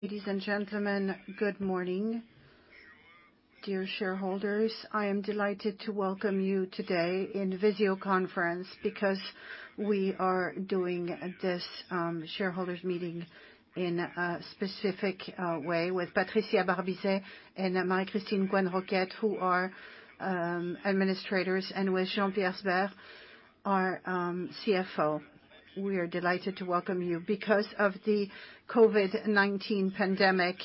Ladies and gentlemen, good morning. Dear shareholders, I am delighted to welcome you today in video conference because we are doing this shareholders meeting in a specific way with Patricia Barbizet and Marie-Christine Coisne-Roquette, who are administrators, and with Jean-Pierre Sbraire, our CFO. We are delighted to welcome you. Because of the COVID-19 pandemic,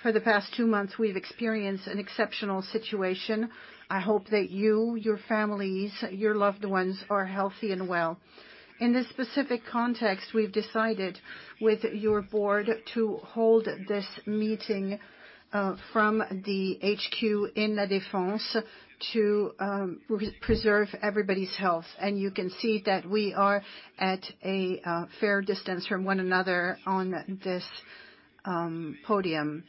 for the past two months, we've experienced an exceptional situation. I hope that you, your families, your loved ones, are healthy and well. In this specific context, we've decided with your board to hold this meeting from the HQ in La Défense to preserve everybody's health. you can see that we are at a fair distance from one another on this podium.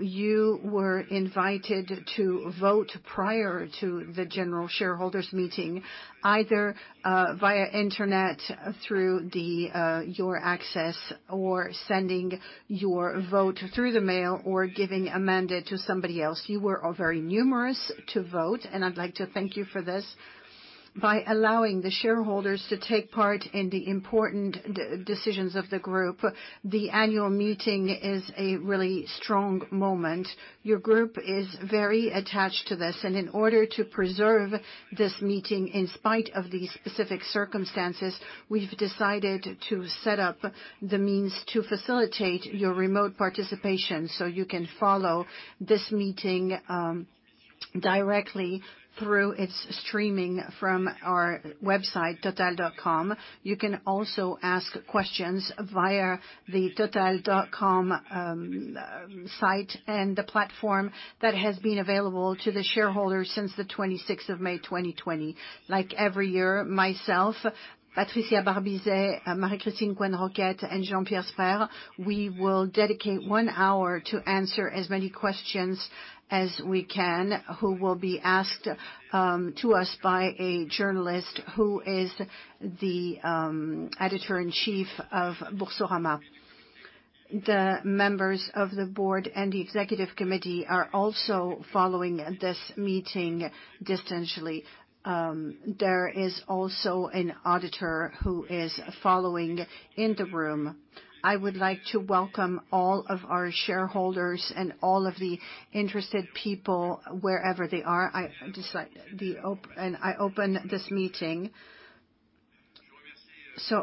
you were invited to vote prior to the general shareholders meeting, either via internet through your access or sending your vote through the mail or giving a mandate to somebody else. You were all very numerous to vote, and I'd like to thank you for this. By allowing the shareholders to take part in the important decisions of the group, the annual meeting is a really strong moment. Your group is very attached to this, and in order to preserve this meeting in spite of these specific circumstances, we've decided to set up the means to facilitate your remote participation so you can follow this meeting directly through its streaming from our website, total.com. You can also ask questions via the total.com site and the platform that has been available to the shareholders since the 26th of May, 2020. Like every year, myself, Patricia Barbizet, Marie-Christine Coisne-Roquette, and Jean-Pierre Sbraire, we will dedicate one hour to answer as many questions as we can, who will be asked to us by a journalist who is the Editor-in-Chief of Boursorama. The members of the board and the executive committee are also following this meeting distantly. There is also an auditor who is following in the room. I would like to welcome all of our shareholders and all of the interested people wherever they are. I open this meeting.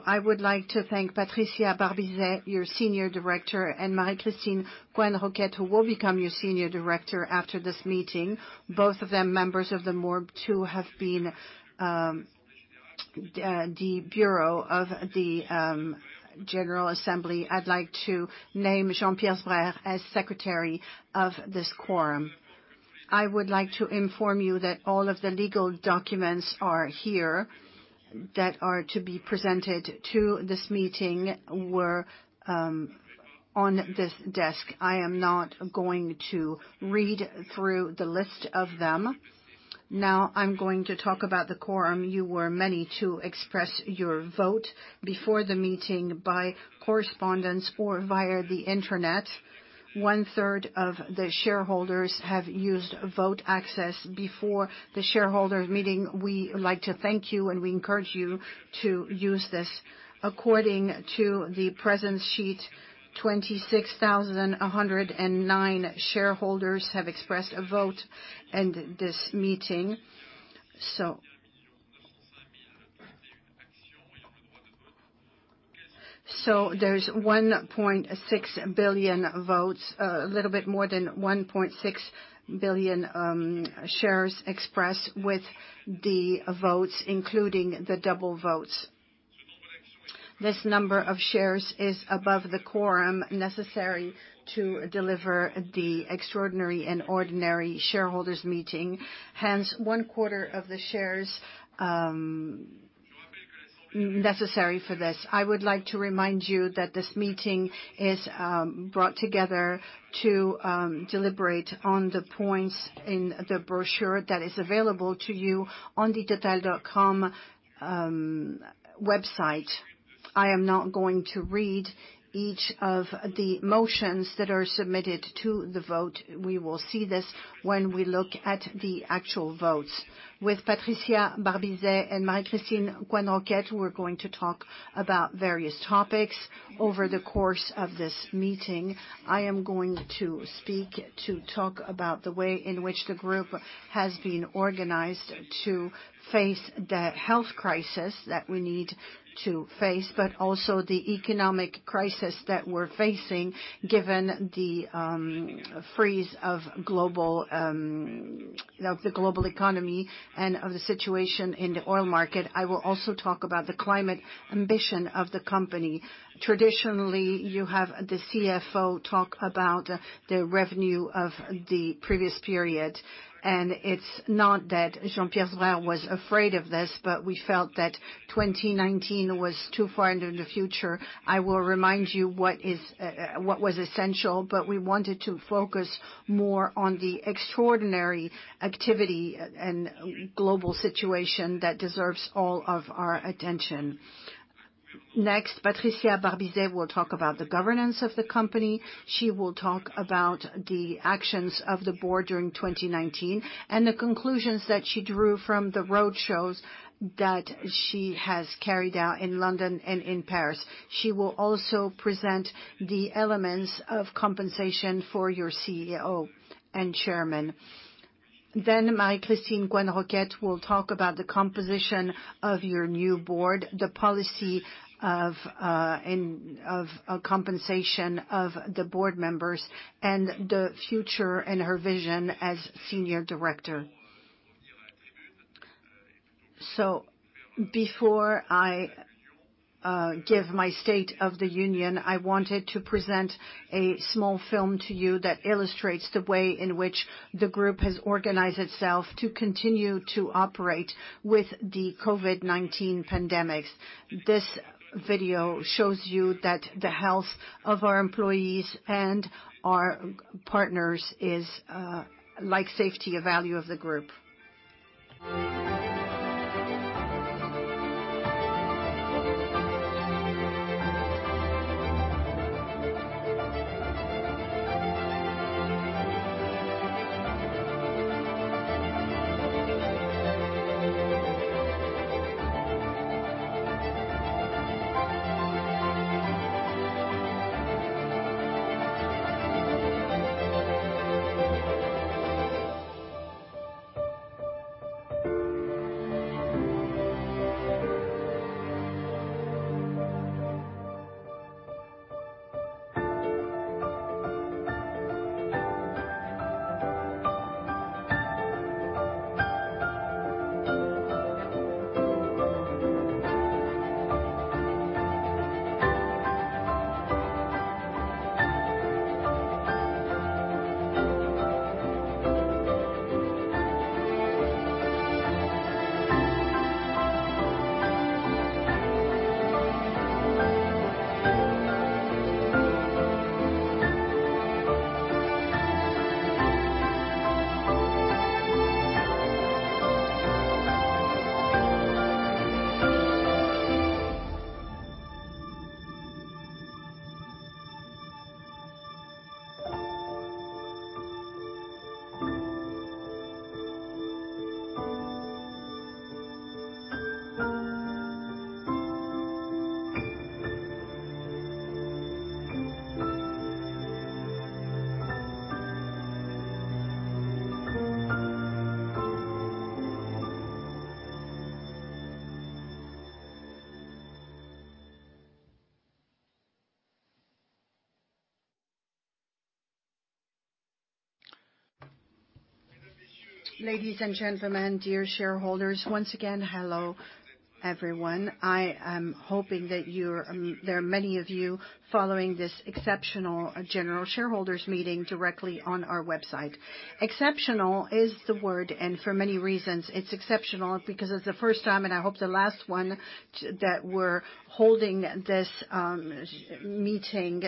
I would like to thank Patricia Barbizet, your Senior Director, and Marie-Christine Coisne-Roquette, who will become your Senior Director after this meeting. Both of them members of the board who have been the bureau of the general assembly. I'd like to name Jean-Pierre Sbraire as Secretary of this quorum. I would like to inform you that all of the legal documents are here that are to be presented to this meeting were on this desk. I am not going to read through the list of them. I'm going to talk about the quorum. You were many to express your vote before the meeting by correspondence or via the internet. 1/3 of the shareholders have used Votaccess before the shareholders meeting. We like to thank you, and we encourage you to use this. According to the presence sheet, 26,109 shareholders have expressed a vote in this meeting. There's 1.6 billion votes, a little bit more than 1.6 billion shares expressed with the votes, including the double votes. This number of shares is above the quorum necessary to deliver the extraordinary and ordinary shareholders meeting, hence one quarter of the shares necessary for this. I would like to remind you that this meeting is brought together to deliberate on the points in the brochure that is available to you on the total.com website. I am not going to read each of the motions that are submitted to the vote. We will see this when we look at the actual votes. With Patricia Barbizet and Marie-Christine Coisne-Roquette, we're going to talk about various topics over the course of this meeting. I am going to speak to talk about the way in which the group has been organized to face the health crisis that we need to face, but also the economic crisis that we're facing given the freeze of the global economy and of the situation in the oil market. I will also talk about the climate ambition of the company. Traditionally, you have the CFO talk about the revenue of the previous period, and it's not that Jean-Pierre Sbraire was afraid of this, but we felt that 2019 was too far into the future. I will remind you what was essential, but we wanted to focus more on the extraordinary activity and global situation that deserves all of our attention. Next, Patricia Barbizet will talk about the governance of the company. She will talk about the actions of the board during 2019, and the conclusions that she drew from the road shows that she has carried out in London and in Paris. She will also present the elements of compensation for your CEO and Chairman. Marie-Christine Coisne-Roquette will talk about the composition of your new board, the policy of compensation of the board members, and the future and her vision as Senior Director. Before I give my state of the union, I wanted to present a small film to you that illustrates the way in which the group has organized itself to continue to operate with the COVID-19 pandemics. This video shows you that the health of our employees and our partners is, like safety, a value of the group. Ladies and gentlemen, dear shareholders, once again, hello everyone. I am hoping that there are many of you following this exceptional general shareholders meeting directly on our website. Exceptional is the word, and for many reasons. It's exceptional because it's the first time, and I hope the last one, that we're holding this meeting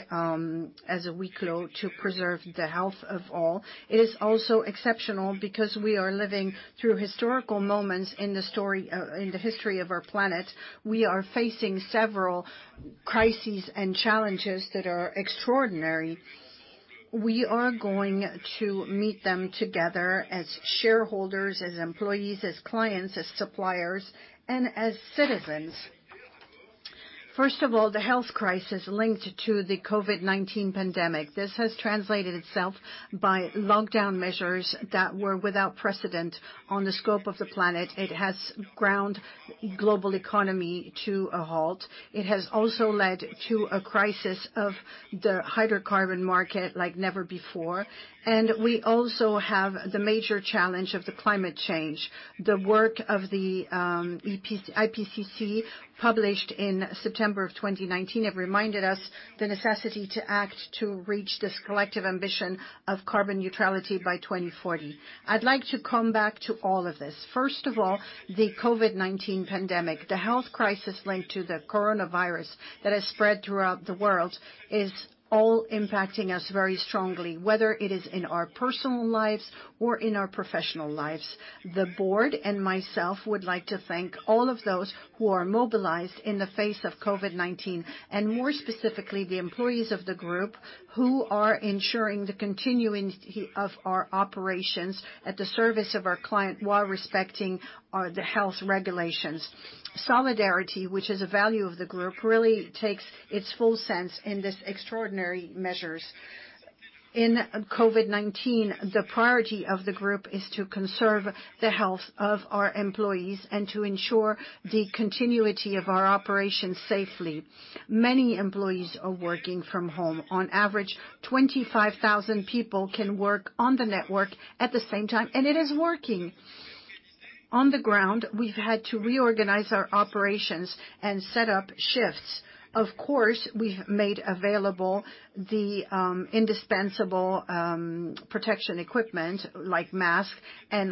as a to preserve the health of all. It is also exceptional because we are living through historical moments in the history of our planet. We are facing several crises and challenges that are extraordinary. We are going to meet them together as shareholders, as employees, as clients, as suppliers, and as citizens. First of all, the health crisis linked to the COVID-19 pandemic. This has translated itself by lockdown measures that were without precedent on the scope of the planet. It has ground global economy to a halt. It has also led to a crisis of the hydrocarbon market like never before. We also have the major challenge of the climate change. The work of the IPCC, published in September of 2019, have reminded us the necessity to act to reach this collective ambition of carbon neutrality by 2040. I'd like to come back to all of this. First of all, the COVID-19 pandemic. The health crisis linked to the coronavirus that has spread throughout the world is impacting us very strongly, whether it is in our personal lives or in our professional lives. The board and myself would like to thank all of those who are mobilized in the face of COVID-19, and more specifically, the employees of the group who are ensuring the continuing of our operations at the service of our client while respecting the health regulations. Solidarity, which is a value of the group, really takes its full sense in these extraordinary measures. In COVID-19, the priority of the group is to conserve the health of our employees and to ensure the continuity of our operations safely. Many employees are working from home. On average, 25,000 people can work on the network at the same time, and it is working. On the ground, we've had to reorganize our operations and set up shifts. Of course, we've made available the indispensable protection equipment like masks and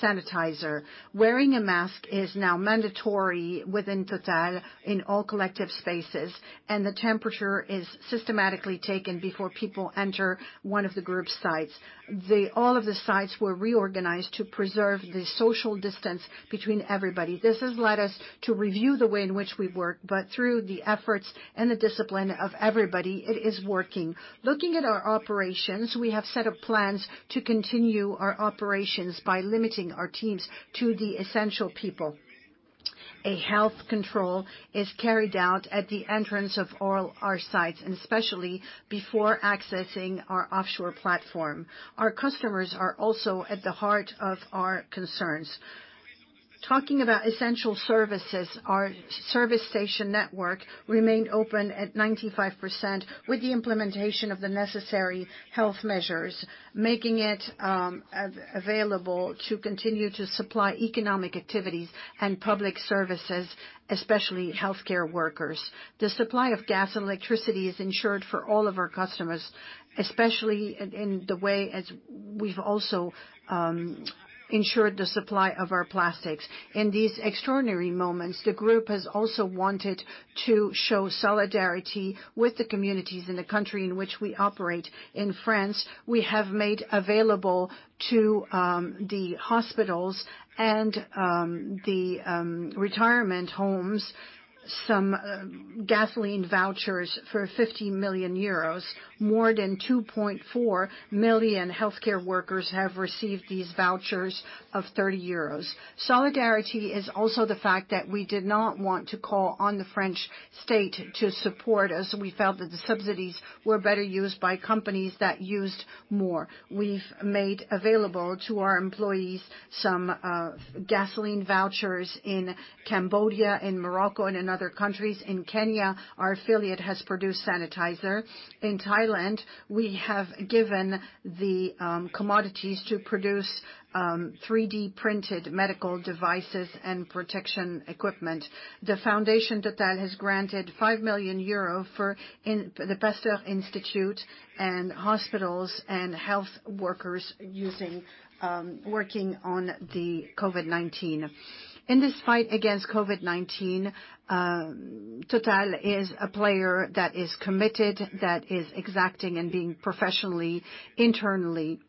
sanitizer. Wearing a mask is now mandatory within Total in all collective spaces, and the temperature is systematically taken before people enter one of the group's sites. All of the sites were reorganized to preserve the social distance between everybody. This has led us to review the way in which we work, but through the efforts and the discipline of everybody, it is working. Looking at our operations, we have set up plans to continue our operations by limiting our teams to the essential people. A health control is carried out at the entrance of all our sites, and especially before accessing our offshore platform. Our customers are also at the heart of our concerns. Talking about essential services, our service station network remained open at 95% with the implementation of the necessary health measures, making it available to continue to supply economic activities and public services, especially healthcare workers. The supply of gas and electricity is ensured for all of our customers, especially in the way as we've also ensured the supply of our plastics. In these extraordinary moments, the group has also wanted to show solidarity with the communities in the country in which we operate. In France, we have made available to the hospitals and the retirement homes some gasoline vouchers for 50 million euros. More than 2.4 million healthcare workers have received these vouchers of 30 euros. Solidarity is also the fact that we did not want to call on the French state to support us. We felt that the subsidies were better used by companies that used more. We've made available to our employees some gasoline vouchers in Cambodia, in Morocco, and in other countries. In Kenya, our affiliate has produced sanitizer. In Thailand, we have given the commodities to produce 3D-printed medical devices and protection equipment. The foundation Total has granted 5 million euros for the Institut Pasteur and hospitals, and health workers working on the COVID-19. In this fight against COVID-19, Total is a player that is committed, that is exacting and being professionally, internally,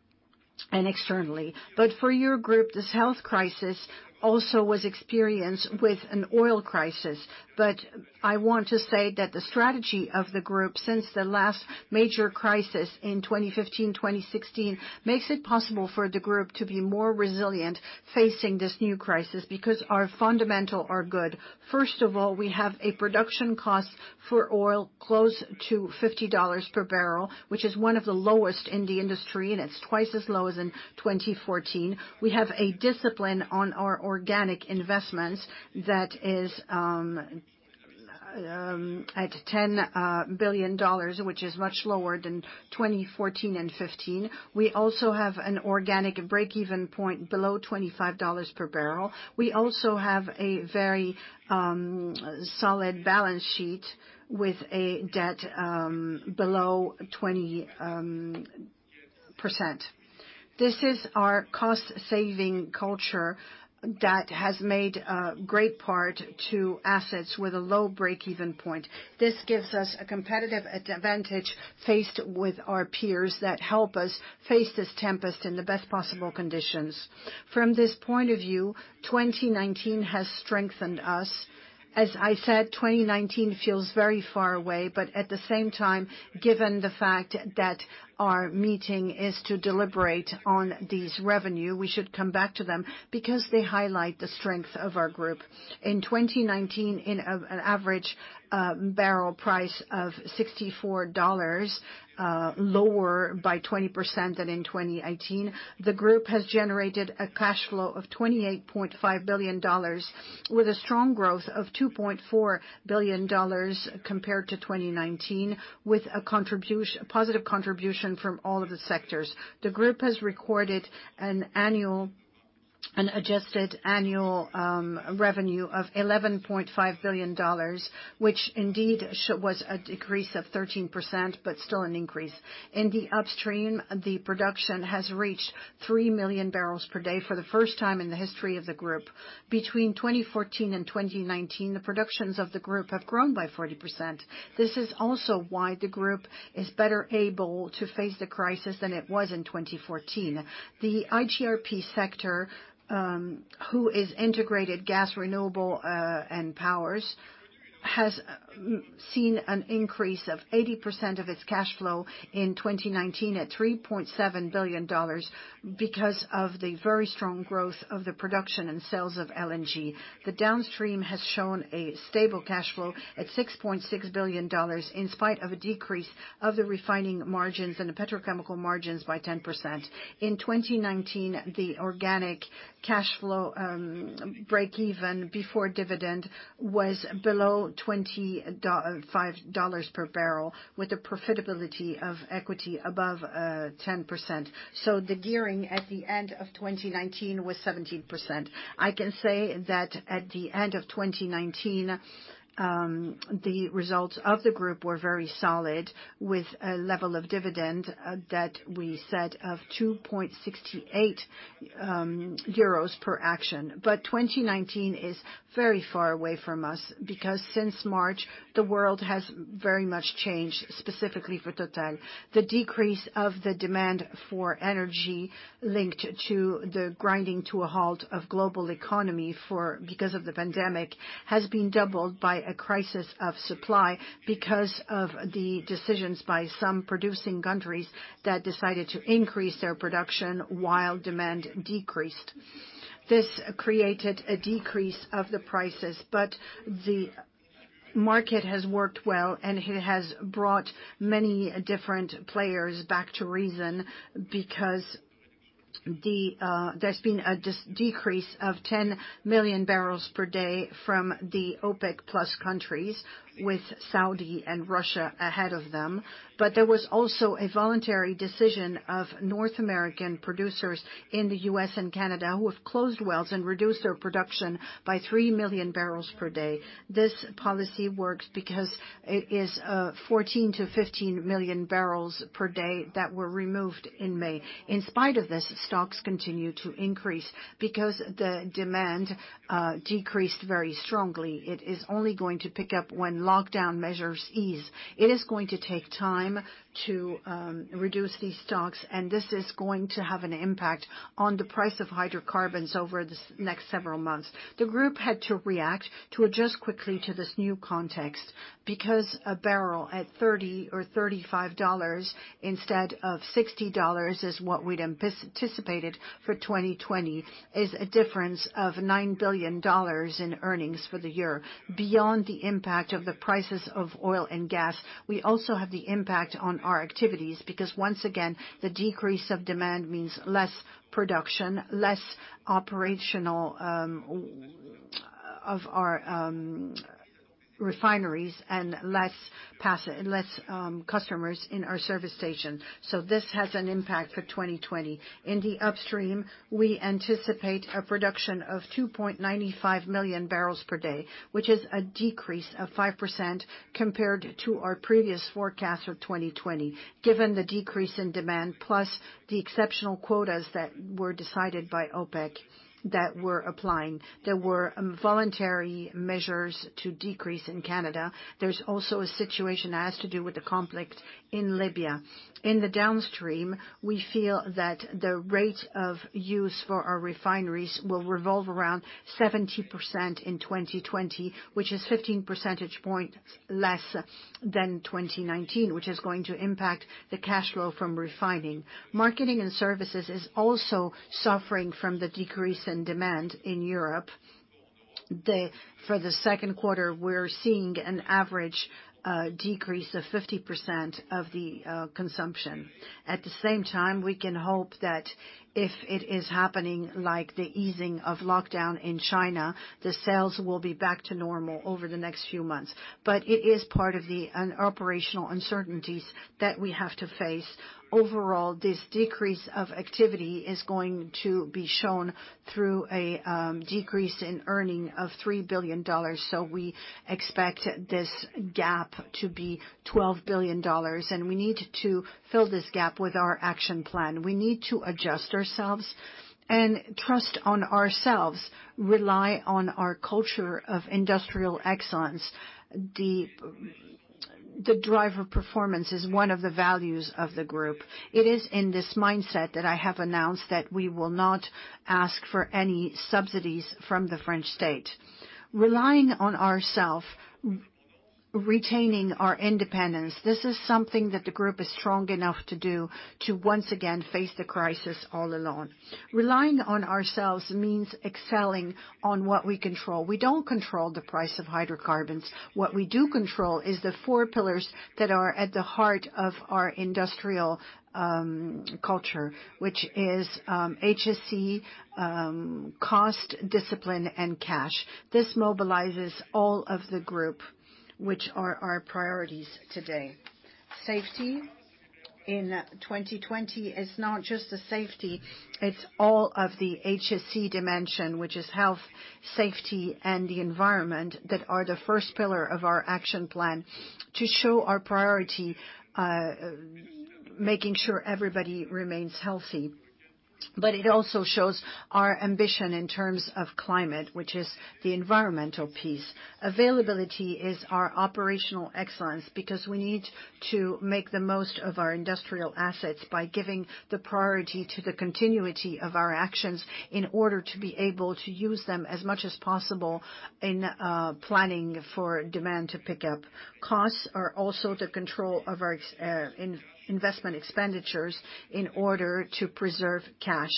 and externally. For your group, this health crisis also was experienced with an oil crisis. I want to say that the strategy of the group since the last major crisis in 2015, 2016, makes it possible for the group to be more resilient facing this new crisis, because our fundamental are good. First of all, we have a production cost for oil close to $50/bbl, which is one of the lowest in the industry, and it's twice as low as in 2014. We have a discipline on our organic investments that is at EUR 10 billion, which is much lower than 2014 and 2015. We also have an organic breakeven point below $25/bbl. We also have a very solid balance sheet with a debt below 20%. This is our cost-saving culture that has made a great part to assets with a low breakeven point. This gives us a competitive advantage faced with our peers that help us face this tempest in the best possible conditions. From this point of view, 2019 has strengthened us. As I said, 2019 feels very far away, at the same time, given the fact that our meeting is to deliberate on these revenue, we should come back to them because they highlight the strength of our group. In 2019, in an average barrel price of $64, lower by 20% than in 2018, the group has generated a cash flow of EUR 28.5 billion with a strong growth of EUR 2.4 billion compared to 2019 with a positive contribution from all of the sectors. The group has recorded an adjusted annual revenue of EUR 11.5 billion, which indeed was a decrease of 13%, but still an increase. In the upstream, the production has reached 3 million bpd for the first time in the history of the group. Between 2014 and 2019, the productions of the group have grown by 40%. This is also why the group is better able to face the crisis than it was in 2014. The IGRP sector, who is Integrated Gas, Renewables & Powers, has seen an increase of 80% of its cash flow in 2019 at $3.7 billion because of the very strong growth of the production and sales of LNG. The downstream has shown a stable cash flow at $6.6 billion in spite of a decrease of the refining margins and the petrochemical margins by 10%. In 2019, the organic cash flow breakeven before dividend was below $25/bbl with a profitability of equity above 10%. The gearing at the end of 2019 was 17%. I can say that at the end of 2019, the results of the group were very solid with a level of dividend that we set of 2.68 euros per action. 2019 is very far away from us because since March, the world has very much changed, specifically for Total. The decrease of the demand for energy linked to the grinding to a halt of global economy because of the pandemic has been doubled by a crisis of supply because of the decisions by some producing countries that decided to increase their production while demand decreased. This created a decrease of the prices, and the market has worked well, and it has brought many different players back to reason, because there's been a decrease of 10 million bpd from the OPEC plus countries, with Saudi and Russia ahead of them. There was also a voluntary decision of North American producers in the U.S. and Canada, who have closed wells and reduced their production by 3 million bpd. This policy works because it is 14 million-15 million bpd that were removed in May. In spite of this, stocks continue to increase because the demand decreased very strongly. It is only going to pick up when lockdown measures ease. It is going to take time to reduce these stocks, and this is going to have an impact on the price of hydrocarbons over the next several months. The group had to react to adjust quickly to this new context, because a barrel at $30 or $35 instead of $60 is what we'd anticipated for 2020, is a difference of $9 billion in earnings for the year. Beyond the impact of the prices of oil and gas, we also have the impact on our activities, because once again, the decrease of demand means less production, less operations of our refineries, and less customers in our service station. This has an impact for 2020. In the upstream, we anticipate a production of 2.95 million bpd, which is a decrease of 5% compared to our previous forecast for 2020. Given the decrease in demand, plus the exceptional quotas that were decided by OPEC that were applying, there were voluntary measures to decrease in Canada. There's also a situation that has to do with the conflict in Libya. In the downstream, we feel that the rate of use for our refineries will revolve around 70% in 2020, which is 15 percentage point less than 2019, which is going to impact the cash flow from refining. Marketing and services is also suffering from the decrease in demand in Europe. For the second quarter, we're seeing an average decrease of 50% of the consumption. At the same time, we can hope that if it is happening, like the easing of lockdown in China, the sales will be back to normal over the next few months. It is part of the operational uncertainties that we have to face. Overall, this decrease of activity is going to be shown through a decrease in earnings of EUR 3 billion. We expect this gap to be EUR 12 billion, and we need to fill this gap with our action plan. We need to adjust ourselves and trust on ourselves, rely on our culture of industrial excellence. The driver performance is one of the values of the group. It is in this mindset that I have announced that we will not ask for any subsidies from the French state. Relying on ourself, retaining our independence, this is something that the group is strong enough to do to once again face the crisis all alone. Relying on ourselves means excelling on what we control. We don't control the price of hydrocarbons. What we do control is the four pillars that are at the heart of our industrial culture, which is HSE, cost discipline, and cash. This mobilizes all of the group, which are our priorities today. Safety in 2020 is not just the safety, it's all of the HSE dimension, which is health, safety, and the environment that are the first pillar of our action plan to show our priority, making sure everybody remains healthy. It also shows our ambition in terms of climate, which is the environmental piece. Availability is our operational excellence, because we need to make the most of our industrial assets by giving the priority to the continuity of our actions in order to be able to use them as much as possible in planning for demand to pick up. Costs are also the control of our investment expenditures in order to preserve cash.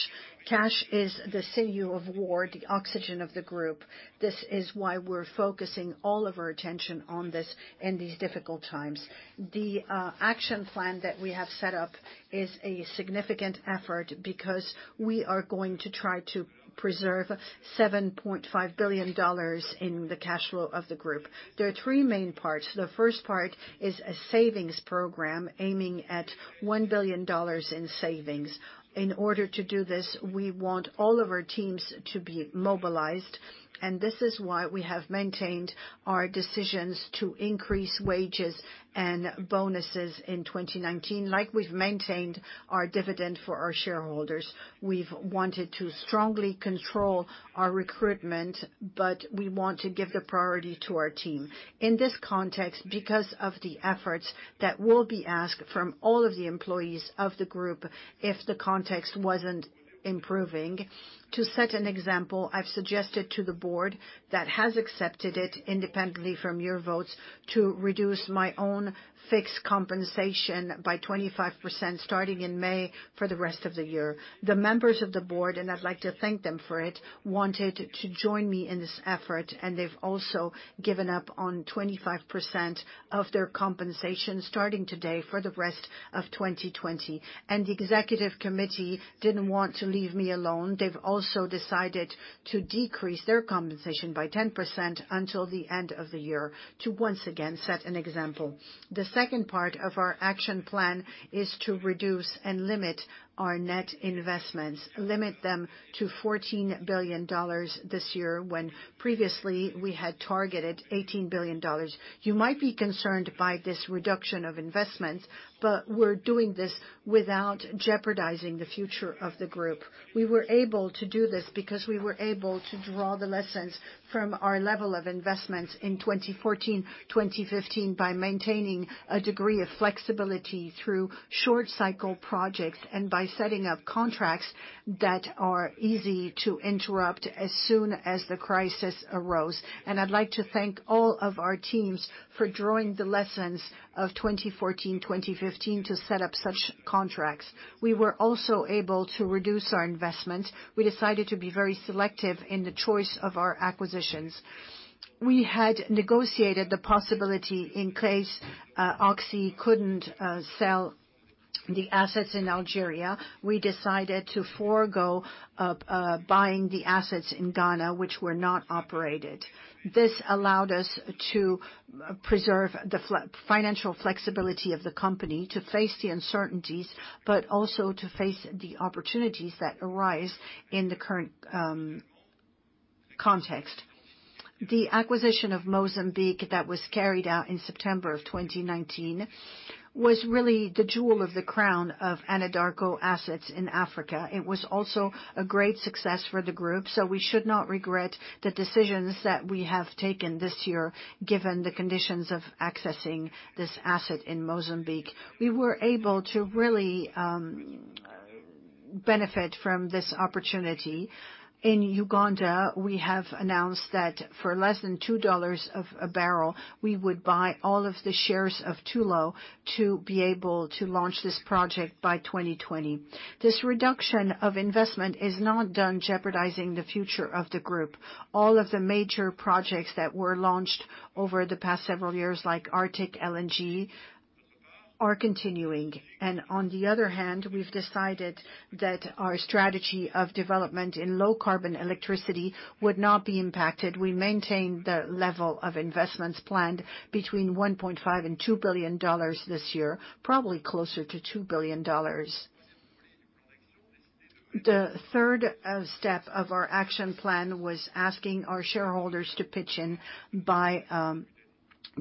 Cash is the sinews of war, the oxygen of the group. This is why we're focusing all of our attention on this in these difficult times. The action plan that we have set up is a significant effort because we are going to try to preserve EUR 7.5 billion in the cash flow of the group. There are three main parts. The first part is a savings program aiming at EUR 1 billion in savings. In order to do this, we want all of our teams to be mobilized, and this is why we have maintained our decisions to increase wages and bonuses in 2019, like we've maintained our dividend for our shareholders. We've wanted to strongly control our recruitment, but we want to give the priority to our team. In this context, because of the efforts that will be asked from all of the employees of the group, if the context wasn't improving, to set an example, I've suggested to the board, that has accepted it independently from your votes, to reduce my own fixed compensation by 25% starting in May for the rest of the year. The members of the board, and I'd like to thank them for it, wanted to join me in this effort, and they've also given up on 25% of their compensation starting today for the rest of 2020. The executive committee didn't want to leave me alone. They've also decided to decrease their compensation by 10% until the end of the year to once again set an example. The second part of our action plan is to reduce and limit our net investments, limit them to EUR 14 billion this year, when previously we had targeted EUR 18 billion. You might be concerned by this reduction of investments, but we're doing this without jeopardizing the future of the group. We were able to do this because we were able to draw the lessons from our level of investments in 2014, 2015, by maintaining a degree of flexibility through short cycle projects and by setting up contracts that are easy to interrupt as soon as the crisis arose. I'd like to thank all of our teams for drawing the lessons of 2014, 2015 to set up such contracts. We were also able to reduce our investment. We decided to be very selective in the choice of our acquisitions. We had negotiated the possibility in case Oxy couldn't sell the assets in Algeria. We decided to forego buying the assets in Ghana, which were not operated. This allowed us to preserve the financial flexibility of the company to face the uncertainties, but also to face the opportunities that arise in the current context. The acquisition of Mozambique that was carried out in September of 2019 was really the jewel of the crown of Anadarko Assets in Africa. It was also a great success for the group, so we should not regret the decisions that we have taken this year, given the conditions of accessing this asset in Mozambique. We were able to really benefit from this opportunity. In Uganda, we have announced that for less than$2 of a barrel, we would buy all of the shares of Tullow to be able to launch this project by 2020. This reduction of investment is not done jeopardizing the future of the group. All of the major projects that were launched over the past several years, like Arctic LNG, are continuing. On the other hand, we've decided that our strategy of development in low carbon electricity would not be impacted. We maintain the level of investments planned between $1.5 billion $2 billion this year, probably closer $2 billion. the third step of our action plan was asking our shareholders to pitch in by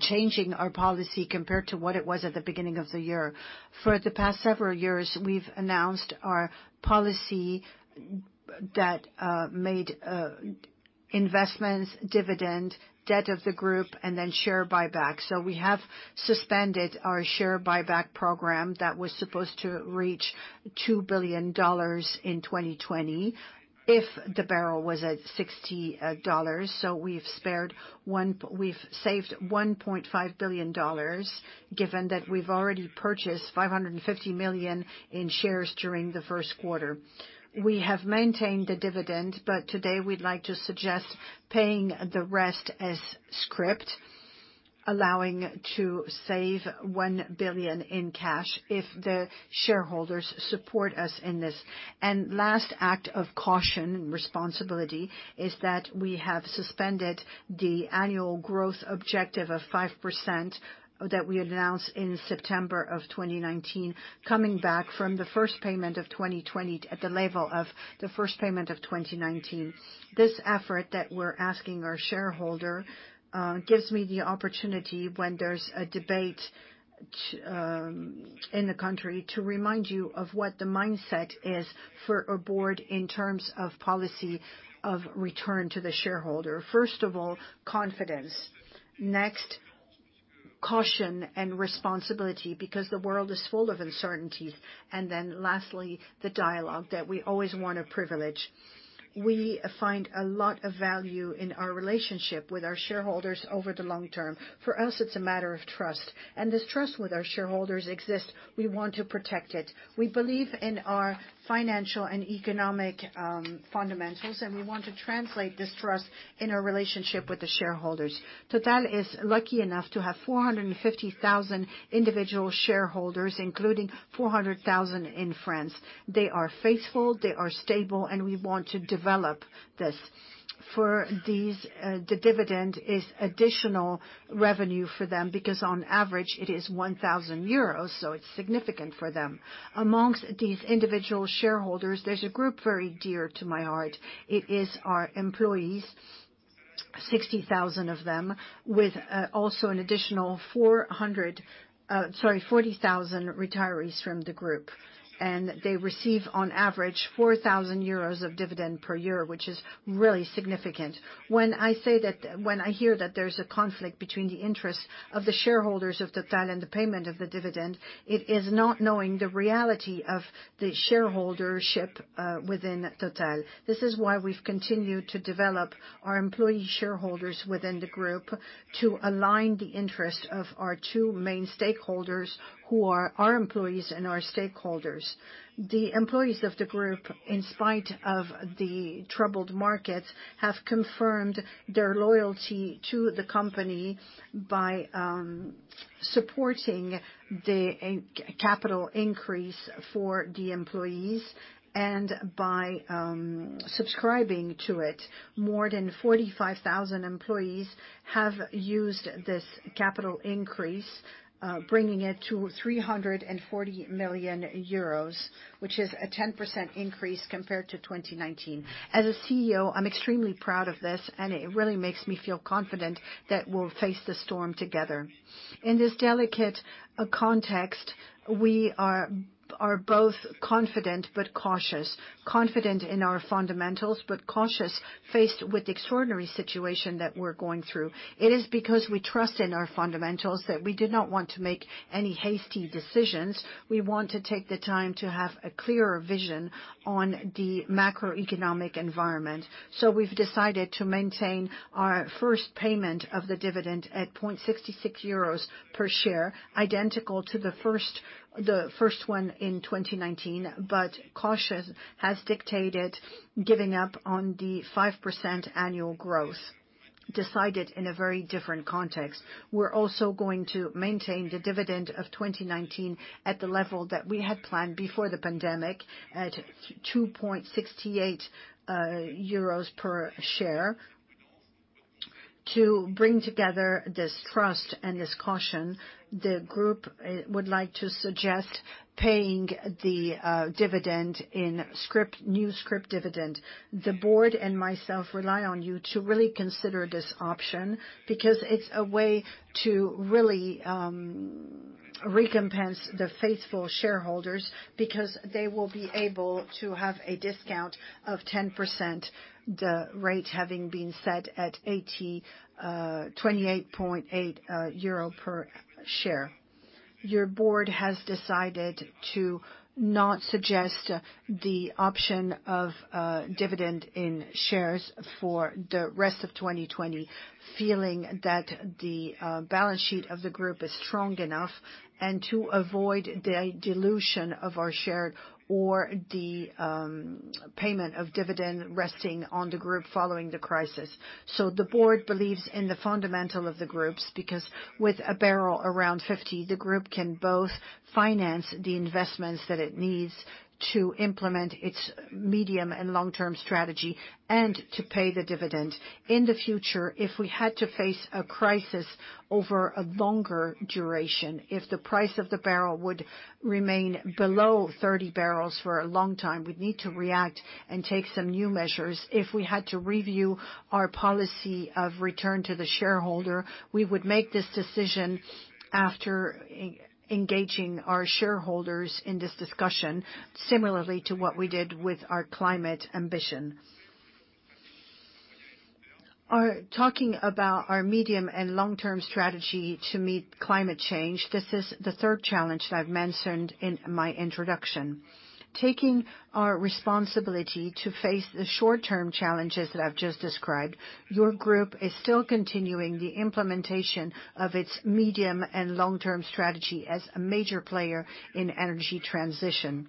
changing our policy compared to what it was at the beginning of the year. For the past several years, we've announced our policy that made investments, dividend, debt of the group, and then share buyback. We have suspended our share buyback program that was supposed to $2 billion in 2020 if the barrel was at $60. We've saved $1.5 billion, given that we've already purchased $550 million in shares during the first quarter. We have maintained the dividend, today we'd like to suggest paying the rest as scrip, allowing to save $1 billion in cash if the shareholders support us in this. Last act of caution and responsibility is that we have suspended the annual growth objective of 5% that we announced in September of 2019, coming back from the first payment of 2020 at the level of the first payment of 2019. This effort that we're asking our shareholder gives me the opportunity when there's a debate in the country to remind you of what the mindset is for a board in terms of policy of return to the shareholder. First of all, confidence. Next, caution and responsibility, because the world is full of uncertainties. Lastly, the dialogue that we always want to privilege. We find a lot of value in our relationship with our shareholders over the long term. For us, it's a matter of trust, and this trust with our shareholders exists. We want to protect it. We believe in our financial and economic fundamentals, and we want to translate this trust in our relationship with the shareholders. Total is lucky enough to have 450,000 individual shareholders, including 400,000 in France. They are faithful, they are stable, and we want to develop this. For these, the dividend is additional revenue for them because on average it is 1,000 euros, so it's significant for them. Amongst these individual shareholders, there's a group very dear to my heart. It is our employees, 60,000 of them, with also an additional 40,000 retirees from the group. They receive, on average, 4,000 euros of dividend per year, which is really significant. When I hear that there's a conflict between the interests of the shareholders of Total and the payment of the dividend, it is not knowing the reality of the shareholdership within Total. This is why we've continued to develop our employee shareholders within the group to align the interest of our two main stakeholders, who are our employees and our stakeholders. The employees of the group, in spite of the troubled markets, have confirmed their loyalty to the company by supporting the capital increase for the employees and by subscribing to it. More than 45,000 employees have used this capital increase, bringing it to 340 million euros, which is a 10% increase compared to 2019. As a CEO, I'm extremely proud of this, and it really makes me feel confident that we'll face the storm together. In this delicate context, we are both confident but cautious. Confident in our fundamentals, but cautious faced with the extraordinary situation that we're going through. It is because we trust in our fundamentals that we did not want to make any hasty decisions. We want to take the time to have a clearer vision on the macroeconomic environment. We've decided to maintain our first payment of the dividend at 0.66 euros per share, identical to the first one in 2019. Caution has dictated giving up on the 5% annual growth decided in a very different context. We're also going to maintain the dividend of 2019 at the level that we had planned before the pandemic at 2.68 euros per share. To bring together this trust and this caution, the group would like to suggest paying the dividend in new scrip dividend. The board and myself rely on you to really consider this option, because it's a way to really recompense the faithful shareholders because they will be able to have a discount of 10%, the rate having been set at 28.8 euro per share. Your board has decided to not suggest the option of dividend in shares for the rest of 2020, feeling that the balance sheet of the group is strong enough and to avoid the dilution of our share or the payment of dividend resting on the group following the crisis. The board believes in the fundamental of the groups, because with a barrel around 50, the group can both finance the investments that it needs to implement its medium and long-term strategy and to pay the dividend. In the future, if we had to face a crisis over a longer duration, if the price of the barrel would remain below 30bbl for a long time, we'd need to react and take some new measures. If we had to review our policy of return to the shareholder, we would make this decision after engaging our shareholders in this discussion, similarly to what we did with our climate ambition. Talking about our medium and long-term strategy to meet climate change, this is the third challenge that I've mentioned in my introduction. Taking our responsibility to face the short-term challenges that I've just described, your group is still continuing the implementation of its medium and long-term strategy as a major player in energy transition.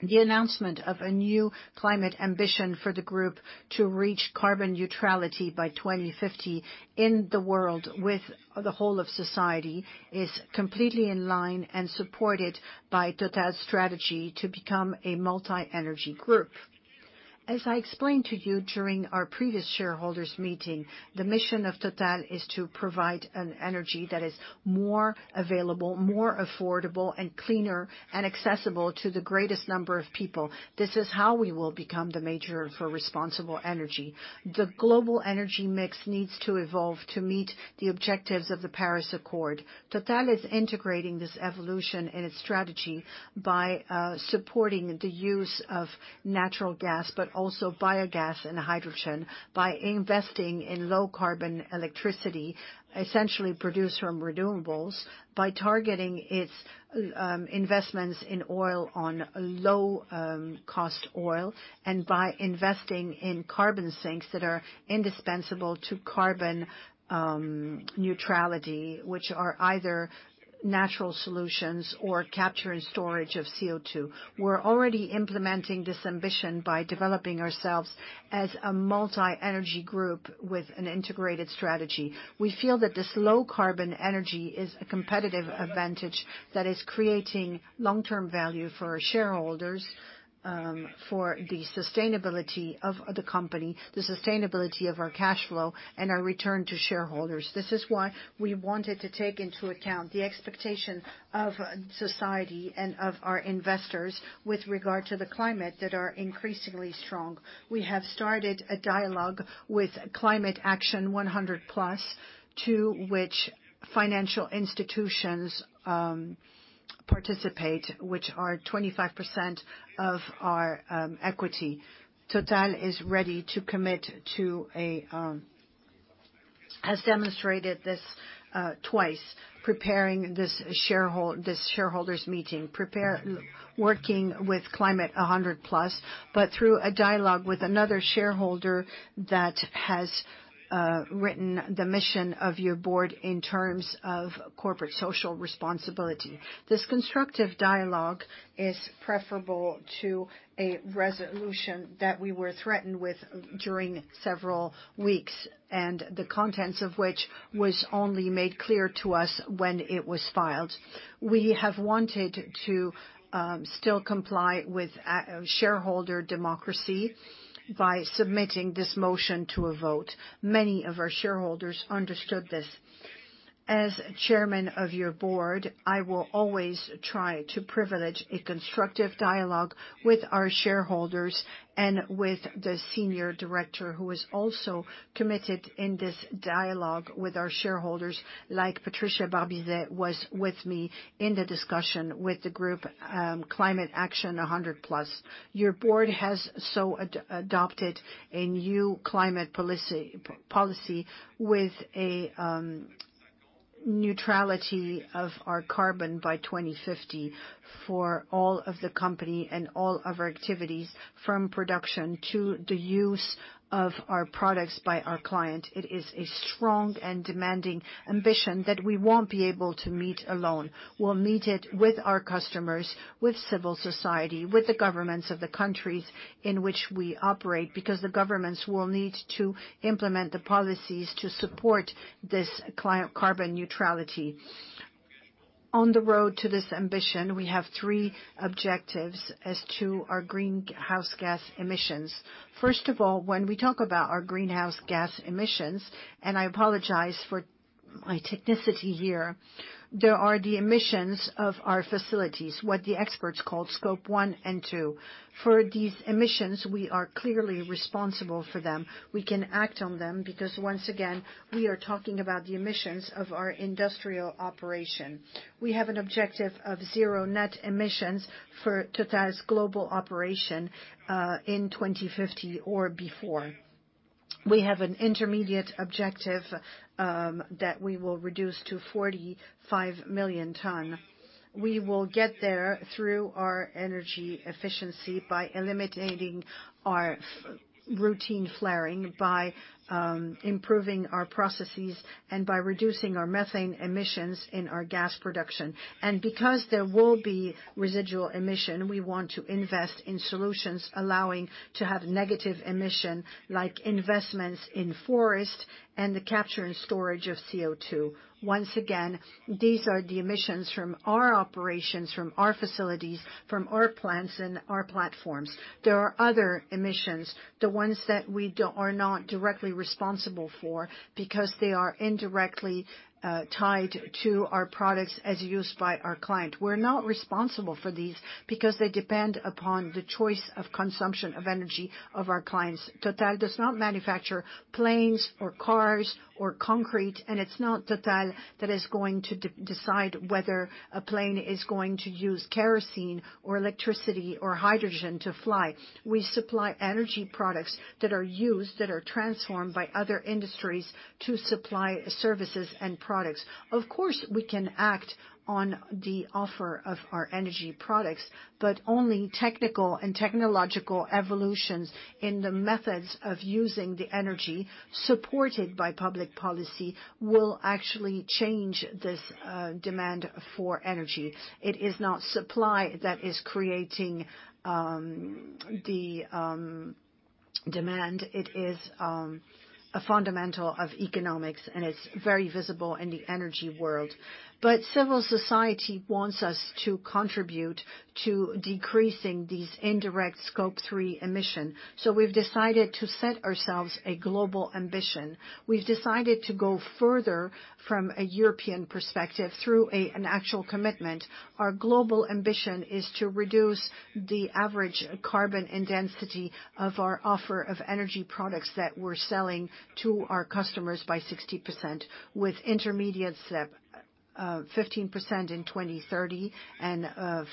The announcement of a new climate ambition for the group to reach carbon neutrality by 2050 in the world with the whole of society is completely in line and supported by Total's strategy to become a multi-energy group. As I explained to you during our previous shareholders meeting, the mission of Total is to provide an energy that is more available, more affordable, and cleaner and accessible to the greatest number of people. This is how we will become the major for responsible energy. The global energy mix needs to evolve to meet the objectives of the Paris Agreement. Total is integrating this evolution in its strategy by supporting the use of natural gas, but also biogas and hydrogen by investing in low-carbon electricity, essentially produced from renewables, by targeting its investments in oil on low-cost oil, and by investing in carbon sinks that are indispensable to carbon neutrality, which are either natural solutions or capture and storage of CO2. We're already implementing this ambition by developing ourselves as a multi-energy group with an integrated strategy. We feel that this low-carbon energy is a competitive advantage that is creating long-term value for our shareholders, for the sustainability of the company, the sustainability of our cash flow, and our return to shareholders. This is why we wanted to take into account the expectation of society and of our investors with regard to the climate that are increasingly strong. We have started a dialogue with Climate Action 100+, to which financial institutions participate which are 25% of our equity. Total is ready to commit to a. Has demonstrated this twice, preparing this shareholders meeting, working with Climate Action 100+, but through a dialogue with another shareholder that has written the mission of your board in terms of corporate social responsibility. This constructive dialogue is preferable to a resolution that we were threatened with during several weeks, and the contents of which was only made clear to us when it was filed. We have wanted to still comply with shareholder democracy by submitting this motion to a vote. Many of our shareholders understood this. As Chairman of your board, I will always try to privilege a constructive dialogue with our shareholders and with the Senior Director who is also committed in this dialogue with our shareholders, like Patricia Barbizet was with me in the discussion with the group Climate Action 100+. Your board has so adopted a new climate policy with a neutrality of our carbon by 2050 for all of the company and all of our activities from production to the use of our products by our client. It is a strong and demanding ambition that we won't be able to meet alone. We'll meet it with our customers, with civil society, with the governments of the countries in which we operate, because the governments will need to implement the policies to support this carbon neutrality. On the road to this ambition, we have three objectives as to our greenhouse gas emissions. First of all, when we talk about our greenhouse gas emissions, and I apologize for my technicality here, there are the emissions of our facilities, what the experts call Scope 1 and 2. For these emissions, we are clearly responsible for them. We can act on them because once again, we are talking about the emissions of our industrial operation. We have an objective of zero net emissions for Total's global operation, in 2050 or before. We have an intermediate objective that we will reduce to 45 million ton. We will get there through our energy efficiency by eliminating our routine flaring, by improving our processes, and by reducing our methane emissions in our gas production. Because there will be residual emission, we want to invest in solutions allowing to have negative emission like investments in forest and the capture and storage of CO2. Once again, these are the emissions from our operations, from our facilities, from our plants and our platforms. There are other emissions, the ones that we are not directly responsible for because they are indirectly tied to our products as used by our client. We're not responsible for these because they depend upon the choice of consumption of energy of our clients. Total does not manufacture planes or cars or concrete, and it's not Total that is going to decide whether a plane is going to use kerosene or electricity or hydrogen to fly. We supply energy products that are used, that are transformed by other industries to supply services and products. Of course, we can act on the offer of our energy products, but only technical and technological evolutions in the methods of using the energy supported by public policy will actually change this demand for energy. It is not supply that is creating the demand. It is a fundamental of economics, and it's very visible in the energy world. Civil society wants us to contribute to decreasing these indirect Scope 3 emission. We've decided to set ourselves a global ambition. We've decided to go further from a European perspective through an actual commitment. Our global ambition is to reduce the average carbon intensity of our offer of energy products that we're selling to our customers by 60% with intermediate step, 15% in 2030 and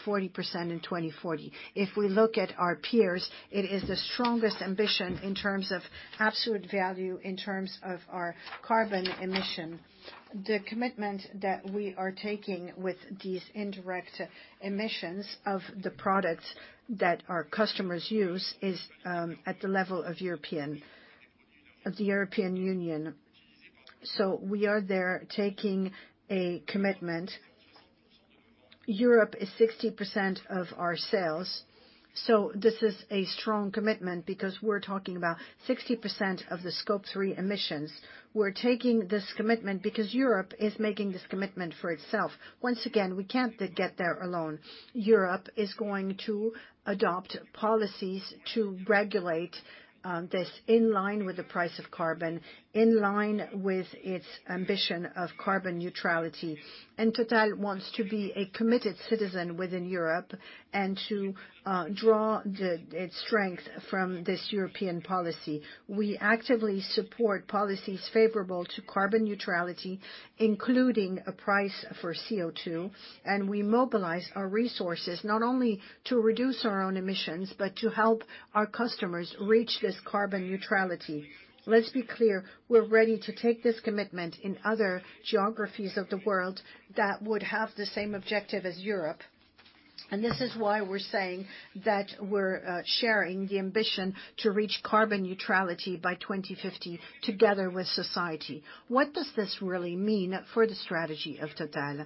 40% in 2040. If we look at our peers, it is the strongest ambition in terms of absolute value, in terms of our carbon emission. The commitment that we are taking with these indirect emissions of the products that our customers use is at the level of the European Union. We are there taking a commitment. Europe is 60% of our sales, so this is a strong commitment because we're talking about 60% of the Scope 3 emissions. We're taking this commitment because Europe is making this commitment for itself. Once again, we can't get there alone. Europe is going to adopt policies to regulate this in line with the price of carbon, in line with its ambition of carbon neutrality. Total wants to be a committed citizen within Europe and to draw its strength from this European policy. We actively support policies favorable to carbon neutrality, including a price for CO2, and we mobilize our resources not only to reduce our own emissions, but to help our customers reach this carbon neutrality. Let's be clear, we're ready to take this commitment in other geographies of the world that would have the same objective as Europe. This is why we're saying that we're sharing the ambition to reach carbon neutrality by 2050 together with society. What does this really mean for the strategy of Total?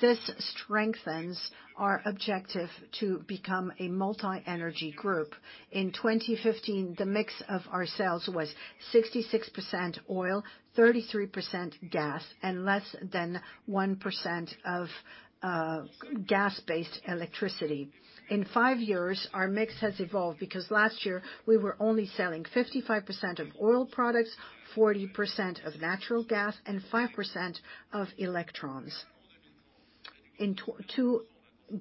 This strengthens our objective to become a multi-energy group. In 2015, the mix of our sales was 66% oil, 33% gas, and less than 1% of gas-based electricity. In five years, our mix has evolved because last year we were only selling 55% of oil products, 40% of natural gas, and 5% of electrons. To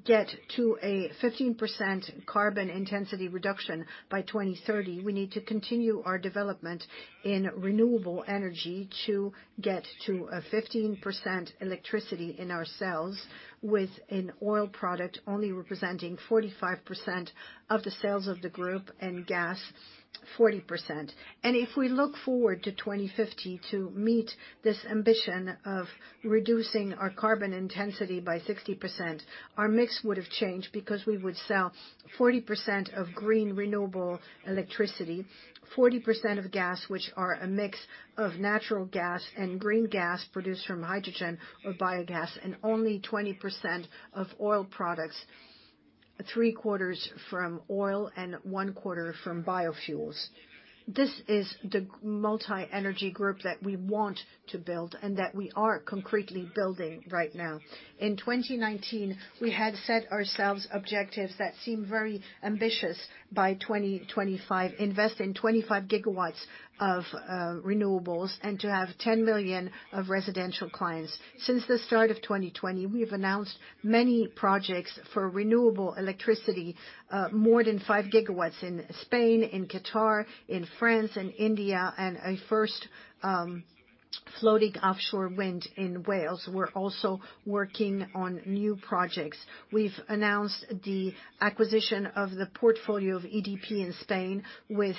get to a 15% carbon intensity reduction by 2030, we need to continue our development in renewable energy to get to a 15% electricity in our sales, with an oil product only representing 45% of the sales of the group and gas 40%. If we look forward to 2050 to meet this ambition of reducing our carbon intensity by 60%, our mix would've changed because we would sell 40% of green renewable electricity, 40% of gas, which are a mix of natural gas and green gas produced from hydrogen or biogas, and only 20% of oil products, 3/4 from oil and 1/4 from biofuels. This is the multi-energy group that we want to build and that we are concretely building right now. In 2019, we had set ourselves objectives that seem very ambitious by 2025, invest in 25 GW of renewables and to have 10 million of residential clients. Since the start of 2020, we have announced many projects for renewable electricity, more than 5 GW in Spain, in Qatar, in France and India, and a first floating offshore wind in Wales. We're also working on new projects. We've announced the acquisition of the portfolio of EDP in Spain with,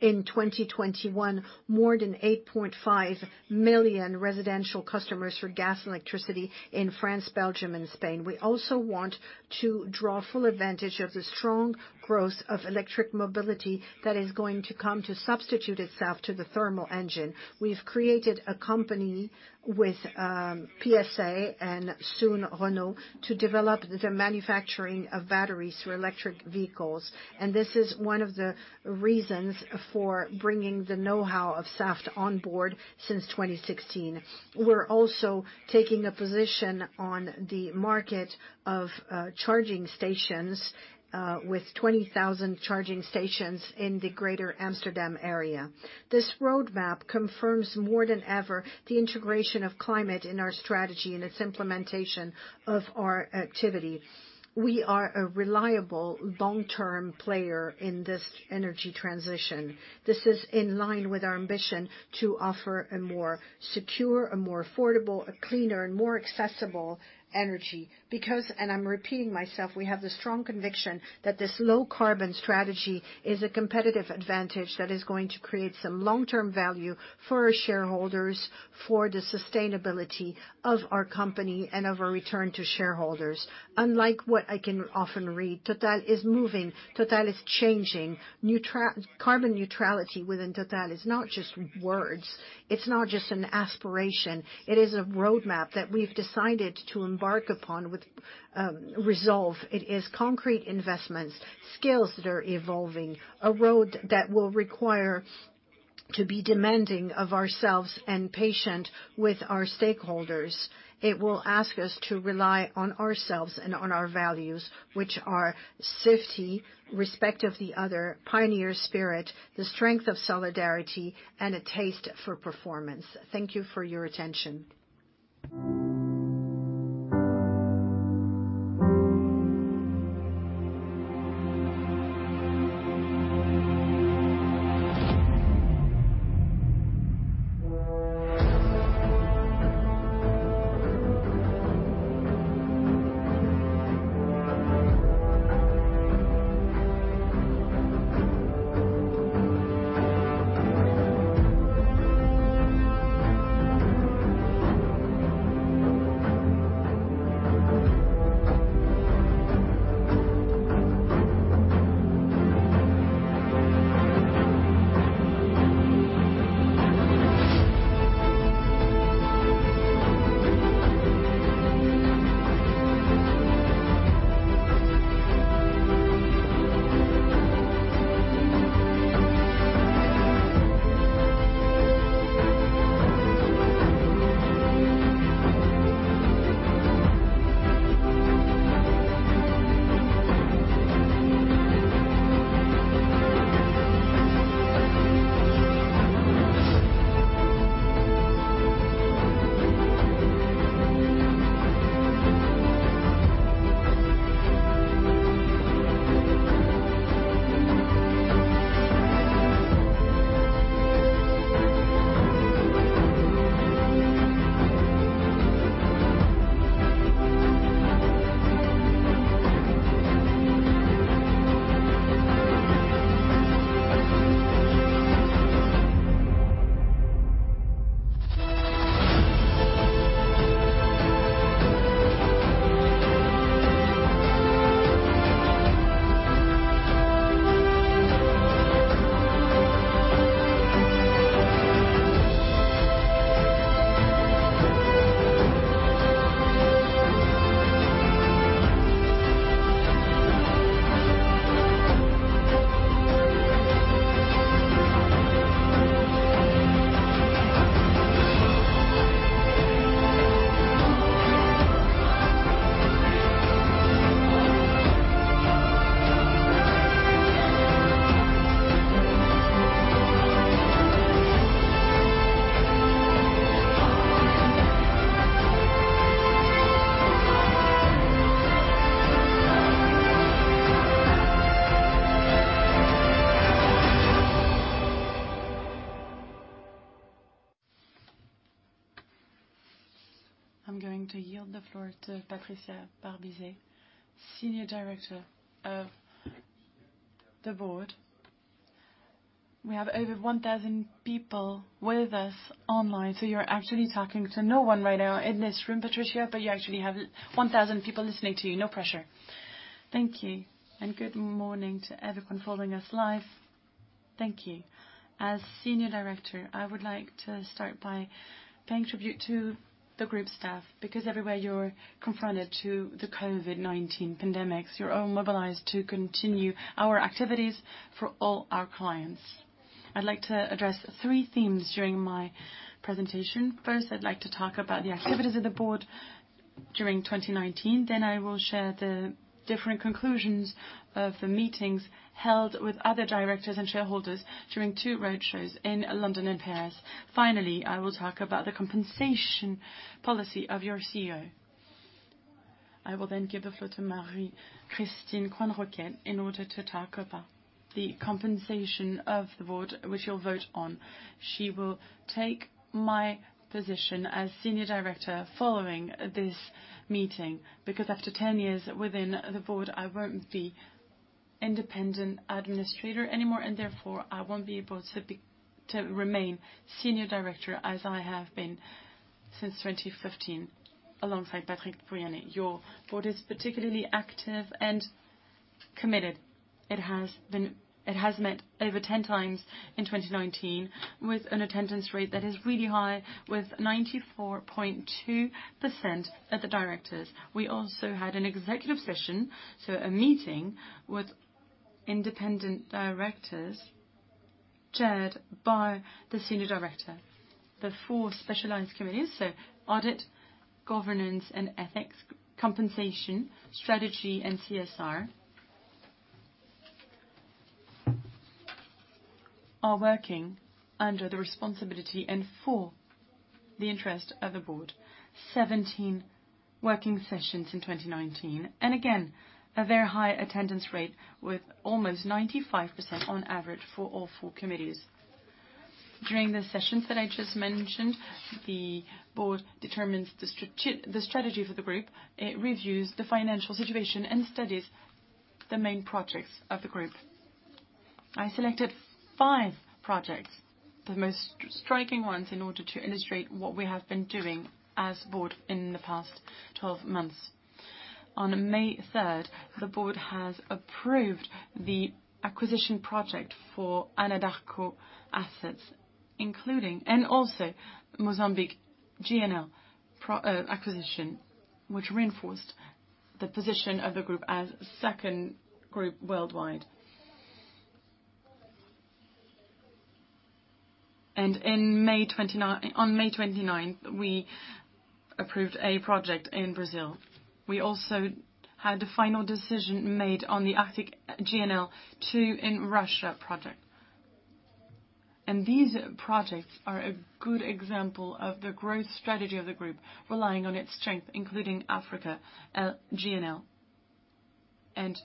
in 2021, more than 8.5 million residential customers for gas and electricity in France, Belgium, and Spain. We also want to draw full advantage of the strong growth of electric mobility that is going to come to substitute itself to the thermal engine. We've created a company with PSA and soon Renault to develop the manufacturing of batteries for electric vehicles. This is one of the reasons for bringing the knowhow of Saft on board since 2016. We're also taking a position on the market of charging stations, with 20,000 charging stations in the greater Amsterdam area. This roadmap confirms more than ever the integration of climate in our strategy and its implementation of our activity. We are a reliable long-term player in this energy transition. This is in line with our ambition to offer a more secure, a more affordable, a cleaner, and more accessible energy because, and I'm repeating myself, we have the strong conviction that this low-carbon strategy is a competitive advantage that is going to create some long-term value for our shareholders, for the sustainability of our company, and of a return to shareholders. Unlike what I can often read, Total is moving, Total is changing. Carbon neutrality within Total is not just words. It's not just an aspiration. It is a roadmap that we've decided to embark upon with resolve. It is concrete investments, skills that are evolving, a road that will require to be demanding of ourselves and patient with our stakeholders. It will ask us to rely on ourselves and on our values, which are safety, respect of the other, pioneer spirit, the strength of solidarity, and a taste for performance. Thank you for your attention. I'm going to yield the floor to Patricia Barbizet, Senior Director of the board. We have over 1,000 people with us online, so you're actually talking to no one right now in this room, Patricia, but you actually have 1,000 people listening to you. No pressure. Thank you, and good morning to everyone following us live. Thank you. As Senior Director, I would like to start by paying tribute to the group staff, because everywhere you're confronted to the COVID-19 pandemics, you're all mobilized to continue our activities for all our clients. I'd like to address three things during my presentation. First, I'd like to talk about the activities of the board during 2019. I will share the different conclusions of the meetings held with other directors and shareholders during two road shows in London and Paris. Finally, I will talk about the compensation policy of your CEO. I will then give the floor to Marie-Christine Coisne-Roquette in order to talk about the compensation of the board, which you'll vote on. She will take my position as Senior Director following this meeting, because after 10 years within the board, I won't be independent administrator anymore, and therefore I won't be able to remain Senior Director as I have been since 2015, alongside Patrick Pouyanné. Your board is particularly active and committed. It has met over 10 times in 2019 with an attendance rate that is really high, with 94.2% of the directors. We also had an executive session, so a meeting with independent directors chaired by the Senior Director. The four specialized committees, so audit, governance and ethics, compensation, strategy and CSR, are working under the responsibility and for the interest of the board. 17 working sessions in 2019, and again, a very high attendance rate with almost 95% on average for all four committees. During the sessions that I just mentioned, the board determines the strategy for the group. It reviews the financial situation and studies the main projects of the group. I selected five projects, the most striking ones, in order to illustrate what we have been doing as board in the past 12 months. On May 3rd, the board has approved the acquisition project for Anadarko assets, including and also Mozambique GNL acquisition, which reinforced the position of the group as second group worldwide. On May 29th, we approved a project in Brazil. We also had the final decision made on the Arctic LNG 2 in Russia project. These projects are a good example of the growth strategy of the group, relying on its strength, including Africa, GNL, and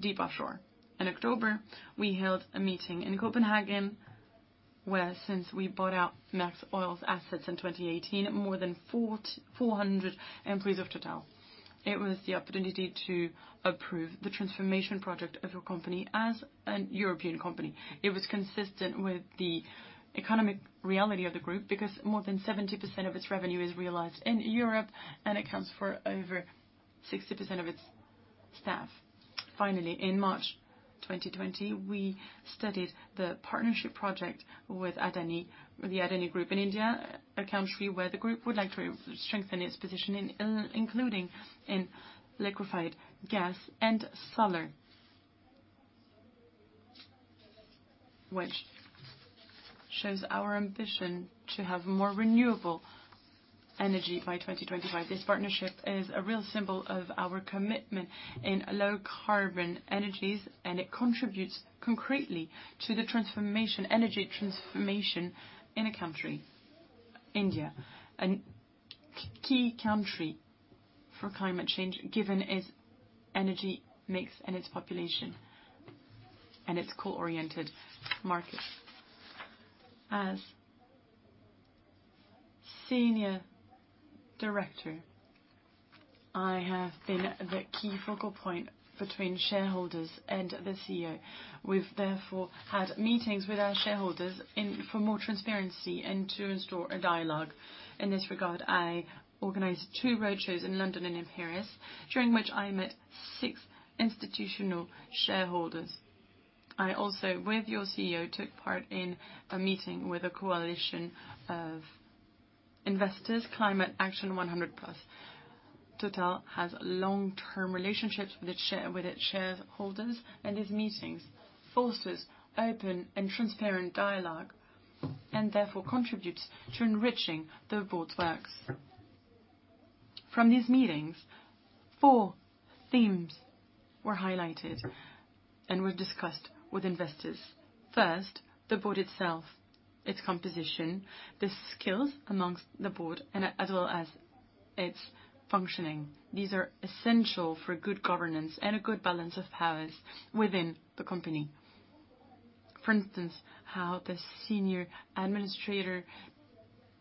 deep offshore. In October, we held a meeting in Copenhagen, where since we bought out Maersk Oil's assets in 2018, more than 400 employees of Total. It was the opportunity to approve the transformation project of a company as a European company. It was consistent with the economic reality of the group because more than 70% of its revenue is realized in Europe and accounts for over 60% of its staff. Finally, in March 2020, we studied the partnership project with Adani, the Adani Group in India, a country where the group would like to strengthen its position, including in liquefied gas and solar. Which shows our ambition to have more renewable energy by 2025. This partnership is a real symbol of our commitment in low carbon energies, and it contributes concretely to the energy transformation in a country, India, a key country for climate change, given its energy mix and its population, and its core-oriented markets. As Senior Director, I have been the key focal point between shareholders and the CEO. We've therefore had meetings with our shareholders for more transparency and to restore a dialogue. In this regard, I organized two roadshows in London and Paris, during which I met six institutional shareholders. I also, with your CEO, took part in a meeting with a coalition of investors, Climate Action 100+. Total has long-term relationships with its shareholders, and these meetings force open and transparent dialogue and therefore contribute to enriching the board's work. From these meetings, four themes were highlighted and were discussed with investors. First, the board itself, its composition, the skills amongst the board, as well as its functioning. These are essential for good governance and a good balance of powers within the company. For instance, how the senior administrator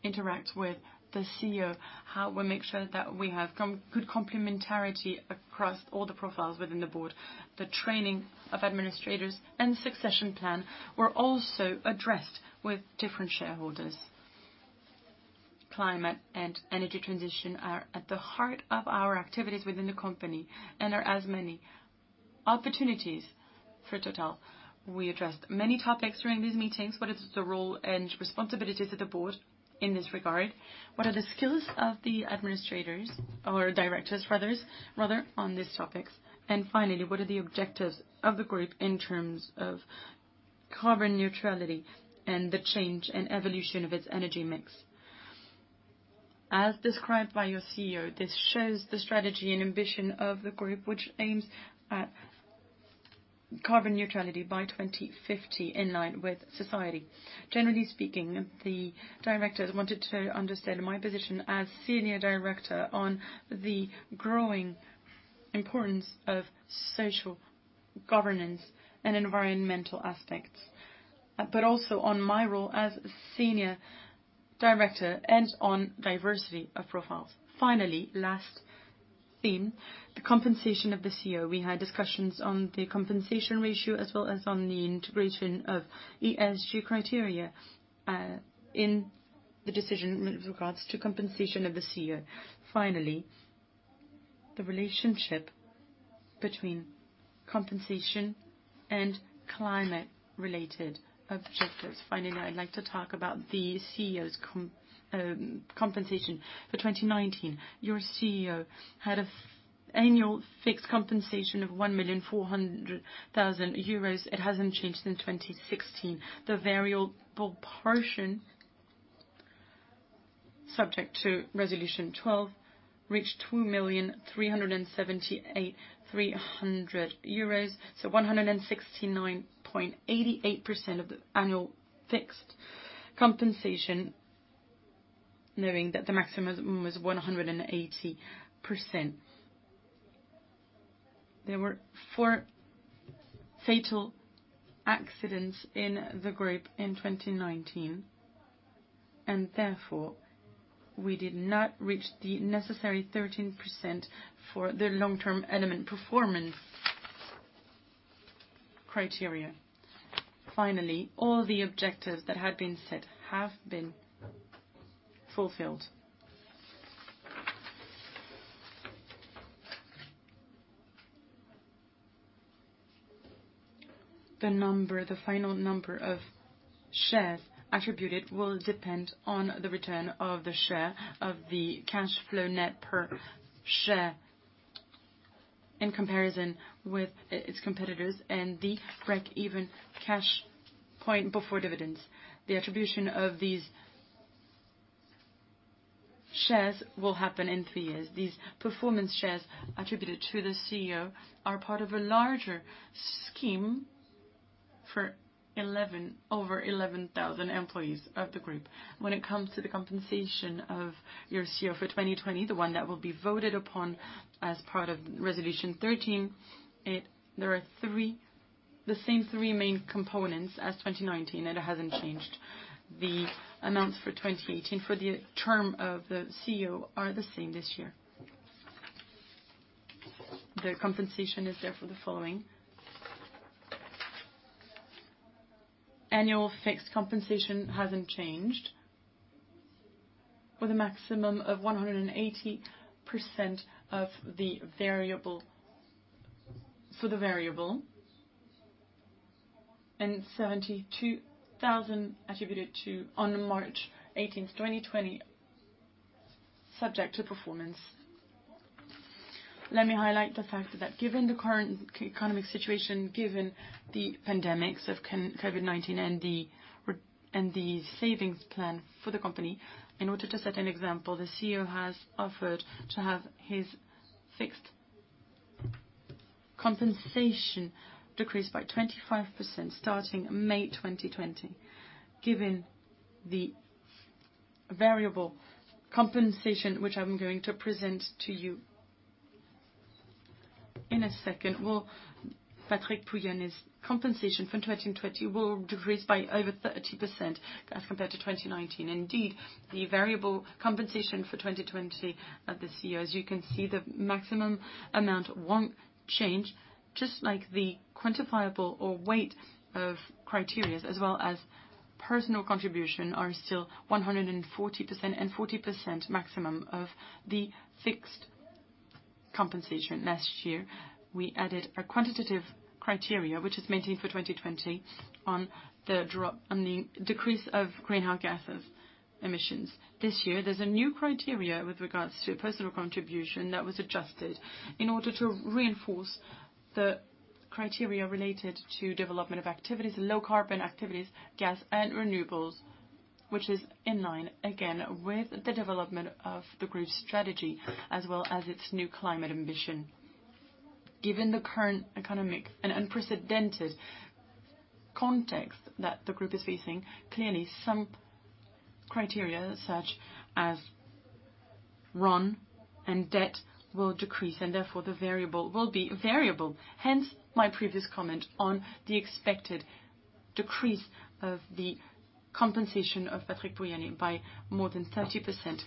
interacts with the CEO, how we make sure that we have good complementarity across all the profiles within the board. The training of administrators and succession plan were also addressed with different shareholders. Climate and energy transition are at the heart of our activities within the company and are as many opportunities for Total. We addressed many topics during these meetings. What is the role and responsibilities of the board in this regard? What are the skills of the administrators or directors rather on these topics? Finally, what are the objectives of the group in terms of carbon neutrality and the change and evolution of its energy mix? As described by your CEO, this shows the strategy and ambition of the group, which aims at carbon neutrality by 2050 in line with society. Generally speaking, the directors wanted to understand my position as Senior Director on the growing importance of social governance and environmental aspects, but also on my role as Senior Director and on diversity of profiles. Finally, last theme, the compensation of the CEO. We had discussions on the compensation ratio as well as on the integration of ESG criteria in the decision with regards to compensation of the CEO. Finally, the relationship between compensation and climate-related objectives. Finally, I'd like to talk about the CEO's compensation for 2019. Your CEO had an annual fixed compensation of 1,400,000 euros. It hasn't changed since 2016. The variable portion, subject to resolution 12, reached 2,378,300 euros, so 169.88% of the annual fixed compensation, knowing that the maximum was 180%. There were four fatal accidents in the group in 2019, and therefore we did not reach the necessary 13% for the long-term element performance criteria. Finally, all the objectives that had been set have been fulfilled. The final number of shares attributed will depend on the return of the share of the cash flow net per share in comparison with its competitors and the break-even cash point before dividends. The attribution of these shares will happen in three years. These performance shares attributed to the CEO are part of a larger scheme for over 11,000 employees of the group. When it comes to the compensation of your CEO for 2020, the one that will be voted upon as part of resolution 13, there are the same three main components as 2019, and it hasn't changed. The amounts for 2018 for the term of the CEO are the same this year. The compensation is there for the following. Annual fixed compensation hasn't changed, with a maximum of 180% for the variable and 72,000 attributed to on March 18th, 2020, subject to performance. Let me highlight the fact that given the current economic situation, given the pandemic of COVID-19 and the savings plan for the company, in order to set an example, the CEO has offered to have his fixed compensation decreased by 25% starting May 2020. Given the variable compensation, which I'm going to present to you in a second, Patrick Pouyanné's compensation for 2020 will decrease by over 30% as compared to 2019. The variable compensation for 2020 of the CEO, as you can see, the maximum amount won't change, just like the quantifiable or weight of criterias, as well as personal contribution, are still 140% and 40% maximum of the fixed compensation. Last year, we added a quantitative criteria, which is maintained for 2020, on the decrease of greenhouse gases emissions. This year, there's a new criteria with regards to personal contribution that was adjusted in order to reinforce the criteria related to development of activities, low carbon activities, gas and renewables, which is in line, again, with the development of the group's strategy as well as its new climate ambition. Given the current economic and unprecedented context that the group is facing, clearly, some criteria such as [ROACE] and debt will decrease, and therefore the variable will be variable. Hence, my previous comment on the expected decrease of the compensation of Patrick Pouyanné by more than 30%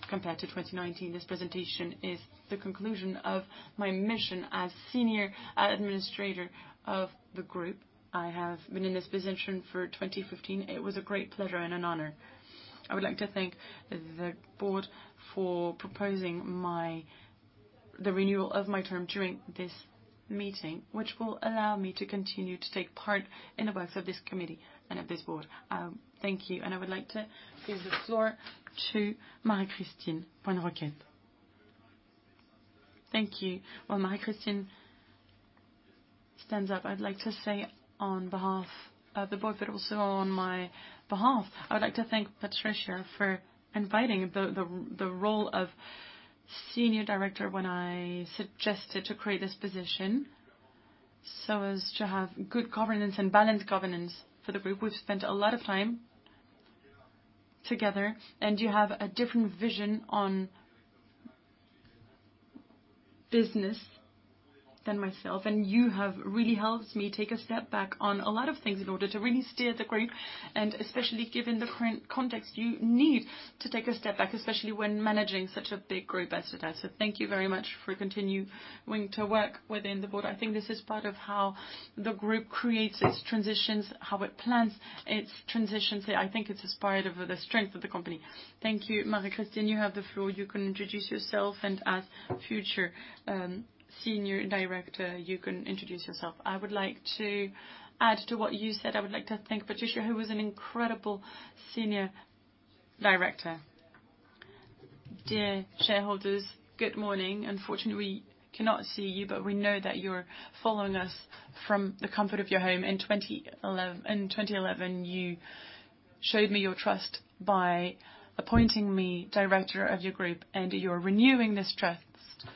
compared to 2019. This presentation is the conclusion of my mission as senior administrator of the group. I have been in this position for 2015. It was a great pleasure and an honor. I would like to thank the board for proposing the renewal of my term during this meeting, which will allow me to continue to take part in the works of this committee and of this board. Thank you. I would like to give the floor to Marie-Christine Coisne-Roquette. Thank you. While Marie-Christine stands up, I'd like to say on behalf of the board, but also on my behalf, I would like to thank Patricia for inviting the role of Senior Director when I suggested to create this position so as to have good governance and balanced governance for the group. We've spent a lot of time together, and you have a different vision on business than myself. You have really helped me take a step back on a lot of things in order to really steer the group, and especially given the current context, you need to take a step back, especially when managing such a big group as Total. Thank you very much for continuing to work within the board. I think this is part of how the group creates its transitions, how it plans its transitions. I think it's inspired of the strength of the company. Thank you. Marie-Christine, you have the floor. You can introduce yourself and as future Senior Director, you can introduce yourself. I would like to add to what you said. I would like to thank Patricia, who was an incredible Senior Director. Dear shareholders, good morning. Unfortunately, we cannot see you, but we know that you're following us from the comfort of your home. In 2011, you showed me your trust by appointing me director of your group, and you're renewing this trust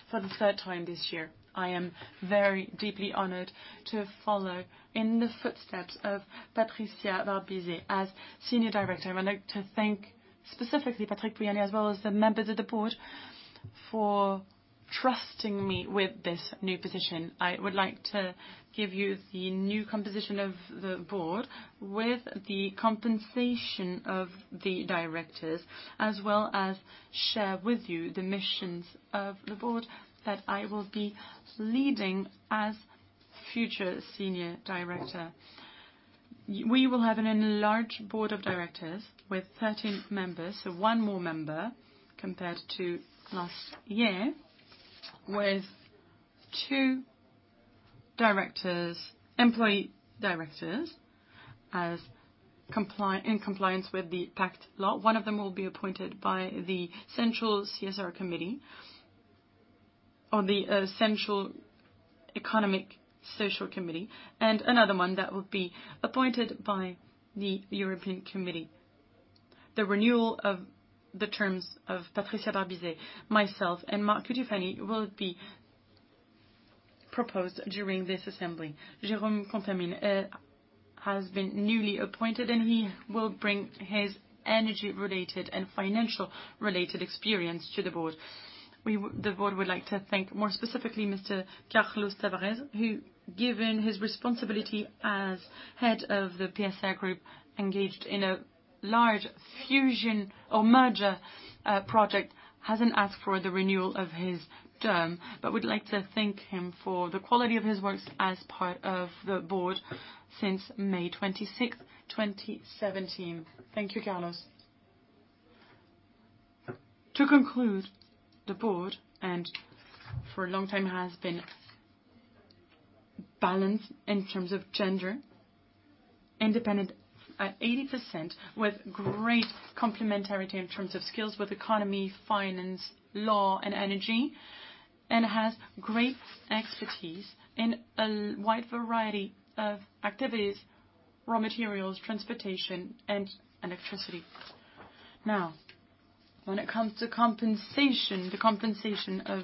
for the third time this year. I am very deeply honored to follow in the footsteps of Patricia Barbizet as Senior Director. I would like to thank specifically Patrick Pouyanné, as well as the members of the board, for trusting me with this new position. I would like to give you the new composition of the board with the compensation of the directors, as well as share with you the missions of the board that I will be leading as future Senior Director. We will have an enlarged board of directors with 13 members, so one more member compared to last year, with two employee directors in compliance with the PACTE Law. One of them will be appointed by the central CSR committee or the central economic social committee, and another one that will be appointed by the European committee. The renewal of the terms of Patricia Barbizet, myself, and Mark Cutifani will be proposed during this assembly. Jérôme Contamine has been newly appointed, and he will bring his energy-related and financial-related experience to the board. The board would like to thank, more specifically, Mr. Carlos Tavares, who, given his responsibility as head of the PSA Group, engaged in a large fusion or merger project, hasn't asked for the renewal of his term, but we'd like to thank him for the quality of his works as part of the board since May 26th, 2017. Thank you, Carlos. To conclude, the board, and for a long time, has been balanced in terms of gender, independent at 80%, with great complementarity in terms of skills with economy, finance, law, and energy, and has great expertise in a wide variety of activities, raw materials, transportation, and electricity. Now, when it comes to compensation, the compensation of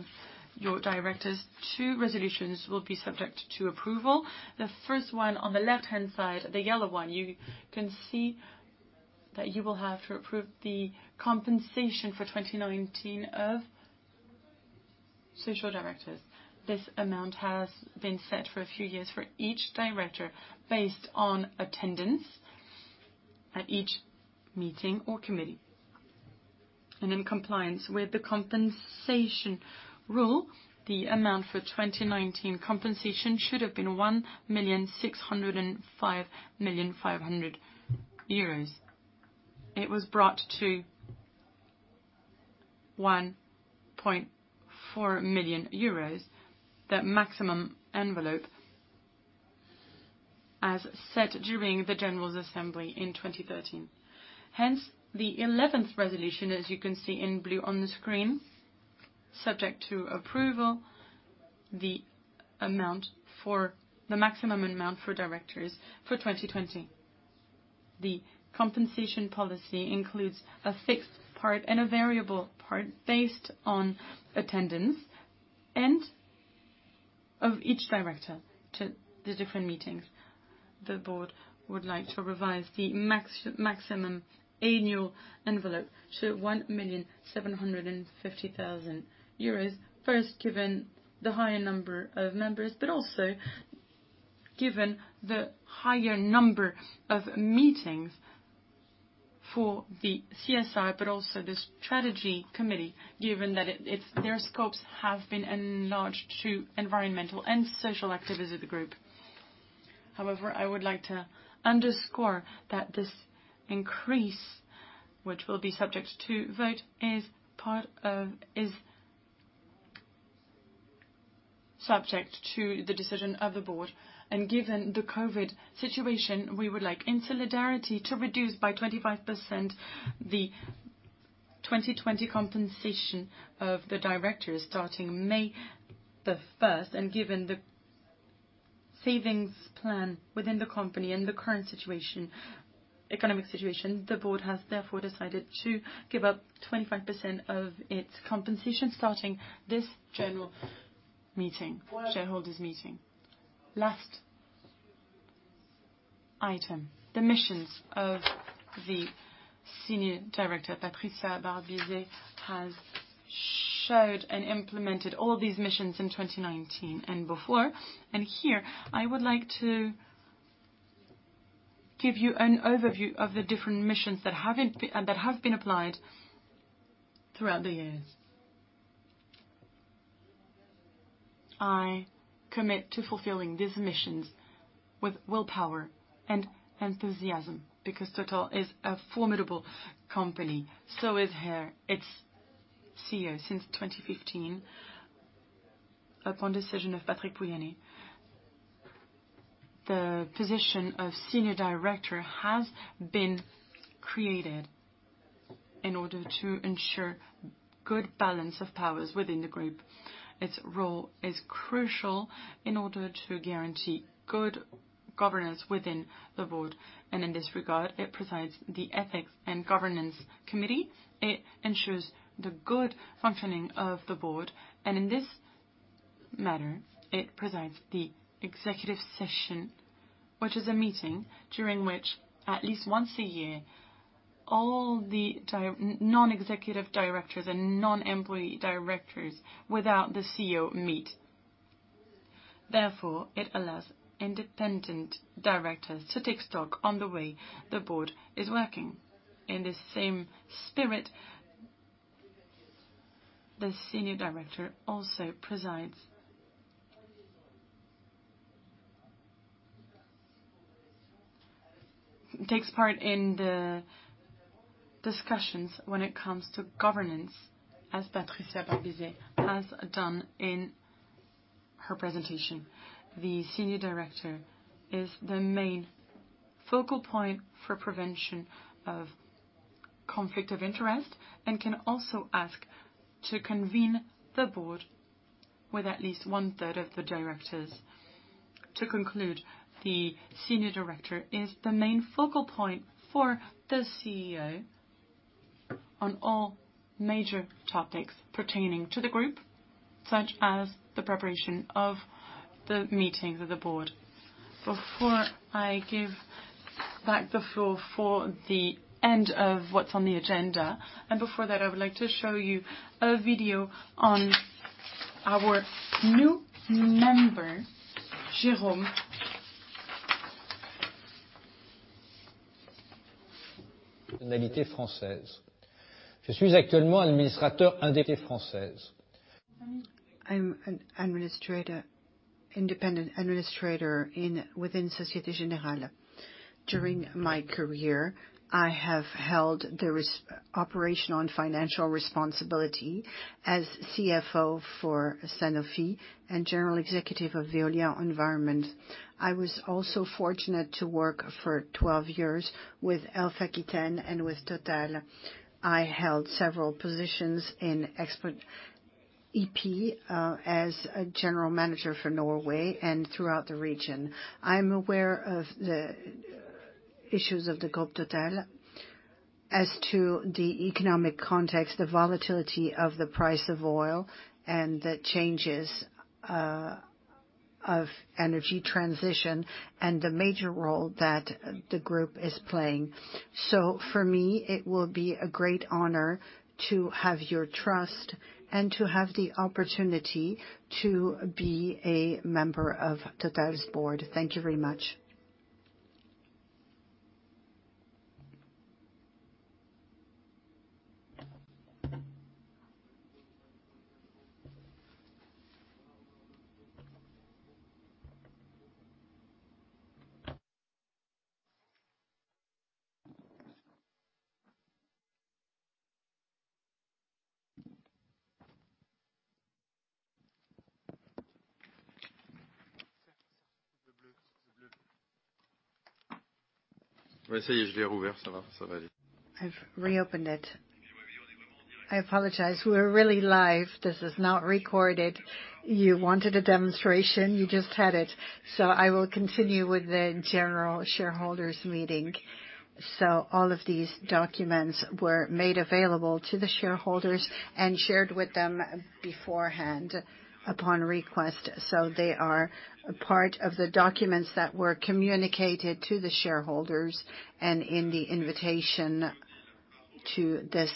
your directors, two resolutions will be subject to approval. The first one on the left-hand side, the yellow one, you can see that you will have to approve the compensation for 2019 of social directors. This amount has been set for a few years for each director based on attendance at each meeting or committee. In compliance with the compensation rule, the amount for 2019 compensation should have been 1,605,500 euros. It was brought to 1.4 million euros, the maximum envelope, as set during the general assembly in 2013. Hence, the 11th resolution, as you can see in blue on the screen, subject to approval, the maximum amount for directors for 2020. The compensation policy includes a fixed part and a variable part based on attendance and of each director to the different meetings. The board would like to revise the maximum annual envelope to 1,750,000 euros. First, given the higher number of members, but also given the higher number of meetings for the CSR, but also the strategy committee, given that their scopes have been enlarged to environmental and social activists of the group. However, I would like to underscore that this increase, which will be subject to vote, is subject to the decision of the board. Given the COVID situation, we would like, in solidarity, to reduce by 25% the 2020 compensation of the directors starting May 1st. Given the savings plan within the company and the current economic situation, the board has therefore decided to give up 25% of its compensation starting this shareholders meeting. Last item, the missions of the Senior Director, Patricia Barbizet, has showed and implemented all these missions in 2019 and before. Here, I would like to give you an overview of the different missions that have been applied throughout the years. I commit to fulfilling these missions with willpower and enthusiasm because Total is a formidable company, so is her. Its CEO since 2015. Upon decision of Patrick Pouyanné. The position of Senior Director has been created in order to ensure good balance of powers within the group. Its role is crucial in order to guarantee good governance within the board. In this regard, it presides the Ethics and Governance Committee. It ensures the good functioning of the board, and in this matter, it presides the executive session, which is a meeting during which, at least once a year, all the non-executive directors and non-employee directors without the CEO meet. Therefore, it allows independent directors to take stock on the way the board is working. In this same spirit, the Senior Director also takes part in the discussions when it comes to governance, as Patricia Barbizet has done in her presentation. The Senior Director is the main focal point for prevention of conflict of interest and can also ask to convene the board with at least 1/3 of the directors. To conclude, the Senior Director is the main focal point for the CEO on all major topics pertaining to the group, such as the preparation of the meetings of the board. Before I give back the floor for the end of what's on the agenda, and before that, I would like to show you a video on our new member, Jérôme. I'm an independent administrator within Societe Generale During my career, I have held the operational and financial responsibility as CFO for Sanofi and General Executive of Veolia Environnement. I was also fortunate to work for 12 years with Elf Aquitaine and with Total. I held several positions in Elf EP as a general manager for Norway and throughout the region. I'm aware of the issues of the Group Total as to the economic context, the volatility of the price of oil and the changes of energy transition and the major role that the group is playing. For me, it will be a great honor to have your trust and to have the opportunity to be a member of Total's board. Thank you very much. I've reopened it. I apologize. We're really live. This is not recorded. You wanted a demonstration. You just had it. I will continue with the general shareholders meeting. All of these documents were made available to the shareholders and shared with them beforehand upon request. They are part of the documents that were communicated to the shareholders and in the invitation to this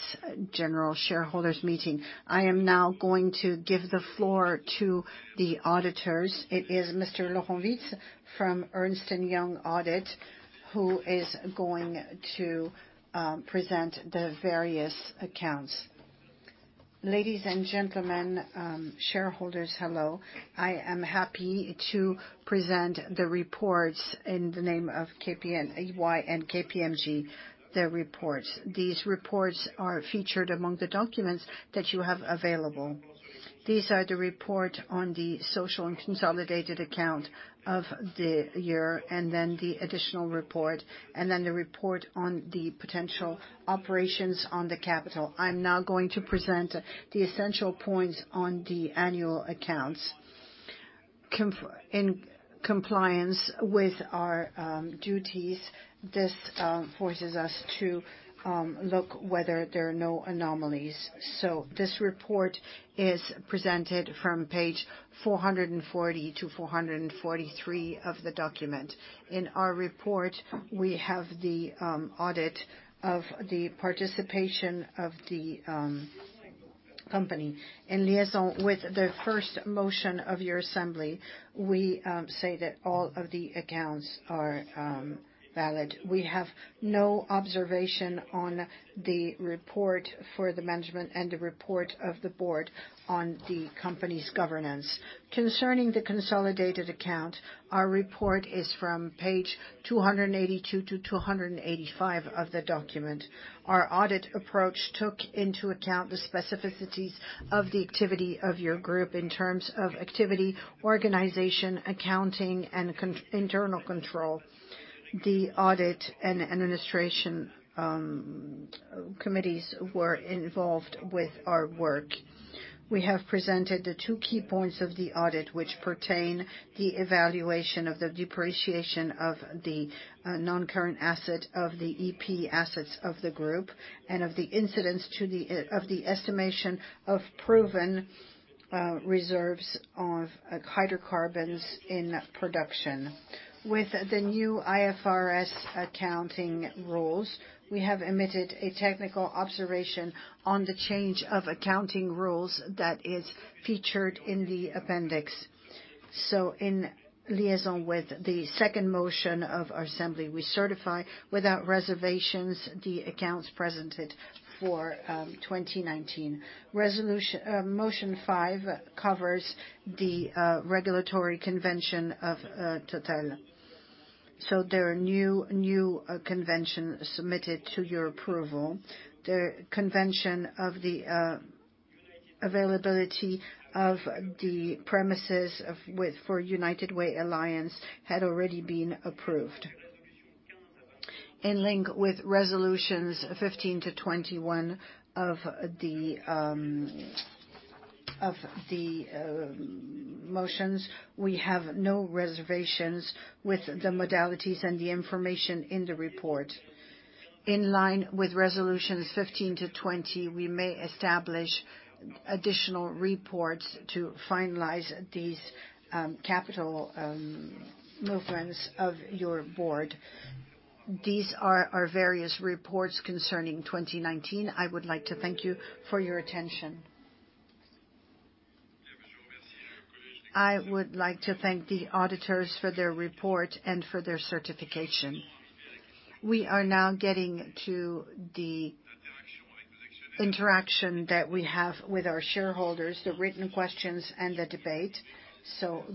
general shareholders meeting. I am now going to give the floor to the auditors. It is Mr. Laurent Vitse from Ernst & Young Audit who is going to present the various accounts. Ladies and gentlemen, shareholders, hello. I am happy to present the reports in the name of EY and KPMG, their reports. These reports are featured among the documents that you have available. These are the report on the social and consolidated account of the year, and then the additional report, and then the report on the potential operations on the capital. I'm now going to present the essential points on the annual accounts. In compliance with our duties, this forces us to look whether there are no anomalies. This report is presented from page 440 to 443 of the document. In our report, we have the audit of the participation of the company. In liaison with the first motion of your assembly, we say that all of the accounts are valid. We have no observation on the report for the management and the report of the board on the company's governance. Concerning the consolidated account, our report is from page 282 to 285 of the document. Our audit approach took into account the specificities of the activity of your group in terms of activity, organization, accounting, and internal control. The audit and administration committees were involved with our work. We have presented the two key points of the audit which pertain the evaluation of the depreciation of the non-current asset of the EP assets of the group and of the incidents of the estimation of proven reserves of hydrocarbons in production. With the new IFRS accounting rules, we have emitted a technical observation on the change of accounting rules that is featured in the appendix. In liaison with the second motion of our assembly, we certify without reservations the accounts presented for 2019. Motion five covers the regulatory convention of Total. There are new convention submitted to your approval. The convention of the availability of the premises for United Way Alliance had already been approved. In link with resolutions 15- 21 of the motions, we have no reservations with the modalities and the information in the report. In line with resolutions 15-20, we may establish additional reports to finalize these capital movements of your board. These are our various reports concerning 2019. I would like to thank you for your attention. I would like to thank the auditors for their report and for their certification. We are now getting to the interaction that we have with our shareholders, the written questions and the debate.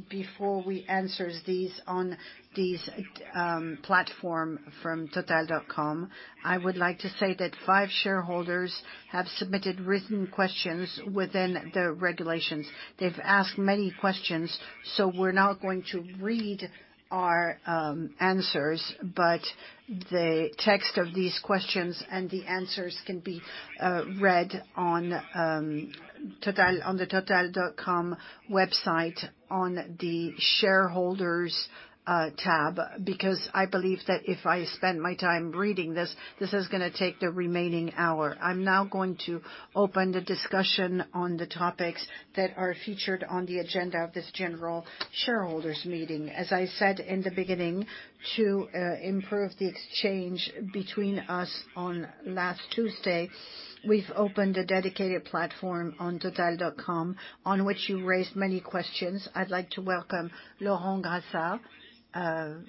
Before we answer these on this platform from total.com, I would like to say that five shareholders have submitted written questions within the regulations. They've asked many questions, so we're now going to read our answers, but the text of these questions and the answers can be read on the total.com website on the Shareholders tab, because I believe that if I spend my time reading this is going to take the remaining hour. I'm now going to open the discussion on the topics that are featured on the agenda of this general shareholders meeting. As I said in the beginning, to improve the exchange between us on last Tuesday, we've opened a dedicated platform on total.com, on which you raised many questions. I'd like to welcome Laurent Grassin.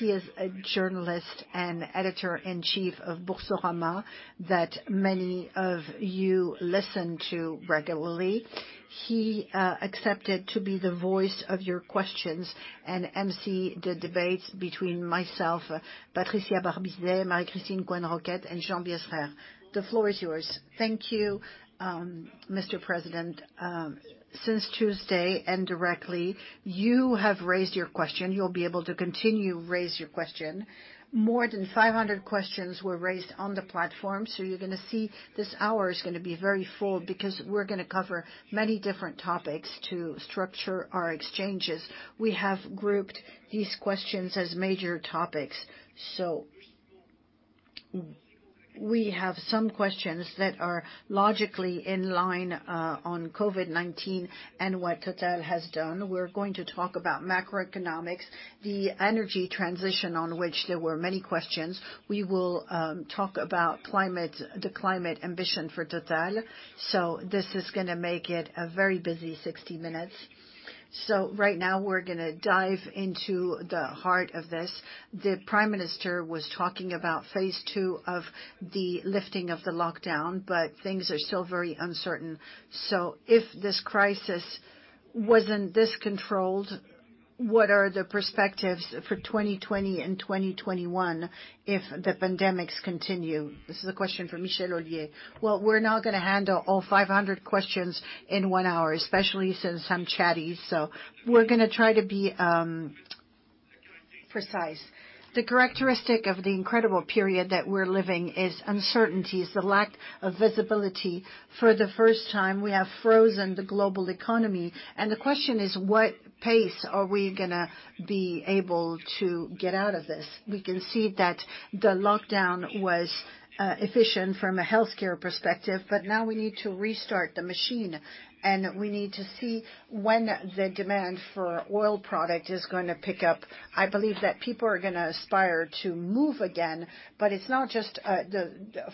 He is a journalist and Editor-in-Chief of Boursorama that many of you listen to regularly. He accepted to be the voice of your questions and emcee the debates between myself, Patricia Barbizet, Marie-Christine Coisne-Roquette, and Jean-Pierre Sbraire. The floor is yours. Thank you, Mr. President. Since Tuesday, indirectly, you have raised your question. You'll be able to continue to raise your question. More than 500 questions were raised on the platform. You're going to see this hour is going to be very full because we're going to cover many different topics to structure our exchanges. We have grouped these questions as major topics. We have some questions that are logically in line on COVID-19 and what Total has done. We're going to talk about macroeconomics, the energy transition, on which there were many questions. We will talk about the climate ambition for Total. This is going to make it a very busy 60 minutes. Right now, we're going to dive into the heart of this. The Prime Minister was talking about phase II of the lifting of the lockdown, but things are still very uncertain. If this crisis wasn't this controlled, what are the perspectives for 2020 and 2021 if the pandemics continue? This is a question for Michel [Oliver]. Well, we're not going to handle all 500 questions in one hour, especially since I'm chatty, so we're going to try to be precise. The characteristic of the incredible period that we're living is uncertainty, is the lack of visibility. For the first time, we have frozen the global economy, and the question is, what pace are we going to be able to get out of this? We can see that the lockdown was efficient from a healthcare perspective, but now we need to restart the machine, and we need to see when the demand for oil product is going to pick up. I believe that people are going to aspire to move again, but it's not just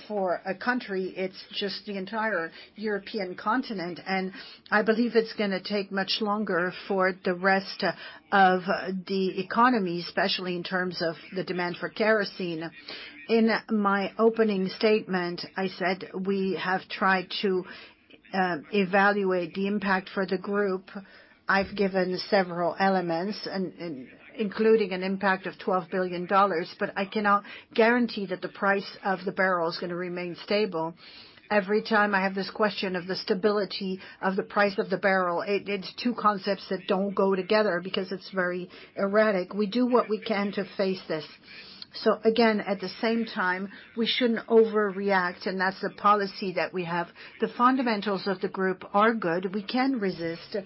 for a country, it's just the entire European continent, and I believe it's going to take much longer for the rest of the economy, especially in terms of the demand for kerosene. In my opening statement, I said we have tried to evaluate the impact for the group. I've given several elements, including an impact of EUR 12 billion, but I cannot guarantee that the price of the barrel is going to remain stable. Every time I have this question of the stability of the price of the barrel, it's two concepts that don't go together because it's very erratic. We do what we can to face this. again, at the same time, we shouldn't overreact, and that's the policy that we have. The fundamentals of the group are good. We can resist.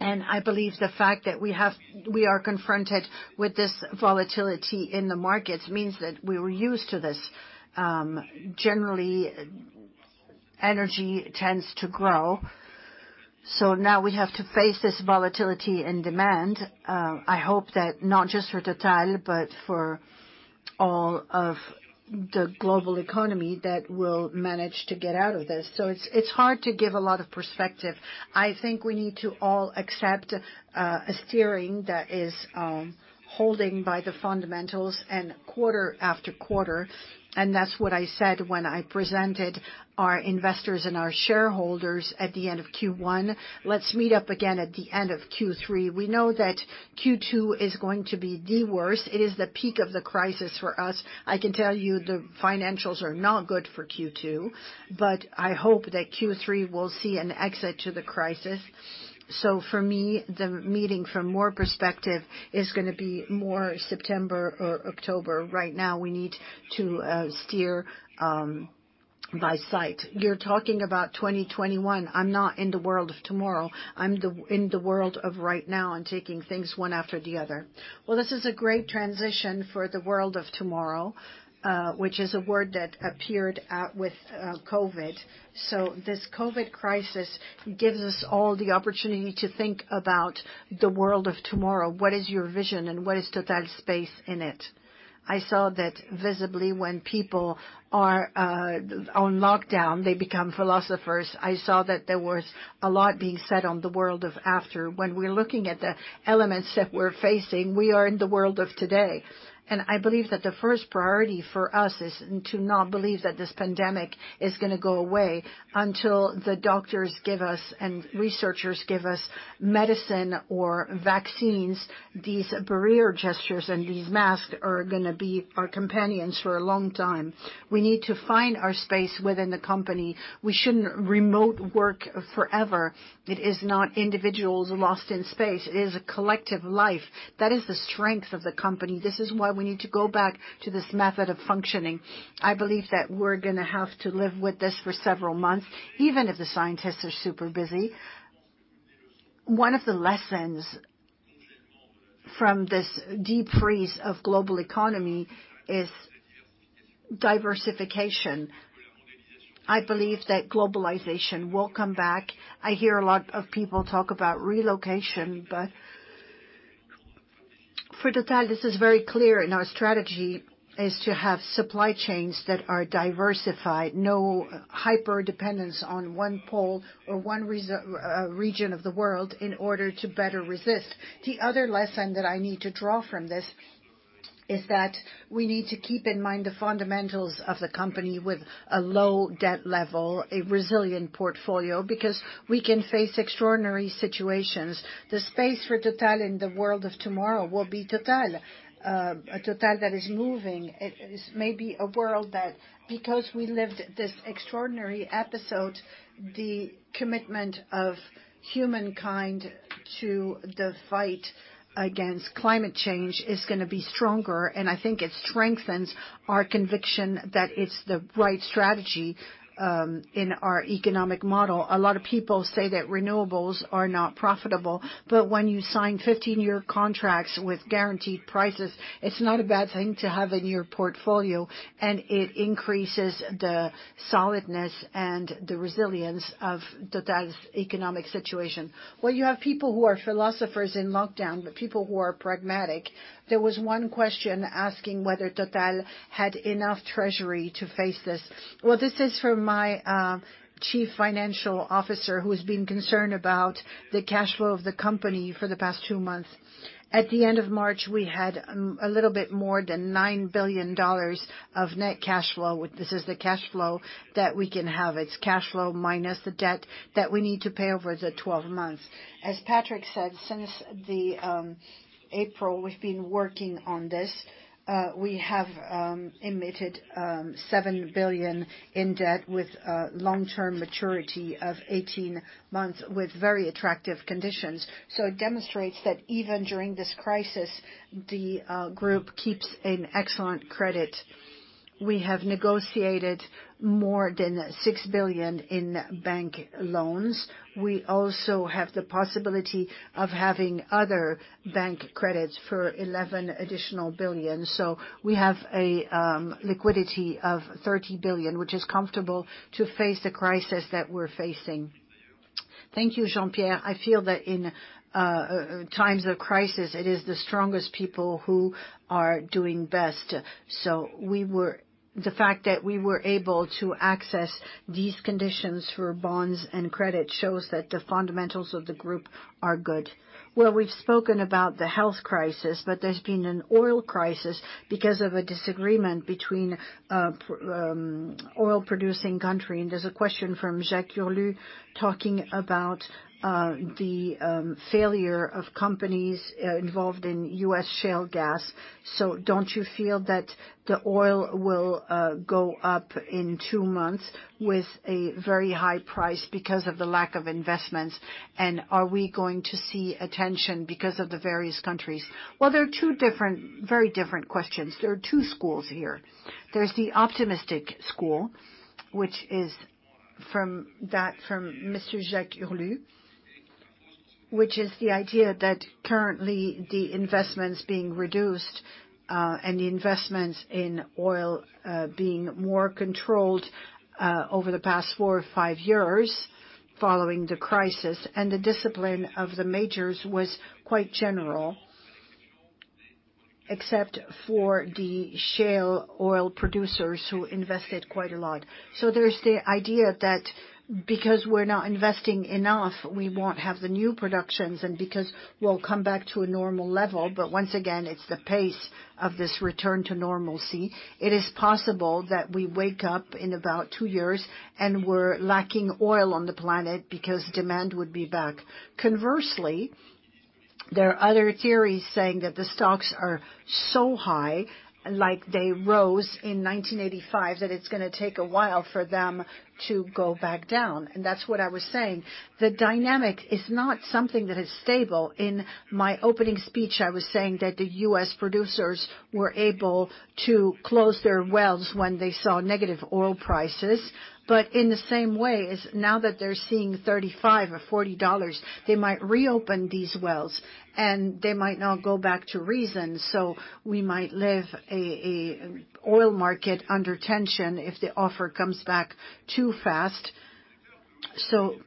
I believe the fact that we are confronted with this volatility in the markets means that we were used to this. Generally, energy tends to grow. now we have to face this volatility in demand. I hope that not just for Total, but for all of the global economy that we'll manage to get out of this. It's hard to give a lot of perspective. I think we need to all accept a steering that is holding by the fundamentals and quarter after quarter, and that's what I said when I presented our investors and our shareholders at the end of Q1. Let's meet up again at the end of Q3. We know that Q2 is going to be the worst. It is the peak of the crisis for us. I can tell you the financials are not good for Q2, but I hope that Q3 will see an exit to the crisis. For me, the meeting from more perspective is going to be more September or October. Right now, we need to steer by sight. You're talking about 2021. I'm not in the world of tomorrow. I'm in the world of right now and taking things one after the other. Well, this is a great transition for the world of tomorrow, which is a word that appeared with COVID. This COVID crisis gives us all the opportunity to think about the world of tomorrow. What is your vision, and what is Total's space in it? I saw that visibly, when people are on lockdown, they become philosophers. I saw that there was a lot being said on the world of after. When we're looking at the elements that we're facing, we are in the world of today, and I believe that the first priority for us is to not believe that this pandemic is going to go away until the doctors give us and researchers give us medicine or vaccines. These barrier gestures and these masks are going to be our companions for a long time. We need to find our space within the company. We shouldn't remote work forever. It is not individuals lost in space. It is a collective life. That is the strength of the company. This is why we need to go back to this method of functioning. I believe that we're going to have to live with this for several months, even if the scientists are super busy. One of the lessons from this deep freeze of global economy is diversification. I believe that globalization will come back. I hear a lot of people talk about relocation, but for Total, this is very clear in our strategy, is to have supply chains that are diversified. No hyper-dependence on one pole or one region of the world in order to better resist. The other lesson that I need to draw from this is that we need to keep in mind the fundamentals of the company with a low debt level, a resilient portfolio, because we can face extraordinary situations. The space for Total in the world of tomorrow will be Total. A Total that is moving. It is maybe a world that because we lived this extraordinary episode, the commitment of humankind to the fight against climate change is going to be stronger, and I think it strengthens our conviction that it's the right strategy in our economic model. A lot of people say that renewables are not profitable, but when you sign 15-year contracts with guaranteed prices, it's not a bad thing to have in your portfolio, and it increases the solidness and the resilience of Total's economic situation. Well, you have people who are philosophers in lockdown, but people who are pragmatic. There was one question asking whether Total had enough treasury to face this. Well, this is for my Chief Financial Officer who has been concerned about the cash flow of the company for the past two months. At the end of March, we had a little bit more than EUR 9 billion of net cash flow. This is the cash flow that we can have. It's cash flow minus the debt that we need to pay over the 12 months. As Patrick said, since the April, we've been working on this. We have emitted 7 billion in debt with a long-term maturity of 18 months with very attractive conditions. It demonstrates that even during this crisis, the group keeps an excellent credit. We have negotiated more than 6 billion in bank loans. We also have the possibility of having other bank credits for 11 billion. We have a liquidity of 30 billion, which is comfortable to face the crisis that we're facing. Thank you, Jean-Pierre. I feel that in times of crisis, it is the strongest people who are doing best. The fact that we were able to access these conditions for bonds and credit shows that the fundamentals of the group are good. Well, we've spoken about the health crisis, but there's been an oil crisis because of a disagreement between oil-producing country, and there's a question from [Jacques Urlu] talking about the failure of companies involved in U.S. shale gas. Don't you feel that the oil will go up in two months with a very high price because of the lack of investments, and are we going to see a tension because of the various countries? Well, there are two very different questions. There are two schools here. There's the optimistic school, which is from [Mr. Jacques Urlu], which is the idea that currently the investments being reduced and the investments in oil being more controlled over the past four or five years following the crisis and the discipline of the majors was quite general, except for the shale oil producers who invested quite a lot. There is the idea that because we're not investing enough, we won't have the new productions and because we'll come back to a normal level. Once again, it's the pace of this return to normalcy. It is possible that we wake up in about two years and we're lacking oil on the planet because demand would be back. Conversely, there are other theories saying that the stocks are so high, like they rose in 1985, that it's going to take a while for them to go back down, and that's what I was saying. The dynamic is not something that is stable. In my opening speech, I was saying that the U.S. producers were able to close their wells when they saw negative oil prices. In the same way, now that they're seeing $35 or $40, they might reopen these wells and they might now go back to reason. We might live an oil market under tension if the offer comes back too fast.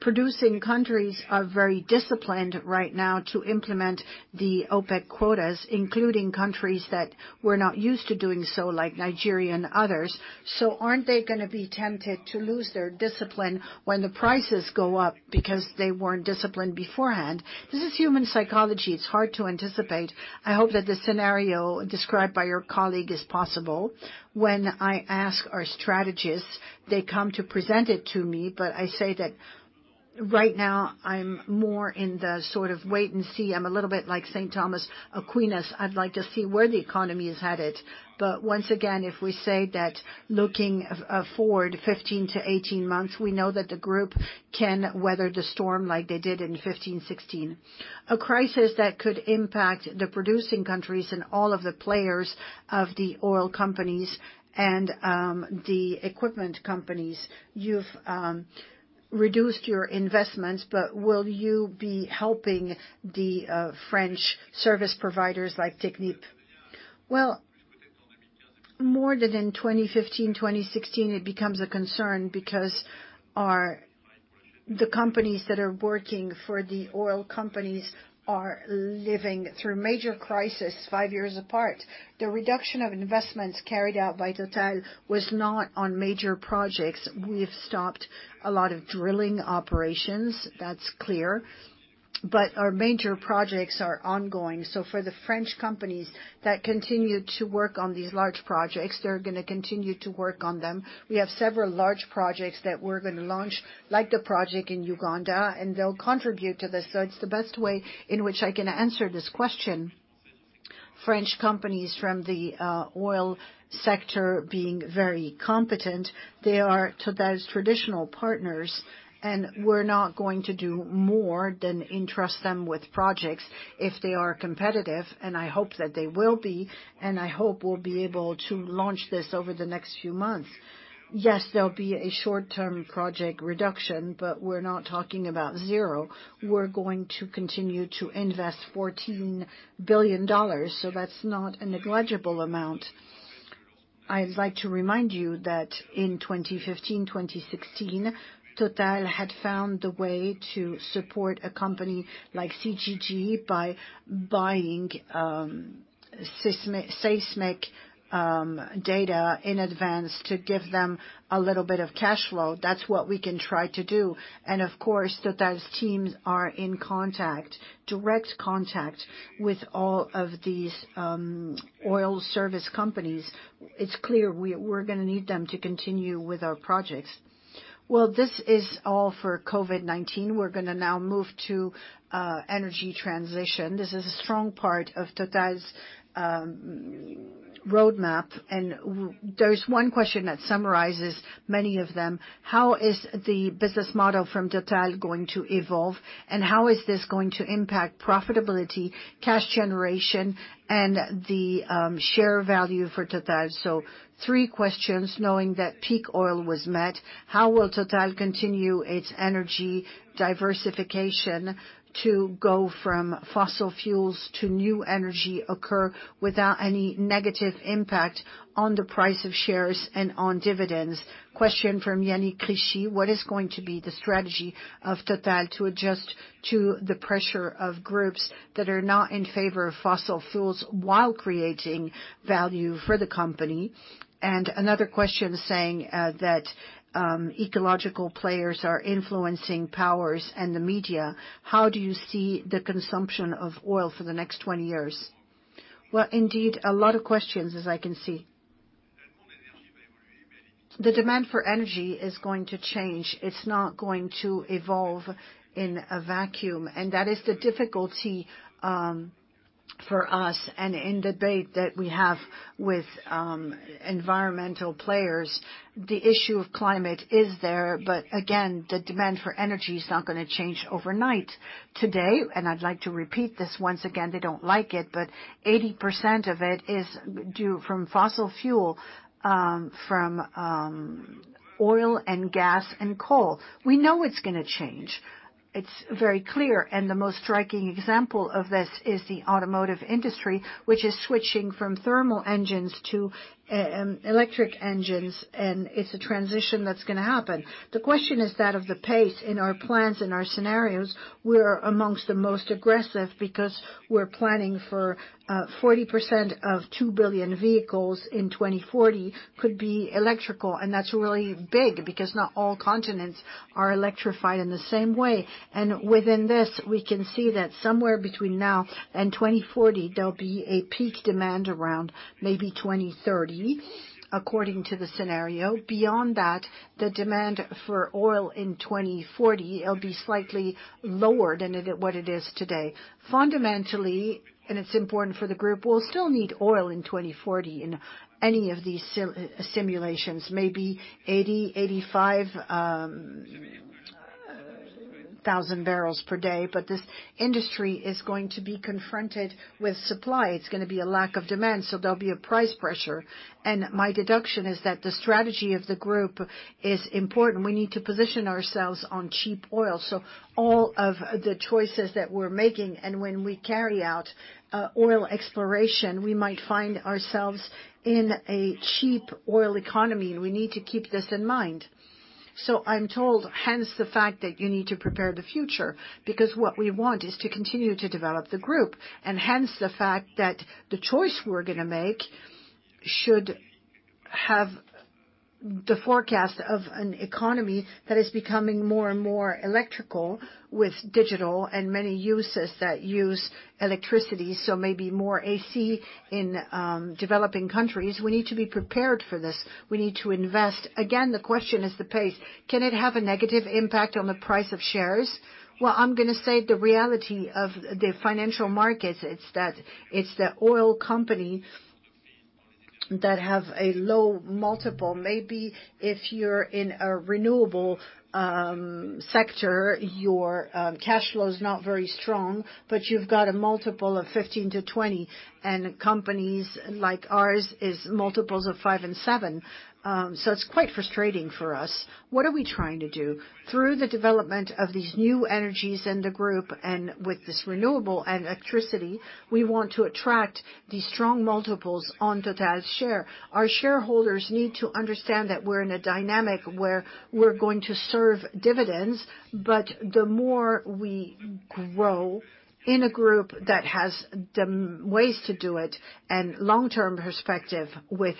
Producing countries are very disciplined right now to implement the OPEC quotas, including countries that were not used to doing so, like Nigeria and others. aren't they going to be tempted to lose their discipline when the prices go up because they weren't disciplined beforehand? This is human psychology. It's hard to anticipate. I hope that the scenario described by your colleague is possible. When I ask our strategists, they come to present it to me. I say that right now, I'm more in the sort of wait and see. I'm a little bit like St. Thomas Aquinas. I'd like to see where the economy is headed. Once again, if we say that looking forward 15-18 months, we know that the group can weather the storm like they did in 2015-2016. A crisis that could impact the producing countries and all of the players of the oil companies and the equipment companies. You've reduced your investments, but will you be helping the French service providers like Technip? Well, more than in 2015-2016, it becomes a concern because the companies that are working for the oil companies are living through major crisis, five years apart. The reduction of investments carried out by Total was not on major projects. We have stopped a lot of drilling operations, that's clear, but our major projects are ongoing. For the French companies that continue to work on these large projects, they're going to continue to work on them. We have several large projects that we're going to launch, like the project in Uganda, and they'll contribute to this. It's the best way in which I can answer this question. French companies from the oil sector being very competent, they are Total's traditional partners, and we're not going to do more than entrust them with projects if they are competitive, and I hope that they will be, and I hope we'll be able to launch this over the next few months. Yes, there'll be a short-term project reduction, but we're not talking about zero. We're going to continue to invest EUR 14 billion, so that's not a negligible amount. I'd like to remind you that in 2015-2016, Total had found the way to support a company like CGG by buying seismic data in advance to give them a little bit of cash flow. That's what we can try to do. Of course, Total's teams are in contact, direct contact, with all of these oil service companies. It's clear we're going to need them to continue with our projects. Well, this is all for COVID-19. We're going to now move to energy transition. This is a strong part of Total's roadmap, and there's one question that summarizes many of them. How is the business model from Total going to evolve, and how is this going to impact profitability, cash generation, and the share value for Total? three questions, knowing that peak oil was met, how will Total continue its energy diversification to go from fossil fuels to new energy occur without any negative impact on the price of shares and on dividends? Question from [Yannick Ricci], what is going to be the strategy of Total to adjust to the pressure of groups that are not in favor of fossil fuels while creating value for the company? another question saying that ecological players are influencing powers and the media. How do you see the consumption of oil for the next 20 years? Well, indeed, a lot of questions as I can see. The demand for energy is going to change. It's not going to evolve in a vacuum, and that is the difficulty for us. In debate that we have with environmental players, the issue of climate is there. Again, the demand for energy is not going to change overnight. Today, and I'd like to repeat this once again, they don't like it, but 80% of it is from fossil fuel, from oil and gas and coal. We know it's going to change. It's very clear. The most striking example of this is the automotive industry, which is switching from thermal engines to electric engines, and it's a transition that's going to happen. The question is that of the pace in our plans and our scenarios, we're amongst the most aggressive because we're planning for 40% of 2 billion vehicles in 2040 could be electrical. That's really big because not all continents are electrified in the same way. Within this, we can see that somewhere between now and 2040, there'll be a peak demand around maybe 2030, according to the scenario. Beyond that, the demand for oil in 2040, it'll be slightly lower than what it is today. Fundamentally, and it's important for the group, we'll still need oil in 2040 in any of these simulations, maybe 80,000-85,000 bpd. This industry is going to be confronted with supply. It's going to be a lack of demand, so there'll be a price pressure. My deduction is that the strategy of the group is important. We need to position ourselves on cheap oil. All of the choices that we're making, and when we carry out oil exploration, we might find ourselves in a cheap oil economy, and we need to keep this in mind. I'm told, hence the fact that you need to prepare the future, because what we want is to continue to develop the group, and hence the fact that the choice we're going to make should have the forecast of an economy that is becoming more and more electrical with digital and many uses that use electricity, so maybe more AC in developing countries. We need to be prepared for this. We need to invest. Again, the question is the pace. Can it have a negative impact on the price of shares? Well, I'm going to say the reality of the financial markets, it's the oil company that have a low multiple. Maybe if you're in a renewable sector, your cash flow is not very strong, but you've got a multiple of 15-20, and companies like ours is multiples of five and seven. It's quite frustrating for us. What are we trying to do? Through the development of these new energies in the group and with this renewable and electricity, we want to attract these strong multiples on Total's share. Our shareholders need to understand that we're in a dynamic where we're going to serve dividends, but the more we grow in a group that has the ways to do it and long-term perspective with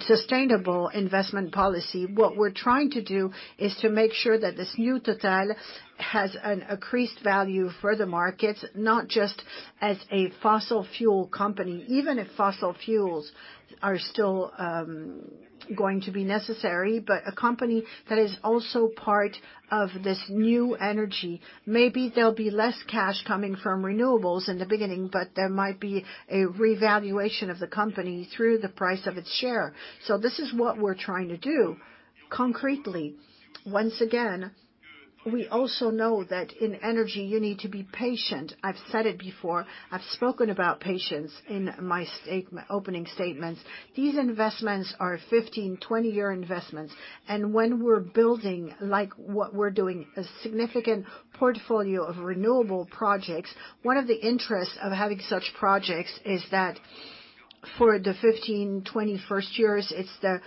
sustainable investment policy, what we're trying to do is to make sure that this new Total has an increased value for the markets, not just as a fossil fuel company, even if fossil fuels are still going to be necessary, but a company that is also part of this new energy. Maybe there'll be less cash coming from renewables in the beginning, but there might be a revaluation of the company through the price of its share. This is what we're trying to do concretely. Once again, we also know that in energy, you need to be patient. I've said it before. I've spoken about patience in my opening statements. These investments are 15-20-year investments. When we're building like what we're doing, a significant portfolio of renewable projects, one of the interests of having such projects is that for the 15-20 first years, it's the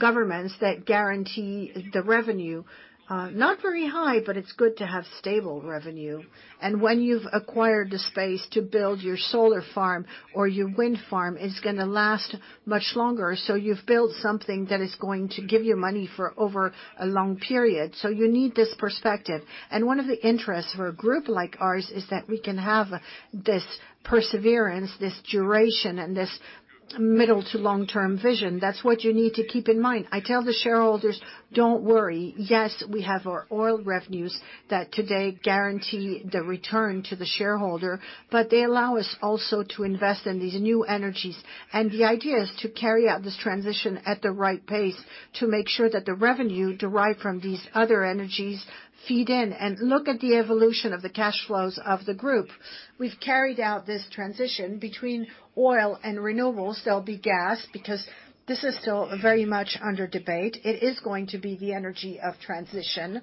governments that guarantee the revenue. Not very high, but it's good to have stable revenue. When you've acquired the space to build your solar farm or your wind farm, it's going to last much longer. You've built something that is going to give you money for over a long period. You need this perspective. One of the interests for a group like ours is that we can have this perseverance, this duration, and this middle to long-term vision. That's what you need to keep in mind. I tell the shareholders, don't worry. Yes, we have our oil revenues that today guarantee the return to the shareholder, but they allow us also to invest in these new energies. The idea is to carry out this transition at the right pace to make sure that the revenue derived from these other energies feed in. Look at the evolution of the cash flows of the group. We've carried out this transition between oil and renewables. There'll be gas because this is still very much under debate. It is going to be the energy of transition.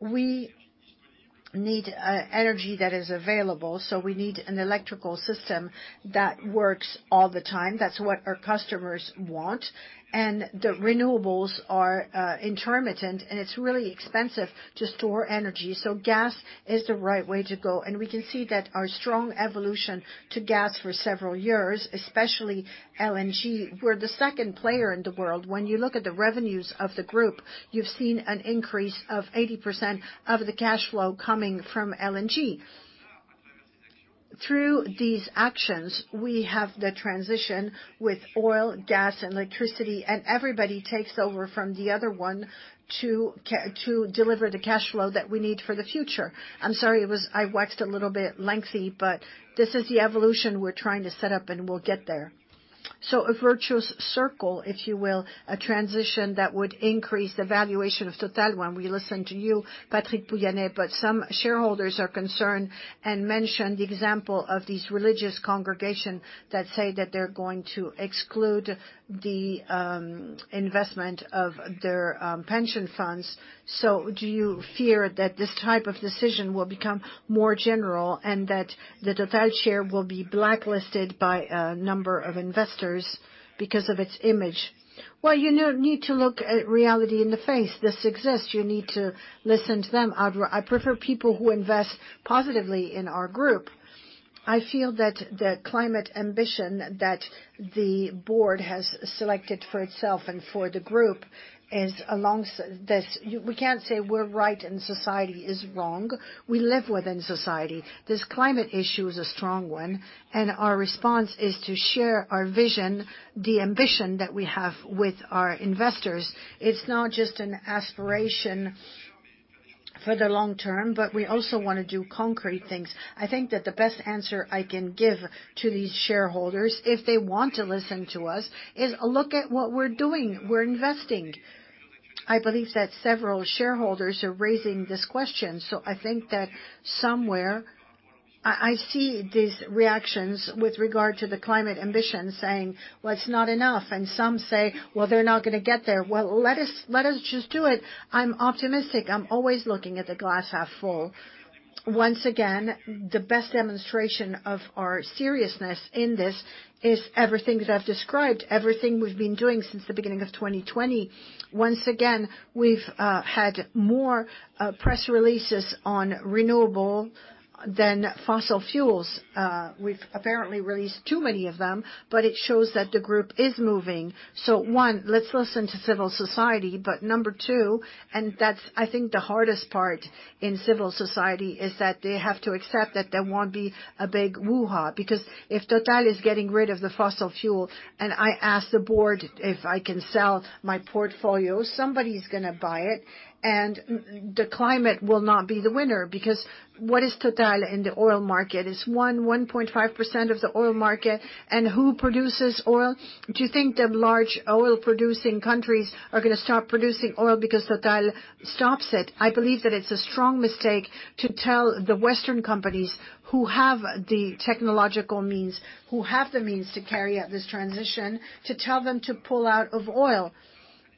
We need energy that is available, so we need an electrical system that works all the time. That's what our customers want. The renewables are intermittent, and it's really expensive to store energy. Gas is the right way to go. We can see that our strong evolution to gas for several years, especially LNG. We're the second player in the world. When you look at the revenues of the group, you've seen an increase of 80% of the cash flow coming from LNG. Through these actions, we have the transition with oil, gas, and electricity, and everybody takes over from the other one to deliver the cash flow that we need for the future. I'm sorry, I waxed a little bit lengthy, but this is the evolution we're trying to set up, and we'll get there. A virtuous circle, if you will, a transition that would increase the valuation of Total when we listen to you, Patrick Pouyanné, but some shareholders are concerned and mention the example of these religious congregation that say that they're going to exclude the investment of their pension funds. do you fear that this type of decision will become more general and that the Total share will be blacklisted by a number of investors because of its image? Well, you need to look at reality in the face. This exists. You need to listen to them. I prefer people who invest positively in our group. I feel that the climate ambition that the board has selected for itself and for the group is along this. We can't say we're right and society is wrong. We live within society. This climate issue is a strong one, and our response is to share our vision, the ambition that we have with our investors. It's not just an aspiration for the long term, but we also want to do concrete things. I think that the best answer I can give to these shareholders, if they want to listen to us, is look at what we're doing. We're investing. I believe that several shareholders are raising this question, so I think that somewhere I see these reactions with regard to the climate ambition saying, "Well, it's not enough." Some say, "Well, they're not going to get there." Well, let us just do it. I'm optimistic. I'm always looking at the glass half full. Once again, the best demonstration of our seriousness in this is everything that I've described, everything we've been doing since the beginning of 2020. Once again, we've had more press releases on renewable than fossil fuels. We've apparently released too many of them, but it shows that the group is moving. One, let's listen to civil society. number two, and that's, I think, the hardest part in civil society, is that they have to accept that there won't be a big woo-ha. Because if Total is getting rid of the fossil fuel and I ask the board if I can sell my portfolio, somebody's going to buy it and the climate will not be the winner, because what is Total in the oil market? It's 1.5% of the oil market, and who produces oil? Do you think the large oil-producing countries are going to stop producing oil because Total stops it? I believe that it's a strong mistake to tell the Western companies who have the technological means, who have the means to carry out this transition, to tell them to pull out of oil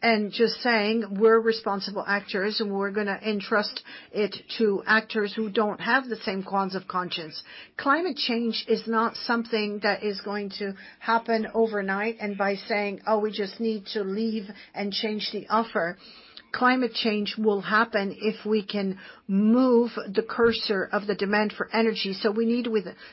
and just saying we're responsible actors and we're going to entrust it to actors who don't have the same conscience. Climate change is not something that is going to happen overnight and by saying, "Oh, we just need to leave and change the offer." Climate change will happen if we can move the cursor of the demand for energy, so we need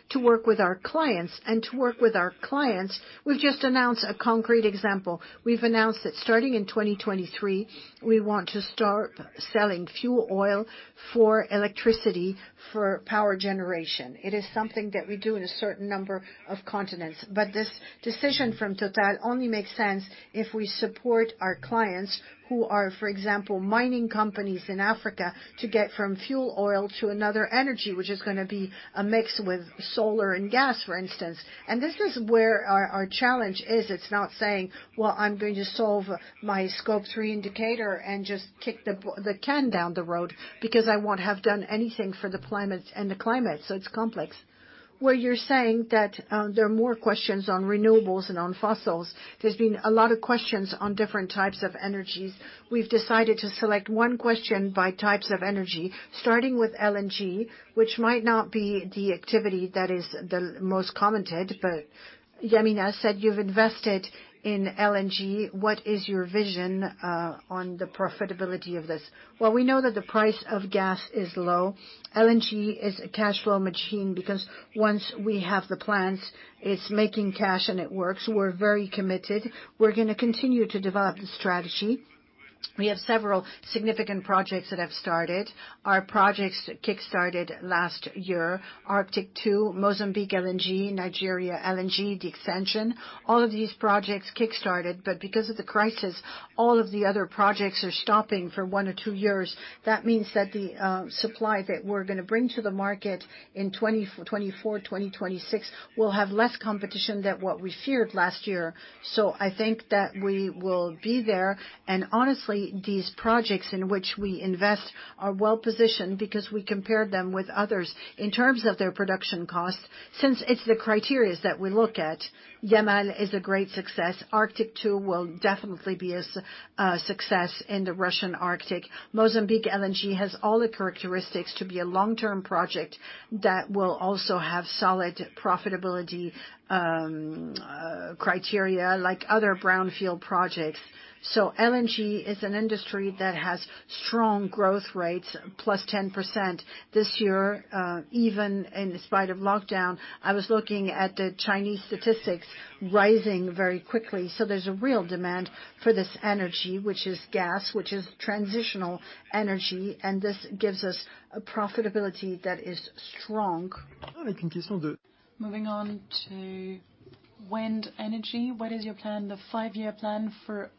to work with our clients. To work with our clients, we've just announced a concrete example. We've announced that starting in 2023, we want to start selling fuel oil for electricity for power generation. It is something that we do in a certain number of continents. This decision from Total only makes sense if we support our clients who are, for example, mining companies in Africa, to get from fuel oil to another energy, which is going to be a mix with solar and gas, for instance. This is where our challenge is. It's not saying, "Well, I'm going to solve my Scope 3 indicator and just kick the can down the road because I won't have done anything for the planet and the climate." It's complex. Where you're saying that there are more questions on renewables than on fossils, there's been a lot of questions on different types of energies. We've decided to select one question by types of energy, starting with LNG, which might not be the activity that is the most commented, but [Yamina] said you've invested in LNG. What is your vision on the profitability of this? Well, we know that the price of gas is low. LNG is a cash flow machine because once we have the plants, it's making cash and it works. We're very committed. We're going to continue to develop the strategy. We have several significant projects that have started. Our projects kick-started last year, Arctic II, Mozambique LNG, Nigeria LNG, the extension. All of these projects kick-started, but because of the crisis, all of the other projects are stopping for one or two years. That means that the supply that we're going to bring to the market in 2024-2026, will have less competition than what we feared last year. I think that we will be there, and honestly, these projects in which we invest are well-positioned because we compared them with others in terms of their production cost, since it's the criteria that we look at. Yamal LNG is a great success. Arctic LNG 2 will definitely be a success in the Russian Arctic. Mozambique LNG has all the characteristics to be a long-term project that will also have solid profitability criteria like other brownfield projects. LNG is an industry that has strong growth rates, +10% this year, even in spite of lockdown. I was looking at the Chinese statistics rising very quickly. There's a real demand for this energy, which is gas, which is transitional energy, and this gives us a profitability that is strong. Moving on to wind energy. What is your plan, the five-year plan for offshore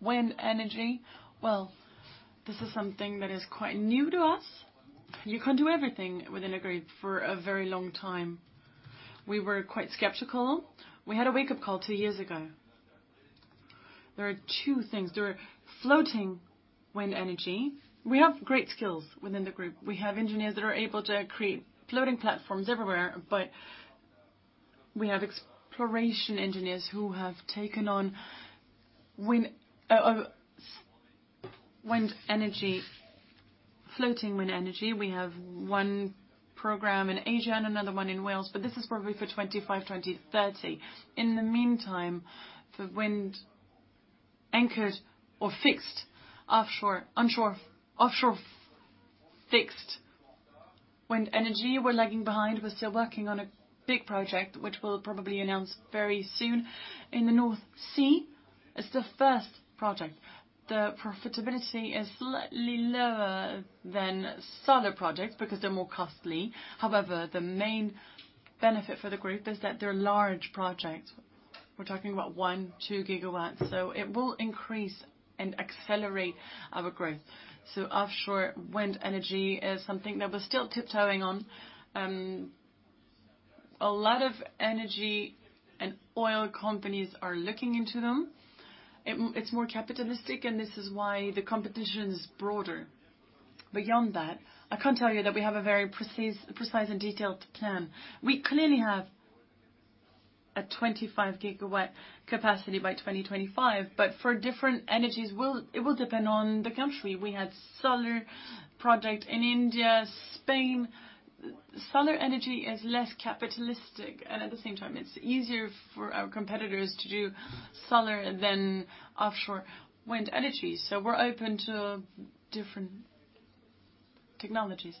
wind energy? Well, this is something that is quite new to us. You can't do everything within a group for a very long time. We were quite skeptical. We had a wake-up call two years ago. There are two things. There are floating wind energy. We have great skills within the group. We have engineers that are able to create floating platforms everywhere, but we have exploration engineers who have taken on floating wind energy. We have one program in Asia and another one in Wales, but this is probably for 2025, 2030. In the meantime, for wind anchored or fixed offshore, onshore, offshore fixed wind energy, we're lagging behind. We're still working on a big project, which we'll probably announce very soon in the North Sea. It's the first project. The profitability is slightly lower than other projects because they're more costly. However, the main benefit for the group is that they're large projects. We're talking about one, two gigawatts, so it will increase and accelerate our growth. Offshore wind energy is something that we're still tiptoeing on. A lot of energy and oil companies are looking into them. It's more capitalistic, and this is why the competition is broader. Beyond that, I can't tell you that we have a very precise and detailed plan. We clearly have A 25 GW capacity by 2025, but for different energies, it will depend on the country. We had solar project in India, Spain. Solar energy is less capitalistic, and at the same time, it's easier for our competitors to do solar than offshore wind energy. We're open to different technologies.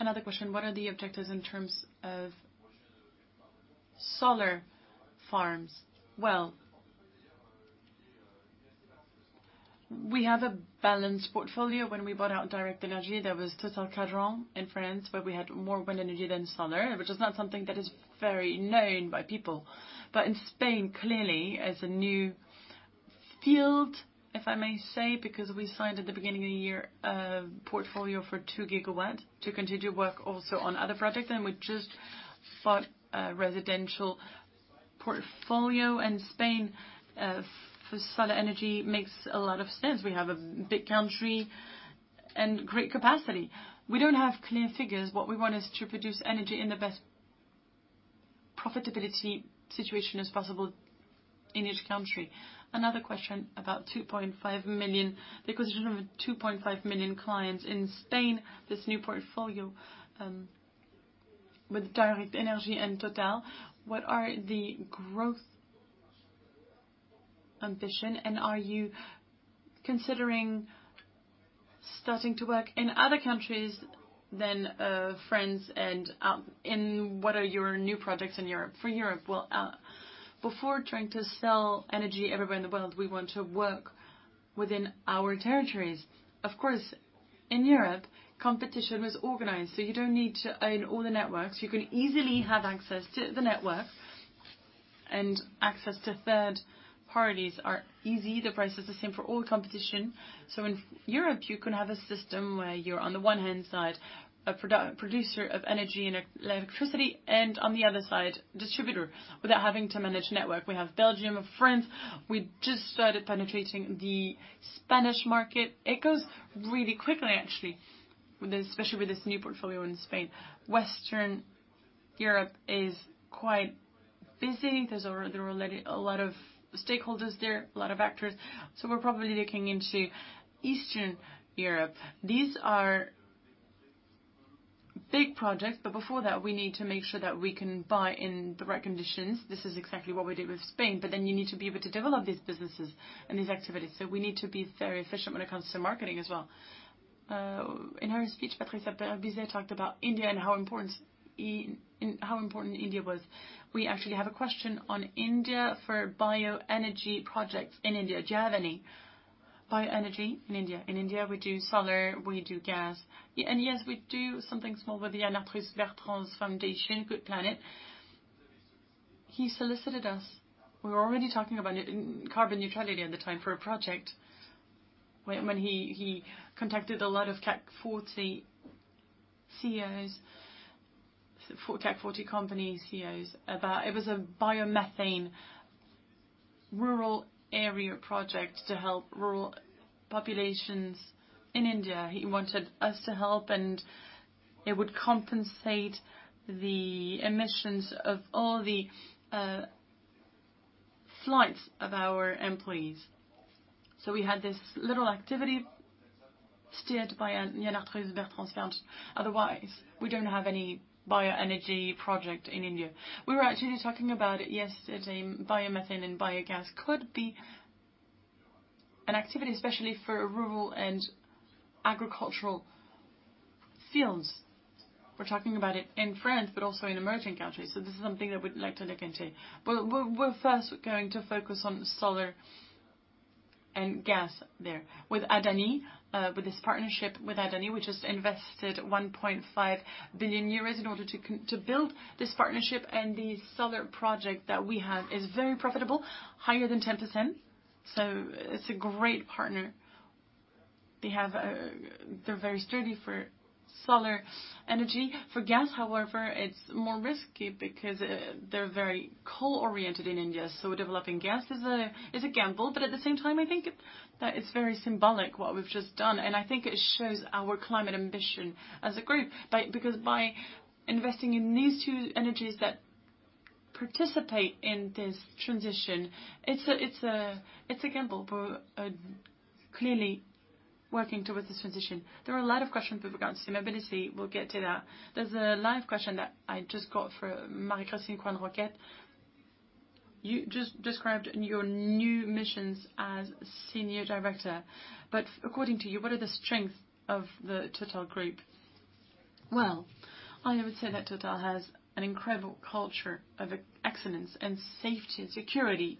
Another question, what are the objectives in terms of solar farms? Well, we have a balanced portfolio. When we bought out Direct Energie, there was Total Quadran in France, where we had more wind energy than solar, which is not something that is very known by people. In Spain, clearly, as a new field, if I may say, because we signed at the beginning of the year a portfolio for two gigawatts to continue work also on other projects, and we just bought a residential portfolio in Spain for solar energy makes a lot of sense. We have a big country and great capacity. We don't have clear figures. What we want is to produce energy in the best profitability situation as possible in each country. Another question about the acquisition of 2.5 million clients in Spain, this new portfolio, with Direct Energie and Total. What are the growth ambition, and are you considering starting to work in other countries than France, and what are your new projects in Europe? For Europe. Well, before trying to sell energy everywhere in the world, we want to work within our territories. Of course, in Europe, competition was organized, so you don't need to own all the networks. You can easily have access to the networks and access to third parties are easy. The price is the same for all competition. In Europe, you can have a system where you're on the one-hand side, a producer of energy and electricity, and on the other side, distributor, without having to manage network. We have Belgium and France. We just started penetrating the Spanish market. It goes really quickly, actually, especially with this new portfolio in Spain. Western Europe is quite busy. There are already a lot of stakeholders there, a lot of actors. We're probably looking into Eastern Europe. These are big projects, but before that, we need to make sure that we can buy in the right conditions. This is exactly what we did with Spain. You need to be able to develop these businesses and these activities. We need to be very efficient when it comes to marketing as well. In her speech, Patricia Barbizet talked about India and how important India was. We actually have a question on India for bioenergy projects in India. Do you have any bioenergy in India? In India, we do solar, we do gas. Yes, we do something small with the Yann Arthus-Bertrand's foundation, GoodPlanet. He solicited us. We were already talking about carbon neutrality at the time for a project when he contacted a lot of CAC 40 company CEOs about it. It was a biomethane rural area project to help rural populations in India. He wanted us to help, and it would compensate the emissions of all the flights of our employees. We had this little activity steered by Yann Arthus-Bertrand's foundation. Otherwise, we don't have any bioenergy project in India. We were actually talking about yesterday, biomethane and biogas could be an activity, especially for rural and agricultural fields. We're talking about it in France, but also in emerging countries. This is something that we'd like to look into. We're first going to focus on solar and gas there with Adani. With this partnership with Adani, we just invested 1.5 billion euros in order to build this partnership, and the solar project that we have is very profitable, higher than 10%. It's a great partner. They're very sturdy for solar energy. For gas, however, it's more risky because they're very coal-oriented in India, so developing gas is a gamble, but at the same time, I think that it's very symbolic what we've just done, and I think it shows our climate ambition as a group. By investing in these two energies that participate in this transition, it's a gamble, but clearly working towards this transition. There are a lot of questions with regards to mobility. We'll get to that. There's a live question that I just got for Marie-Christine Coisne-Roquette. You just described your new missions as Senior Director, but according to you, what are the strengths of the Total group? Well, I would say that Total has an incredible culture of excellence and safety and security,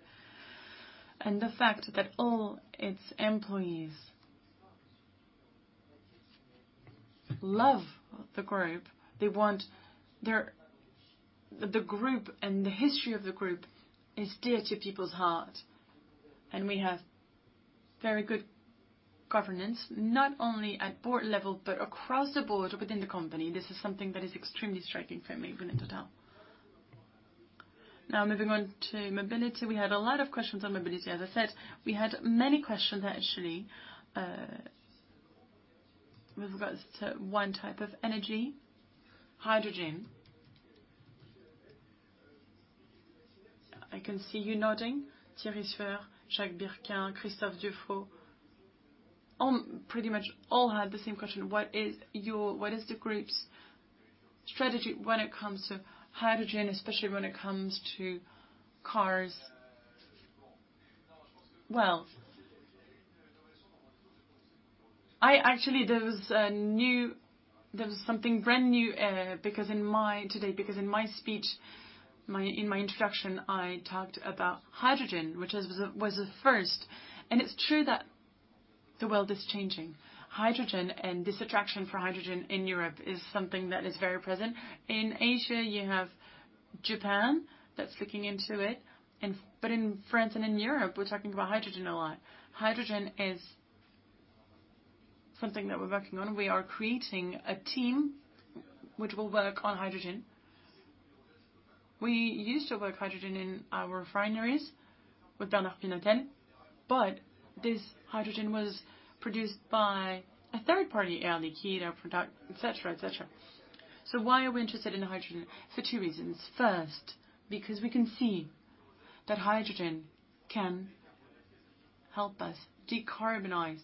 and the fact that all its employees love the group. The group and the history of the group is dear to people's heart, and we have very good governance, not only at board level, but across the board within the company. This is something that is extremely striking for me within Total. Now, moving on to mobility. We had a lot of questions on mobility, as I said. We had many questions, actually. With regards to one type of energy, hydrogen. I can see you nodding, [Thierry Speller, Jacques Birkin, Christophe Dufau], pretty much all had the same question. What is the group's strategy when it comes to hydrogen, especially when it comes to cars? Well, actually, there was something brand new today because in my speech, in my introduction, I talked about hydrogen, which was a first. It's true that the world is changing. Hydrogen and this attraction for hydrogen in Europe is something that is very present. In Asia, you have Japan that's looking into it. In France and in Europe, we're talking about hydrogen a lot. Hydrogen is something that we're working on. We are creating a team which will work on hydrogen. We used to work hydrogen in our refineries with Bernard Pinatel, but this hydrogen was produced by a third party, Air Liquide, etc. Why are we interested in hydrogen? For two reasons. First, because we can see that hydrogen can help us decarbonize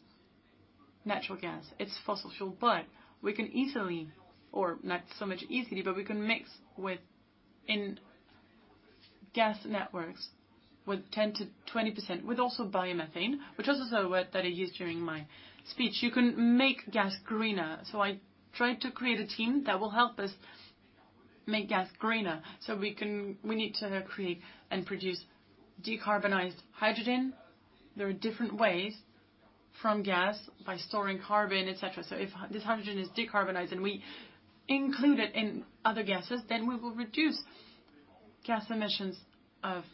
natural gas. It's fossil fuel, but we can easily, or not so much easily, but we can mix in gas networks with 10%-20%, with also biomethane, which was also a word that I used during my speech. You can make gas greener. I tried to create a team that will help us make gas greener. We need to create and produce decarbonized hydrogen. There are different ways from gas by storing carbon, et cetera. If this hydrogen is decarbonized and we include it in other gases, then we will reduce gas emissions of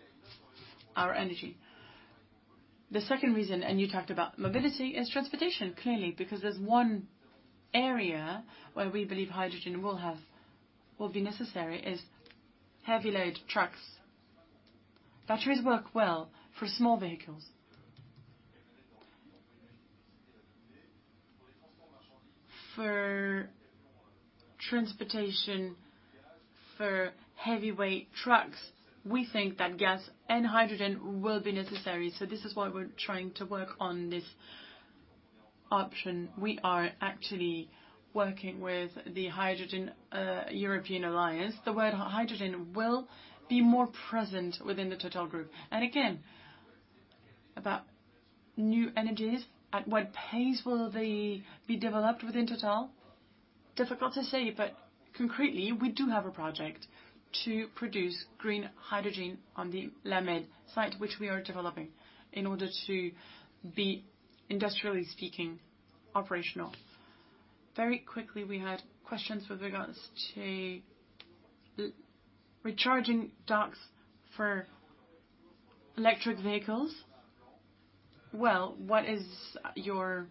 our energy. The second reason, and you talked about mobility, is transportation, clearly. Because there's one area where we believe hydrogen will be necessary, is heavy load trucks. Batteries work well for small vehicles. For transportation for heavyweight trucks, we think that gas and hydrogen will be necessary. this is why we're trying to work on this option. We are actually working with the Hydrogen European Alliance. The word hydrogen will be more present within the Total group. again, about new energies, at what pace will they be developed within Total? Difficult to say, but concretely, we do have a project to produce green hydrogen on the La Mède site, which we are developing in order to be, industrially speaking, operational. Very quickly, we had questions with regards to recharging docks for electric vehicles. Well, what is your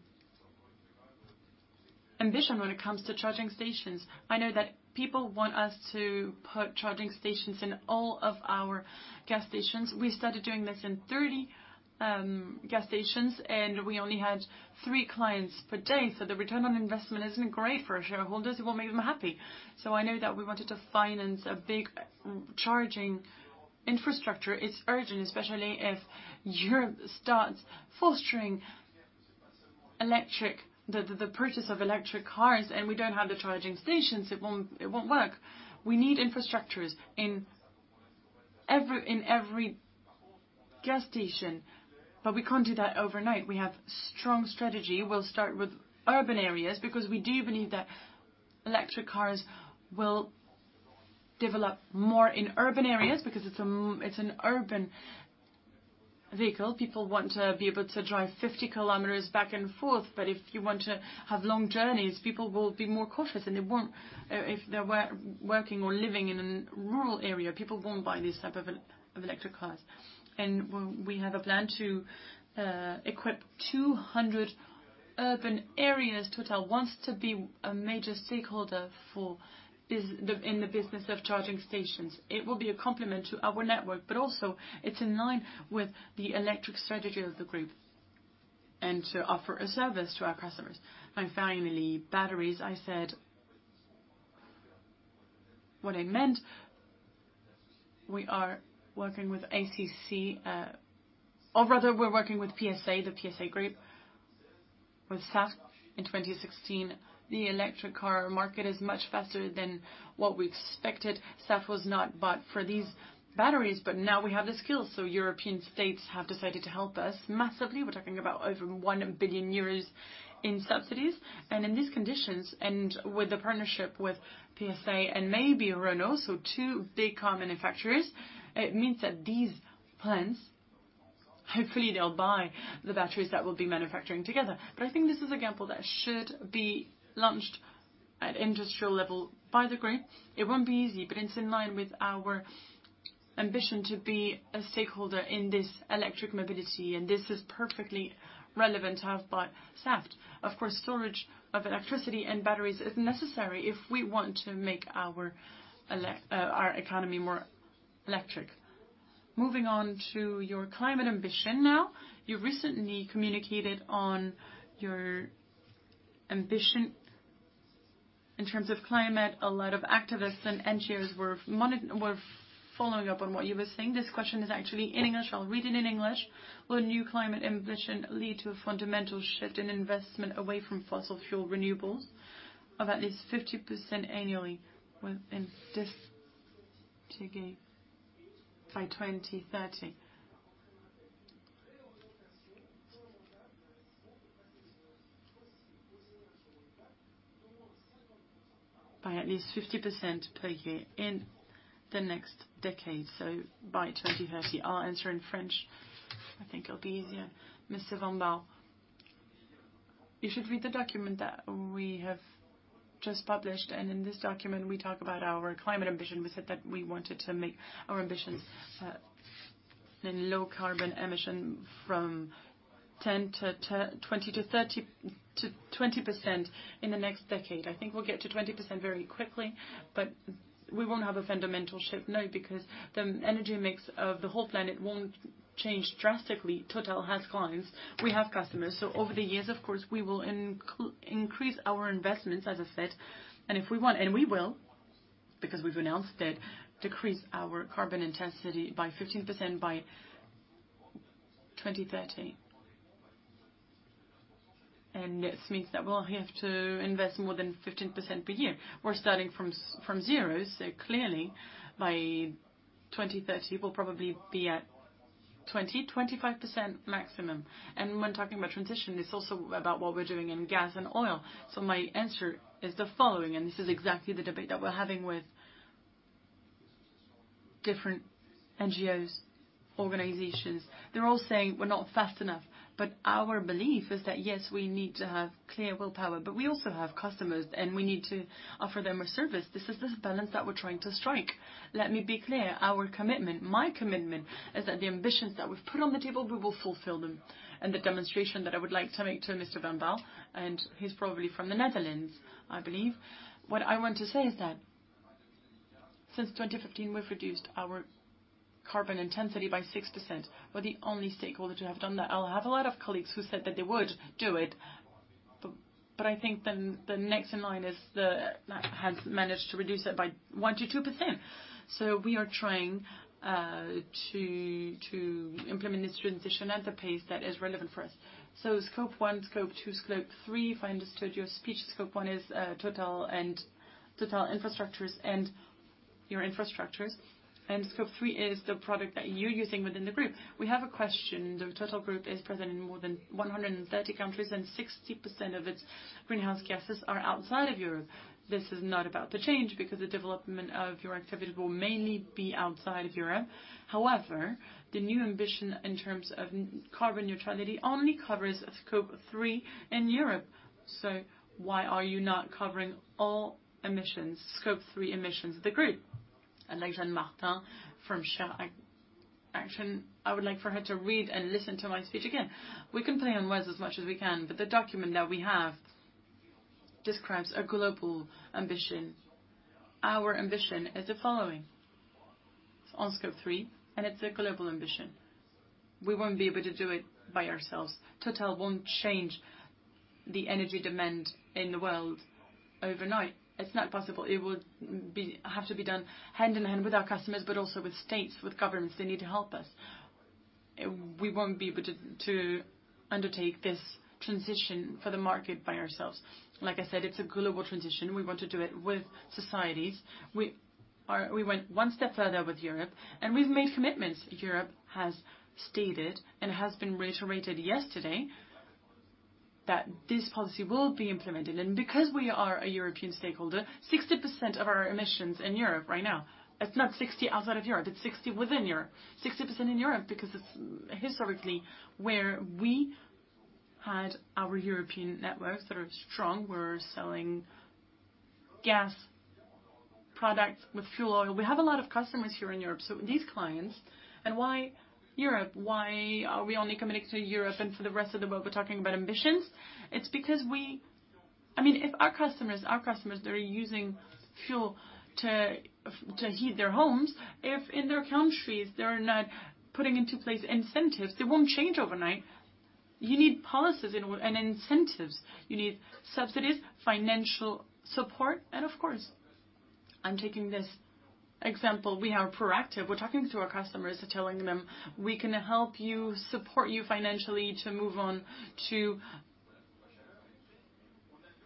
ambition when it comes to charging stations? I know that people want us to put charging stations in all of our gas stations. We started doing this in 30 gas stations, and we only had three clients per day, so the return on investment isn't great for our shareholders. It won't make them happy. I know that we wanted to finance a big charging infrastructure. It's urgent, especially if Europe starts fostering the purchase of electric cars and we don't have the charging stations, it won't work. We need infrastructures in every gas station, but we can't do that overnight. We have strong strategy. We'll start with urban areas because we do believe that electric cars will develop more in urban areas because it's an urban vehicle. People want to be able to drive 50 km back and forth, but if you want to have long journeys, people will be more cautious, and if they're working or living in a rural area, people won't buy these type of electric cars. We have a plan to equip 200 urban areas. Total wants to be a major stakeholder in the business of charging stations. It will be a complement to our network, but also it's in line with the electric strategy of the group, and to offer a service to our customers. Finally, batteries. I said what I meant. We are working with ACC, or rather, we're working with PSA, the PSA Group, with Saft in 2016. The electric car market is much faster than what we expected. Saft was not bought for these batteries, but now we have the skills, so European states have decided to help us massively. We're talking about over 1 billion euros in subsidies. In these conditions, and with the partnership with PSA and maybe Renault, so two big car manufacturers, it means that these plans, hopefully they'll buy the batteries that we'll be manufacturing together. I think this is a gamble that should be launched at industrial level by the group. It won't be easy, but it's in line with our ambition to be a stakeholder in this electric mobility, and this is perfectly relevant to have bought Saft. Of course, storage of electricity and batteries is necessary if we want to make our economy more electric. Moving on to your climate ambition now. You recently communicated on your ambition in terms of climate, a lot of activists and NGOs were following up on what you were saying. This question is actually in English, I'll read it in English. Will new climate ambition lead to a fundamental shift in investment away from fossil fuel renewables of at least 50% annually by 2030? By at least 50% per year in the next decade, so by 2030. I'll answer in French. I think it'll be easier. Mr. van Baal, you should read the document that we have just published, and in this document, we talk about our climate ambition. We said that we wanted to make our ambitions in low carbon emission from 20% in the next decade. I think we'll get to 20% very quickly, but we won't have a fundamental shift. No, because the energy mix of the whole planet won't change drastically. Total has clients. We have customers. Over the years, of course, we will increase our investments, as I said, and if we want, and we will, because we've announced it, decrease our carbon intensity by 15% by 2030. This means that we'll have to invest more than 15% per year. We're starting from zero, so clearly by 2030, we'll probably be at 20%, 25% maximum. When talking about transition, it's also about what we're doing in gas and oil. My answer is the following, and this is exactly the debate that we're having with different NGOs, organizations. They're all saying we're not fast enough, but our belief is that, yes, we need to have clear willpower, but we also have customers, and we need to offer them a service. This is this balance that we're trying to strike. Let me be clear. Our commitment, my commitment, is that the ambitions that we've put on the table, we will fulfill them. The demonstration that I would like to make to Mr. van Baal, and he's probably from the Netherlands, I believe. What I want to say is that since 2015, we've reduced our carbon intensity by 6%. We're the only stakeholder to have done that. I'll have a lot of colleagues who said that they would do it, but I think the next in line has managed to reduce it by 1%-2%. We are trying to implement this transition at the pace that is relevant for us. Scope 1, Scope 2, Scope 3. If I understood your speech, Scope 1 is Total and Total infrastructures and your infrastructures, and Scope 3 is the product that you're using within the group. We have a question. The Total group is present in more than 130 countries, and 60% of its greenhouse gases are outside of Europe. This is not about to change because the development of your activity will mainly be outside of Europe. However, the new ambition in terms of carbon neutrality only covers Scope 3 in Europe. Why are you not covering all Scope 3 emissions of the group? Like Jeanne Martin from ShareAction, I would like for her to read and listen to my speech again. We can play on words as much as we can, but the document that we have describes a global ambition. Our ambition is the following. It's on Scope 3, and it's a global ambition. We won't be able to do it by ourselves. Total won't change the energy demand in the world overnight. It's not possible. It would have to be done hand-in-hand with our customers, but also with states, with governments. They need to help us. We won't be able to undertake this transition for the market by ourselves. Like I said, it's a global transition. We want to do it with societies. We went one step further with Europe, and we've made commitments. Europe has stated, and it has been reiterated yesterday, that this policy will be implemented. Because we are a European stakeholder, 60% of our emissions in Europe right now. It's not 60% outside of Europe, it's 60% within Europe. 60% in Europe because it's historically where we had our European networks that are strong. We're selling gas products with fuel oil. We have a lot of customers here in Europe, so these clients. Why Europe? Why are we only committing to Europe and for the rest of the world, we're talking about ambitions? If our customers, they're using fuel to heat their homes. If in their countries, they're not putting into place incentives, they won't change overnight. You need policies and incentives. You need subsidies, financial support, and of course, I'm taking this example. We are proactive. We're talking to our customers and telling them, we can help you, support you financially to move on to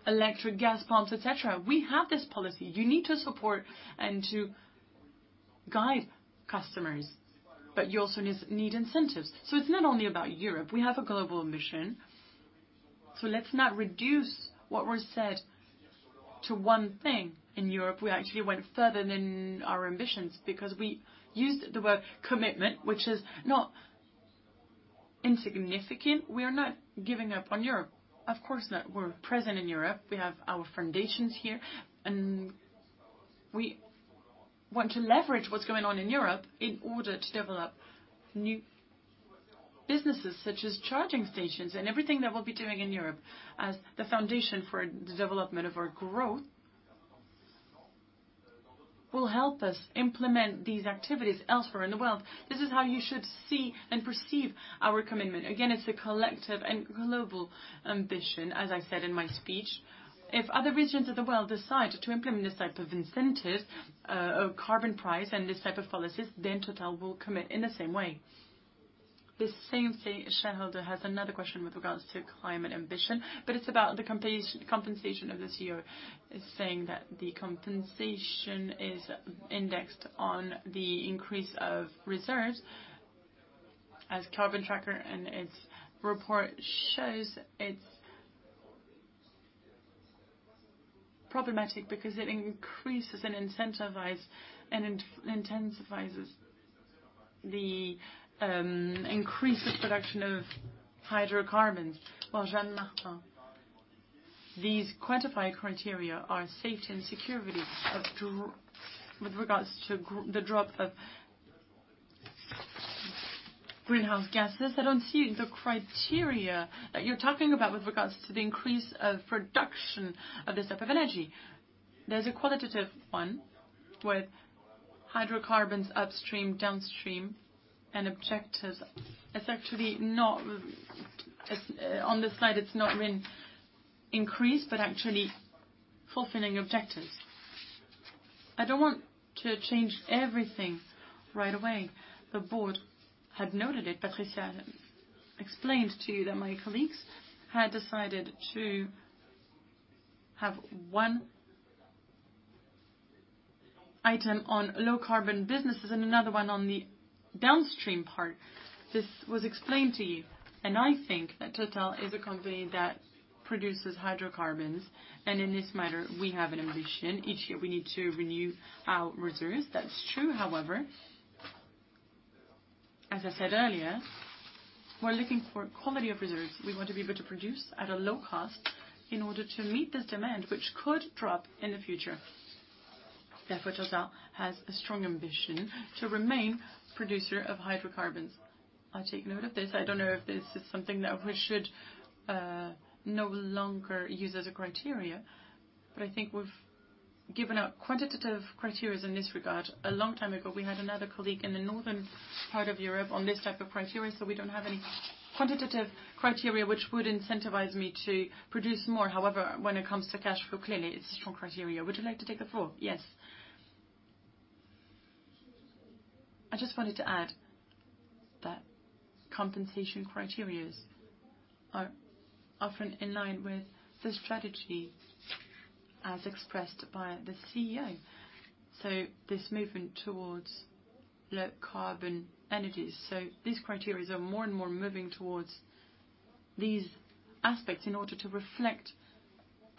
electric gas pumps, et cetera. We have this policy. You need to support and to guide customers, but you also need incentives. It's not only about Europe. We have a global mission. Let's not reduce what was said to one thing. In Europe, we actually went further than our ambitions because we used the word commitment, which is not insignificant. We are not giving up on Europe. Of course not. We're present in Europe. We have our foundations here, and we want to leverage what's going on in Europe in order to develop new businesses, such as charging stations and everything that we'll be doing in Europe as the foundation for the development of our growth. Will help us implement these activities elsewhere in the world. This is how you should see and perceive our commitment. Again, it's a collective and global ambition, as I said in my speech. If other regions of the world decide to implement this type of incentives of carbon price and this type of policies, then Total will commit in the same way. The same shareholder has another question with regards to climate ambition, but it's about the compensation of the CEO. It's saying that the compensation is indexed on the increase of reserves as Carbon Tracker and its report shows it's problematic because it increases and intensifies the increase of production of hydrocarbons. Well, Jeanne Martin, these quantified criteria are safety and security with regards to the drop of greenhouse gases. I don't see the criteria that you're talking about with regards to the increase of production of this type of energy. There's a qualitative one with hydrocarbons upstream, downstream, and objectives. On the slide, it's not written increase, but actually fulfilling objectives. I don't want to change everything right away. The board had noted it. Patricia explained to you that my colleagues had decided to have one item on low carbon businesses and another one on the downstream part. This was explained to you, and I think that Total is a company that produces hydrocarbons, and in this matter, we have an ambition. Each year we need to renew our reserves. That's true. However, as I said earlier, we're looking for quality of reserves. We want to be able to produce at a low cost in order to meet this demand, which could drop in the future. Therefore, Total has a strong ambition to remain producer of hydrocarbons. I'll take note of this. I don't know if this is something that we should no longer use as a criteria, but I think we've given out quantitative criteria in this regard. A long time ago, we had another colleague in the northern part of Europe on this type of criteria, so we don't have any quantitative criteria which would incentivize me to produce more. However, when it comes to cash flow, clearly it's a strong criteria. Would you like to take the floor? Yes. I just wanted to add that compensation criterias are often in line with the strategy as expressed by the CEO. This movement towards low carbon energies. These criterias are more and more moving towards these aspects in order to reflect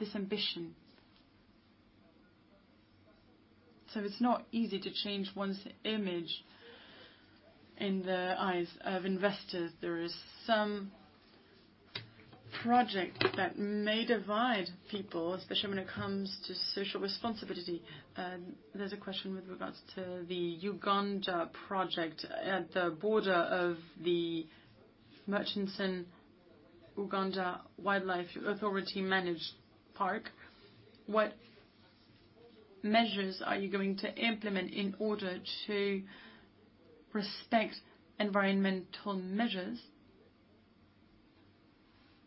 this ambition. It's not easy to change one's image in the eyes of investors. There is some project that may divide people, especially when it comes to social responsibility. There's a question with regards to the Uganda project at the border of the Murchison Uganda Wildlife Authority managed park. What measures are you going to implement in order to respect environmental measures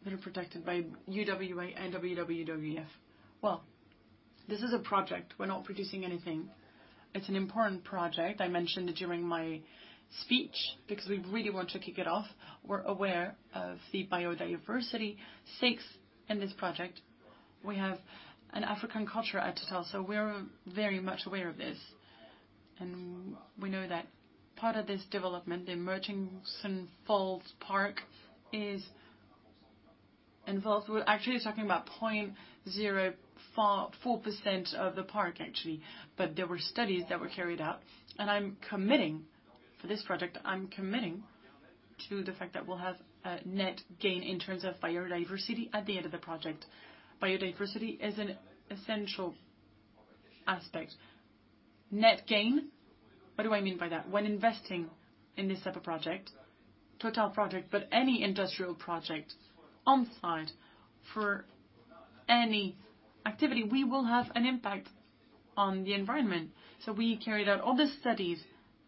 that are protected by UWA and WWF? Well, this is a project. We're not producing anything. It's an important project. I mentioned it during my speech because we really want to kick it off. We're aware of the biodiversity stakes in this project. We have an African culture at Total, so we're very much aware of this. We know that part of this development, the Murchison Falls Park is involved. We're actually talking about 0.04% of the park actually. There were studies that were carried out, and for this project, I'm committing to the fact that we'll have a net gain in terms of biodiversity at the end of the project. Biodiversity is an essential aspect. Net gain, what do I mean by that? When investing in this type of project, Total project, but any industrial project on site for any activity, we will have an impact on the environment. We carried out all the studies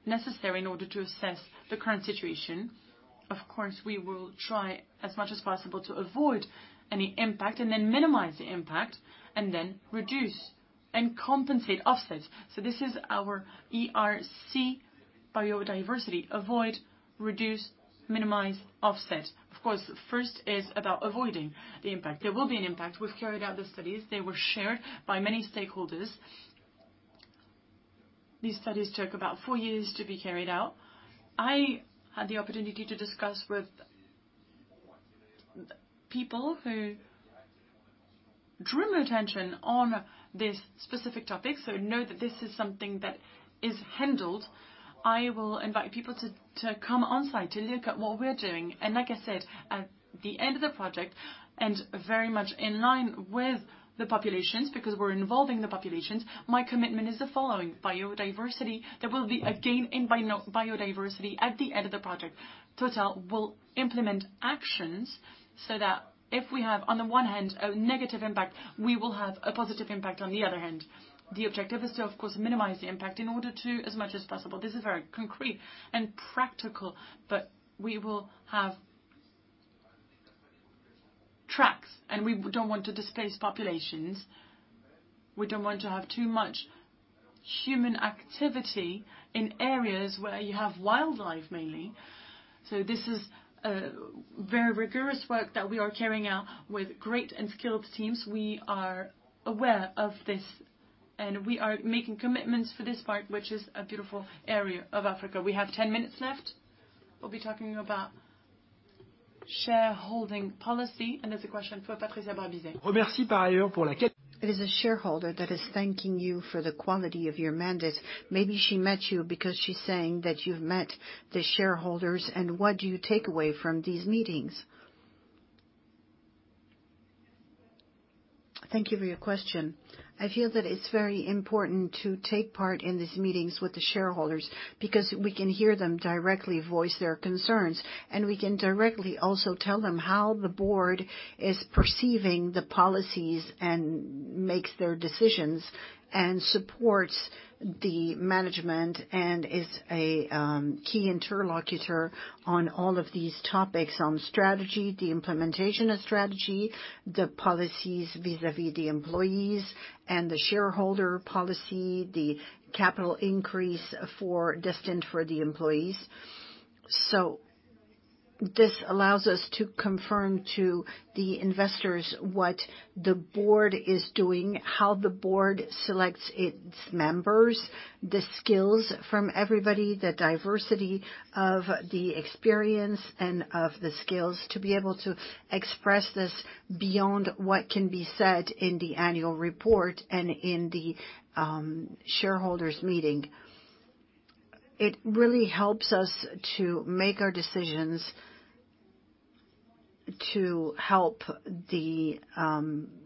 necessary in order to assess the current situation. Of course, we will try as much as possible to avoid any impact and then minimize the impact and then reduce and compensate offset. This is our ERC biodiversity. Avoid, reduce, minimize, offset. Of course, first is about avoiding the impact. There will be an impact. We've carried out the studies. They were shared by many stakeholders. These studies took about four years to be carried out. I had the opportunity to discuss with people who drew my attention on this specific topic, so know that this is something that is handled. I will invite people to come on site to look at what we're doing. Like I said, at the end of the project, and very much in line with the populations, because we're involving the populations, my commitment is the following, there will be a gain in biodiversity at the end of the project. Total will implement actions so that if we have, on the one hand, a negative impact, we will have a positive impact on the other hand. The objective is to, of course, minimize the impact in order to, as much as possible. This is very concrete and practical. We don't want to displace populations. We don't want to have too much human activity in areas where you have wildlife, mainly. This is very rigorous work that we are carrying out with great and skilled teams. We are aware of this, and we are making commitments for this part, which is a beautiful area of Africa. We have 10 minutes left. We'll be talking about shareholding policy, and there's a question for Patricia Barbizet. It is a shareholder that is thanking you for the quality of your mandate. Maybe she met you because she's saying that you've met the shareholders, and what do you take away from these meetings? Thank you for your question. I feel that it's very important to take part in these meetings with the shareholders, because we can hear them directly voice their concerns, and we can directly also tell them how the board is perceiving the policies, and makes their decisions, and supports the management, and is a key interlocutor on all of these topics. On strategy, the implementation of strategy, the policies vis-à-vis the employees and the shareholder policy, the capital increase destined for the employees. This allows us to confirm to the investors what the board is doing, how the board selects its members, the skills from everybody, the diversity of the experience, and of the skills to be able to express this beyond what can be said in the annual report and in the shareholders meeting. It really helps us to make our decisions to help the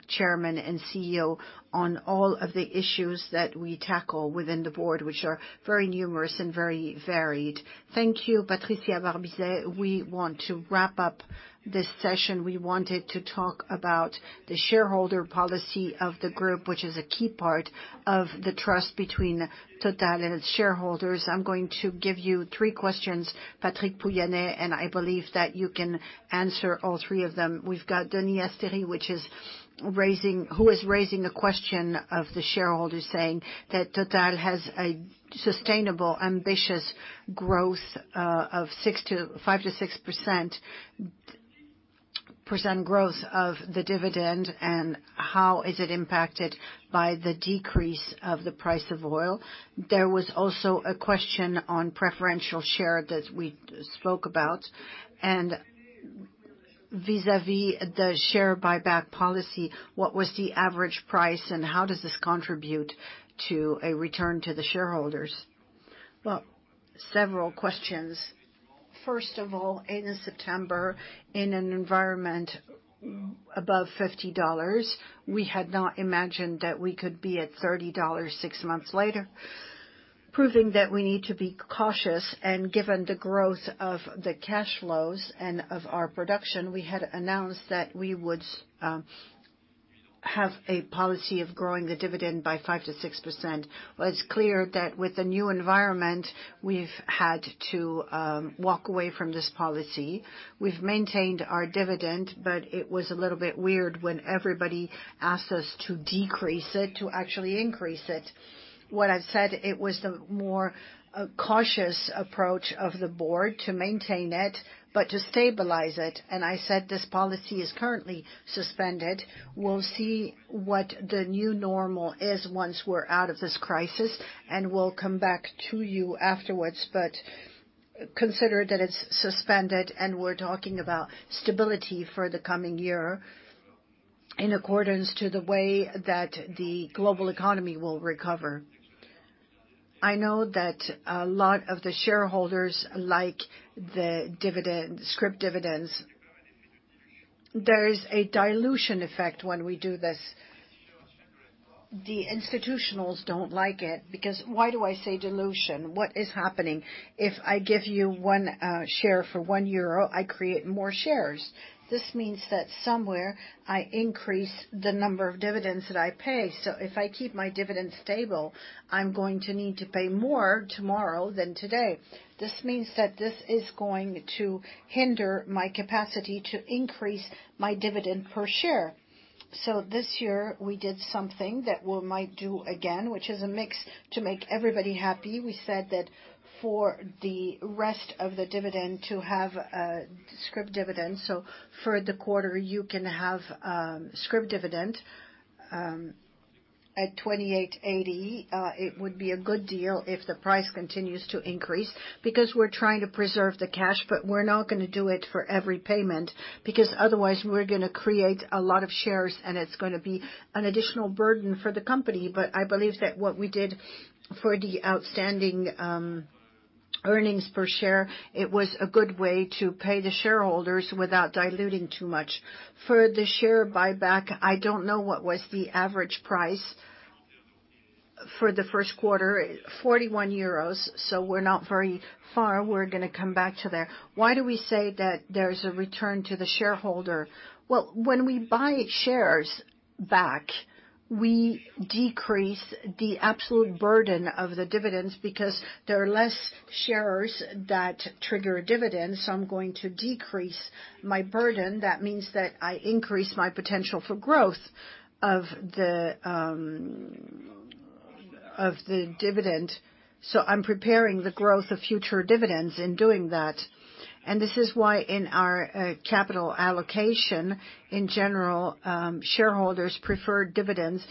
Chairman and CEO on all of the issues that we tackle within the board, which are very numerous and very varied. Thank you, Patricia Barbizet. We want to wrap up this session. We wanted to talk about the shareholder policy of the group, which is a key part of the trust between Total and its shareholders. I'm going to give you three questions, Patrick Pouyanné, and I believe that you can answer all three of them. We've got [Denis Astier], who is raising a question of the shareholders saying that Total has a sustainable, ambitious growth of 5%-6% growth of the dividend, and how is it imPACTEd by the decrease of the price of oil? There was also a question on preferential share that we spoke about, and vis-à-vis the share buyback policy, what was the average price, and how does this contribute to a return to the shareholders? Well, several questions. First of all, in September, in an environment above $50, we had not imagined that we could be at $30 six months later, proving that we need to be cautious. Given the growth of the cash flows and of our production, we had announced that we would have a policy of growing the dividend by 5%-6%. Well, it's clear that with the new environment, we've had to walk away from this policy. We've maintained our dividend, but it was a little bit weird when everybody asked us to decrease it, to actually increase it. What I've said, it was the more cautious approach of the board to maintain it, but to stabilize it, and I said this policy is currently suspended. We'll see what the new normal is once we're out of this crisis, and we'll come back to you afterwards, but consider that it's suspended and we're talking about stability for the coming year in accordance to the way that the global economy will recover. I know that a lot of the shareholders like the scrip dividends. There is a dilution effect when we do this. The institutionals don't like it because why do I say dilution? What is happening? If I give you one share for 1 euro, I create more shares. This means that somewhere I increase the number of dividends that I pay. if I keep my dividend stable, I'm going to need to pay more tomorrow than today. This means that this is going to hinder my capacity to increase my dividend per share. this year, we did something that we might do again, which is a mix to make everybody happy. We said that for the rest of the dividend to have a scrip dividend. for the quarter, you can have a scrip dividend, at 28.80. It would be a good deal if the price continues to increase, because we're trying to preserve the cash, but we're not going to do it for every payment, because otherwise we're going to create a lot of shares and it's going to be an additional burden for the company. I believe that what we did for the outstanding earnings per share, it was a good way to pay the shareholders without diluting too much. For the share buyback, I don't know what was the average price for the first quarter, 41 euros. We're not very far. We're going to come back to there. Why do we say that there's a return to the shareholder? Well, when we buy shares back, we decrease the absolute burden of the dividends because there are less shares that trigger a dividend, so I'm going to decrease my burden. That means that I increase my potential for growth of the dividend. I'm preparing the growth of future dividends in doing that. This is why in our capital allocation, in general, shareholders prefer dividends,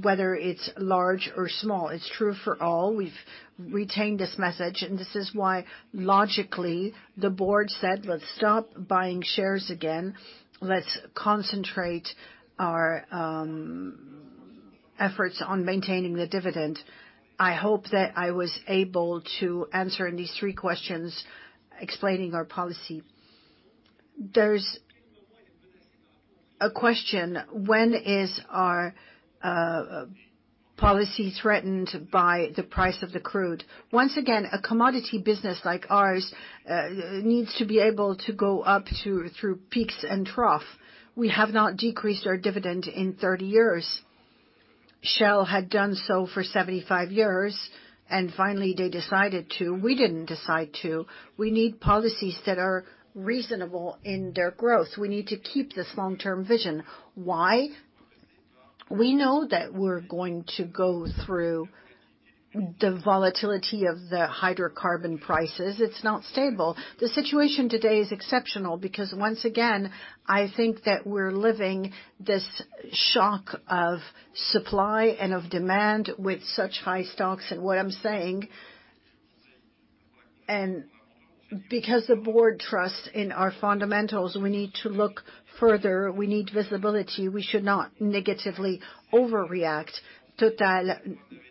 whether it's large or small. It's true for all. We've retained this message, and this is why, logically, the board said, "Let's stop buying shares again. Let's concentrate our efforts on maintaining the dividend." I hope that I was able to answer in these three questions explaining our policy. There's a question, when is our policy threatened by the price of the crude? Once again, a commodity business like ours needs to be able to go up through peaks and trough. We have not decreased our dividend in 30 years. Shell had done so for 75 years, and finally they decided to. We didn't decide to. We need policies that are reasonable in their growth. We need to keep this long-term vision. Why? We know that we're going to go through the volatility of the hydrocarbon prices. It's not stable. The situation today is exceptional because once again, I think that we're living this shock of supply and of demand with such high stocks. What I'm saying, and because the board trusts in our fundamentals, we need to look further. We need visibility. We should not negatively overreact. Total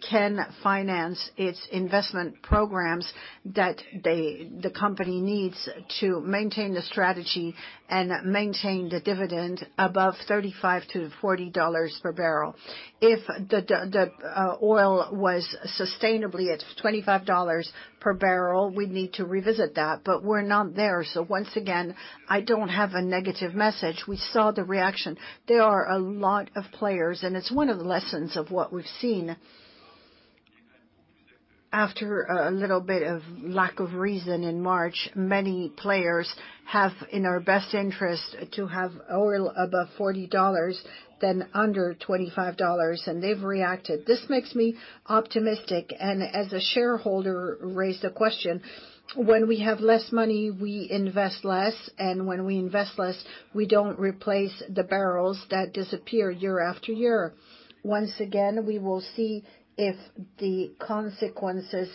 can finance its investment programs that the company needs to maintain the strategy and maintain the dividend above $35-$40/bbl. If the oil was sustainably at $25/bbl, we'd need to revisit that. We're not there, so once again, I don't have a negative message. We saw the reaction. There are a lot of players, and it's one of the lessons of what we've seen after a little bit of lack of reason in March. Many players have, in our best interest, to have oil above $40 than under $25, and they've reacted. This makes me optimistic. As a shareholder raised the question, when we have less money, we invest less, and when we invest less, we don't replace the barrels that disappear year after year. Once again, we will see if the consequences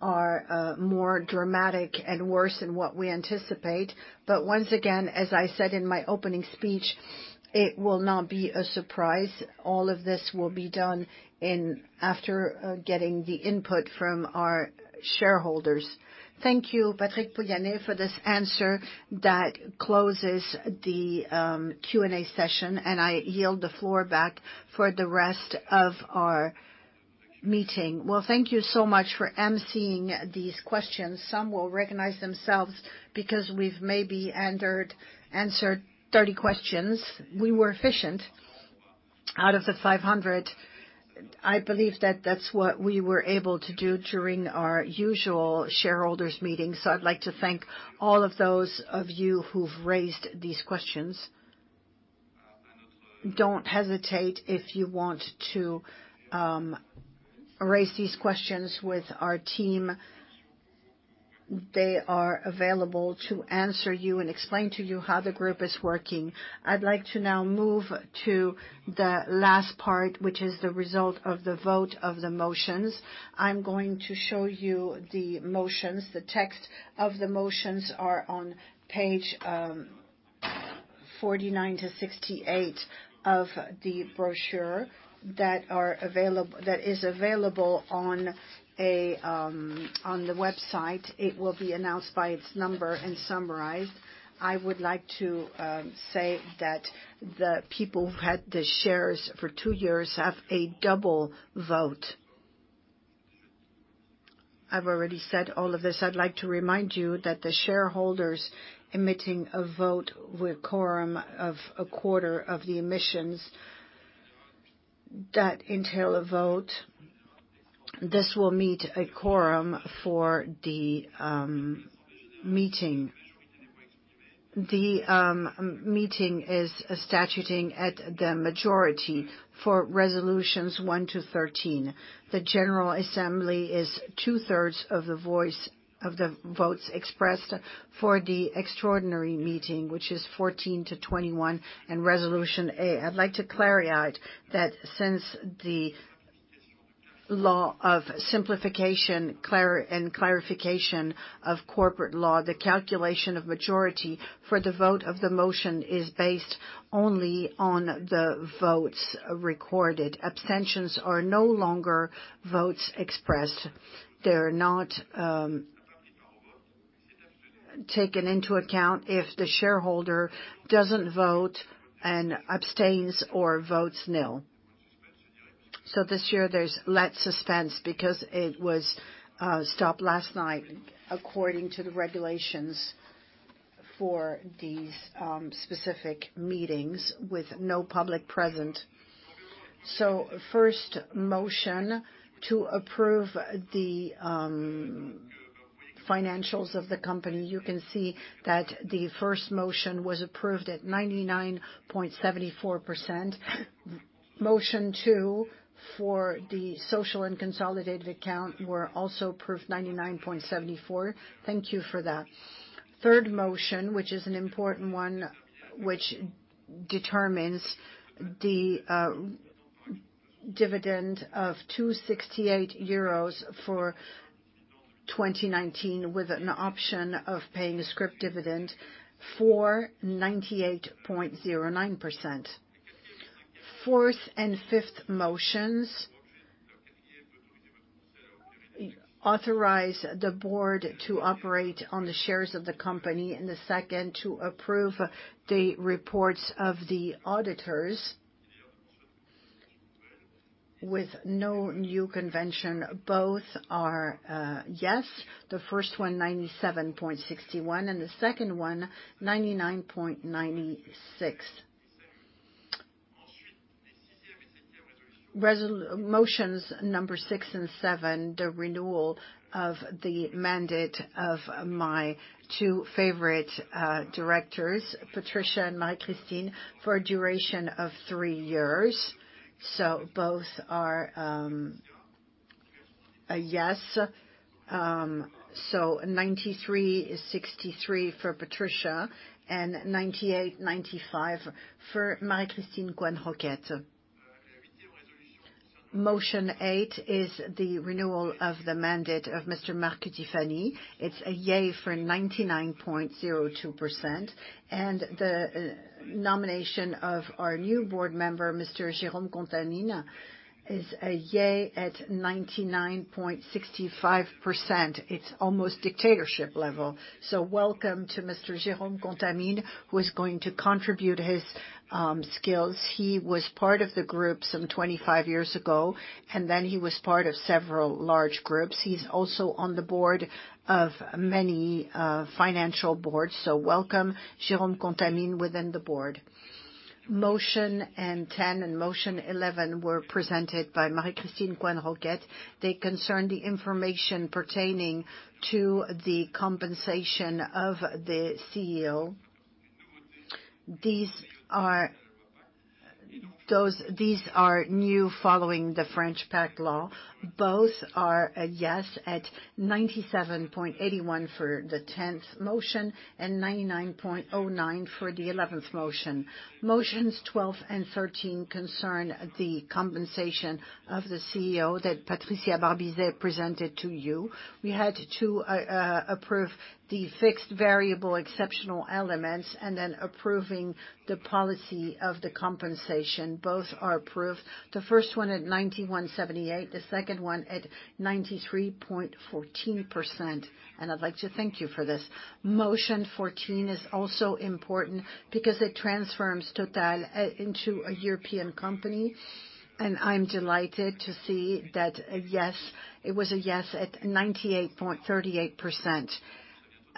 are more dramatic and worse than what we anticipate. Once again, as I said in my opening speech, it will not be a surprise. All of this will be done after getting the input from our shareholders. Thank you, Patrick Pouyanné for this answer. That closes the Q&A session, and I yield the floor back for the rest of our meeting. Well, thank you so much for emceeing these questions. Some will recognize themselves because we've maybe answered 30 questions. We were efficient out of the 500. I believe that that's what we were able to do during our usual shareholders meetings. I'd like to thank all of those of you who've raised these questions. Don't hesitate if you want to raise these questions with our team. They are available to answer you and explain to you how the group is working. I'd like to now move to the last part, which is the result of the vote of the motions. I'm going to show you the motions. The text of the motions are on page 49-68 of the brochure that is available on the website. It will be announced by its number and summarized. I would like to say that the people who had the shares for two years have a double vote. I've already said all of this. I'd like to remind you that the shareholders emitting a vote with quorum of a quarter of the emissions that entail a vote. This will meet a quorum for the meeting. The meeting is statuting at the majority for resolutions 1-13. The general assembly is two-thirds of the votes expressed for the extraordinary meeting, which is 14-21 and Resolution A. I'd like to clarify that since the law of simplification and clarification of corporate law, the calculation of majority for the vote of the motion is based only on the votes recorded. Abstentions are no longer votes expressed. They're not taken into account if the shareholder doesn't vote and abstains or votes nil. this year there's less suspense because it was stopped last night according to the regulations for these specific meetings with no public present. first motion, to approve the financials of the company. You can see that the first motion was approved at 99.74%. Motion two, for the social and consolidated account, were also approved 99.74%. Thank you for that. Third motion, which is an important one, which determines the dividend of 2.68 euros for 2019 with an option of paying a scrip dividend for 98.09%. Fourth and fifth motions, authorize the board to operate on the shares of the company and the second to approve the reports of the auditors with no new convention. Both are yes. The first one, 97.61%, and the second one, 99.96%. Motions number six and seven, the renewal of the mandate of my two favorite directors, Patricia and Marie-Christine, for a duration of three years. Both are a yes. 93.63% for Patricia and 98.95% for Marie-Christine Coisne-Roquette. Motion eight is the renewal of the mandate of Mr. Mark Cutifani. It's a yay for 99.02%. The nomination of our new board member, Mr. Jérôme Contamine, is a yay at 99.65%. It's almost dictatorship level. Welcome to Mr. Jérôme Contamine, who is going to contribute his skills. He was part of the group some 25 years ago, and then he was part of several large groups. He's also on the board of many financial boards. Welcome, Jérôme Contamine within the board. Motion 10 and motion 11 were presented by Marie-Christine Coisne-Roquette. They concern the information pertaining to the compensation of the CEO. These are new following the French PACTE Law. Both are a yes at 97.81% for the 10th motion and 99.09% for the 11th motion. Motions 12 and 13 concern the compensation of the CEO that Patricia Barbizet presented to you. We had to approve the fixed variable exceptional elements and then approving the policy of the compensation. Both are approved. The first one at 91.78%, the second one at 93.14%. I'd like to thank you for this. Motion 14 is also important because it transforms Total into a European company, and I'm delighted to see that it was a yes at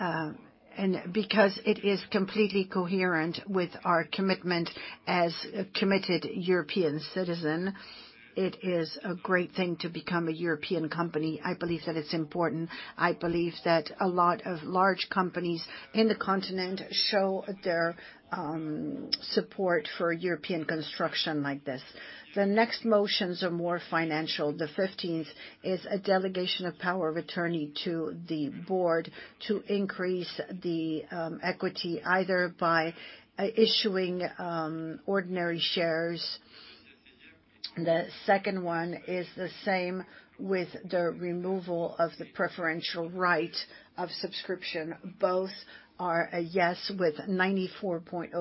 98.38%. Because it is completely coherent with our commitment as a committed European citizen, it is a great thing to become a European company. I believe that it's important. I believe that a lot of large companies in the continent show their support for European construction like this. The next motions are more financial. The 15th is a delegation of power of attorney to the board to increase the equity, either by issuing ordinary shares. The second one is the same with the removal of the preferential right of subscription. Both are a yes with 94.03%,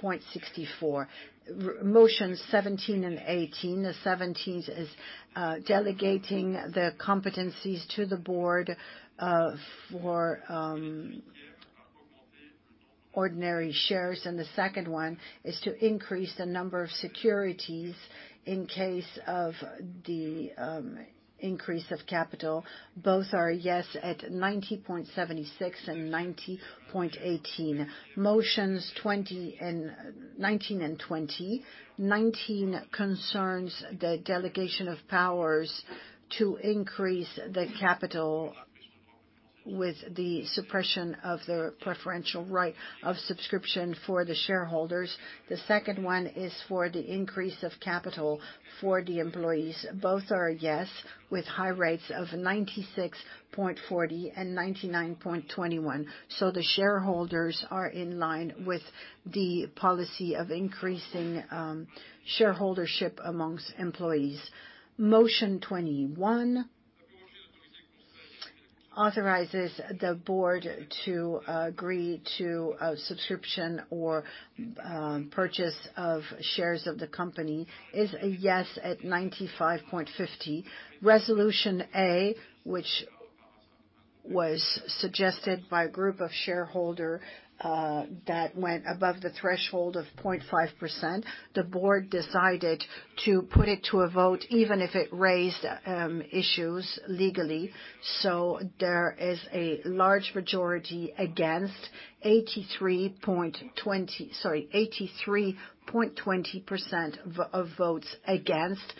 93.64%. Motions 17 and 18, the 17th is delegating the competencies to the board for ordinary shares, and the second one is to increase the number of securities in case of the increase of capital. Both are yes at 90.76% and 90.18%. Motions 19 and 20. 19 concerns the delegation of powers to increase the capital with the suppression of the preferential right of subscription for the shareholders. The second one is for the increase of capital for the employees. Both are yes, with high rates of 96.40% and 99.21%. The shareholders are in line with the policy of increasing shareholdership amongst employees. Motion 21 authorizes the board to agree to a subscription or purchase of shares of the company, is a yes at 95.50%. Resolution A, which was suggested by a group of shareholder that went above the threshold of 0.5%, the board decided to put it to a vote even if it raised issues legally. There is a large majority against, 83.20% of votes against.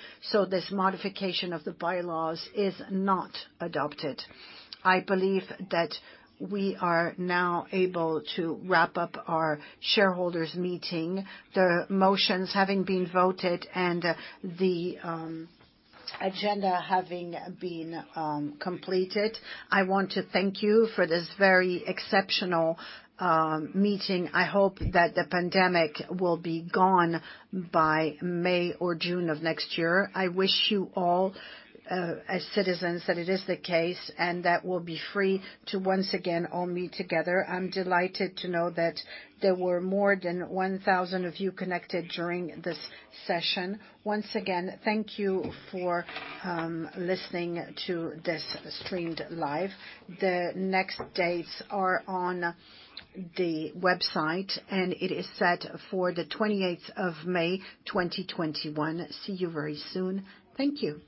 This modification of the bylaws is not adopted. I believe that we are now able to wrap up our shareholders meeting, the motions having been voted and the agenda having been completed. I want to thank you for this very exceptional meeting. I hope that the pandemic will be gone by May or June of next year. I wish you all, as citizens, that it is the case, and that we'll be free to once again all meet together. I'm delighted to know that there were more than 1,000 of you connected during this session. Once again, thank you for listening to this streamed live. The next dates are on the website, and it is set for the 28th of May 2021. See you very soon. Thank you.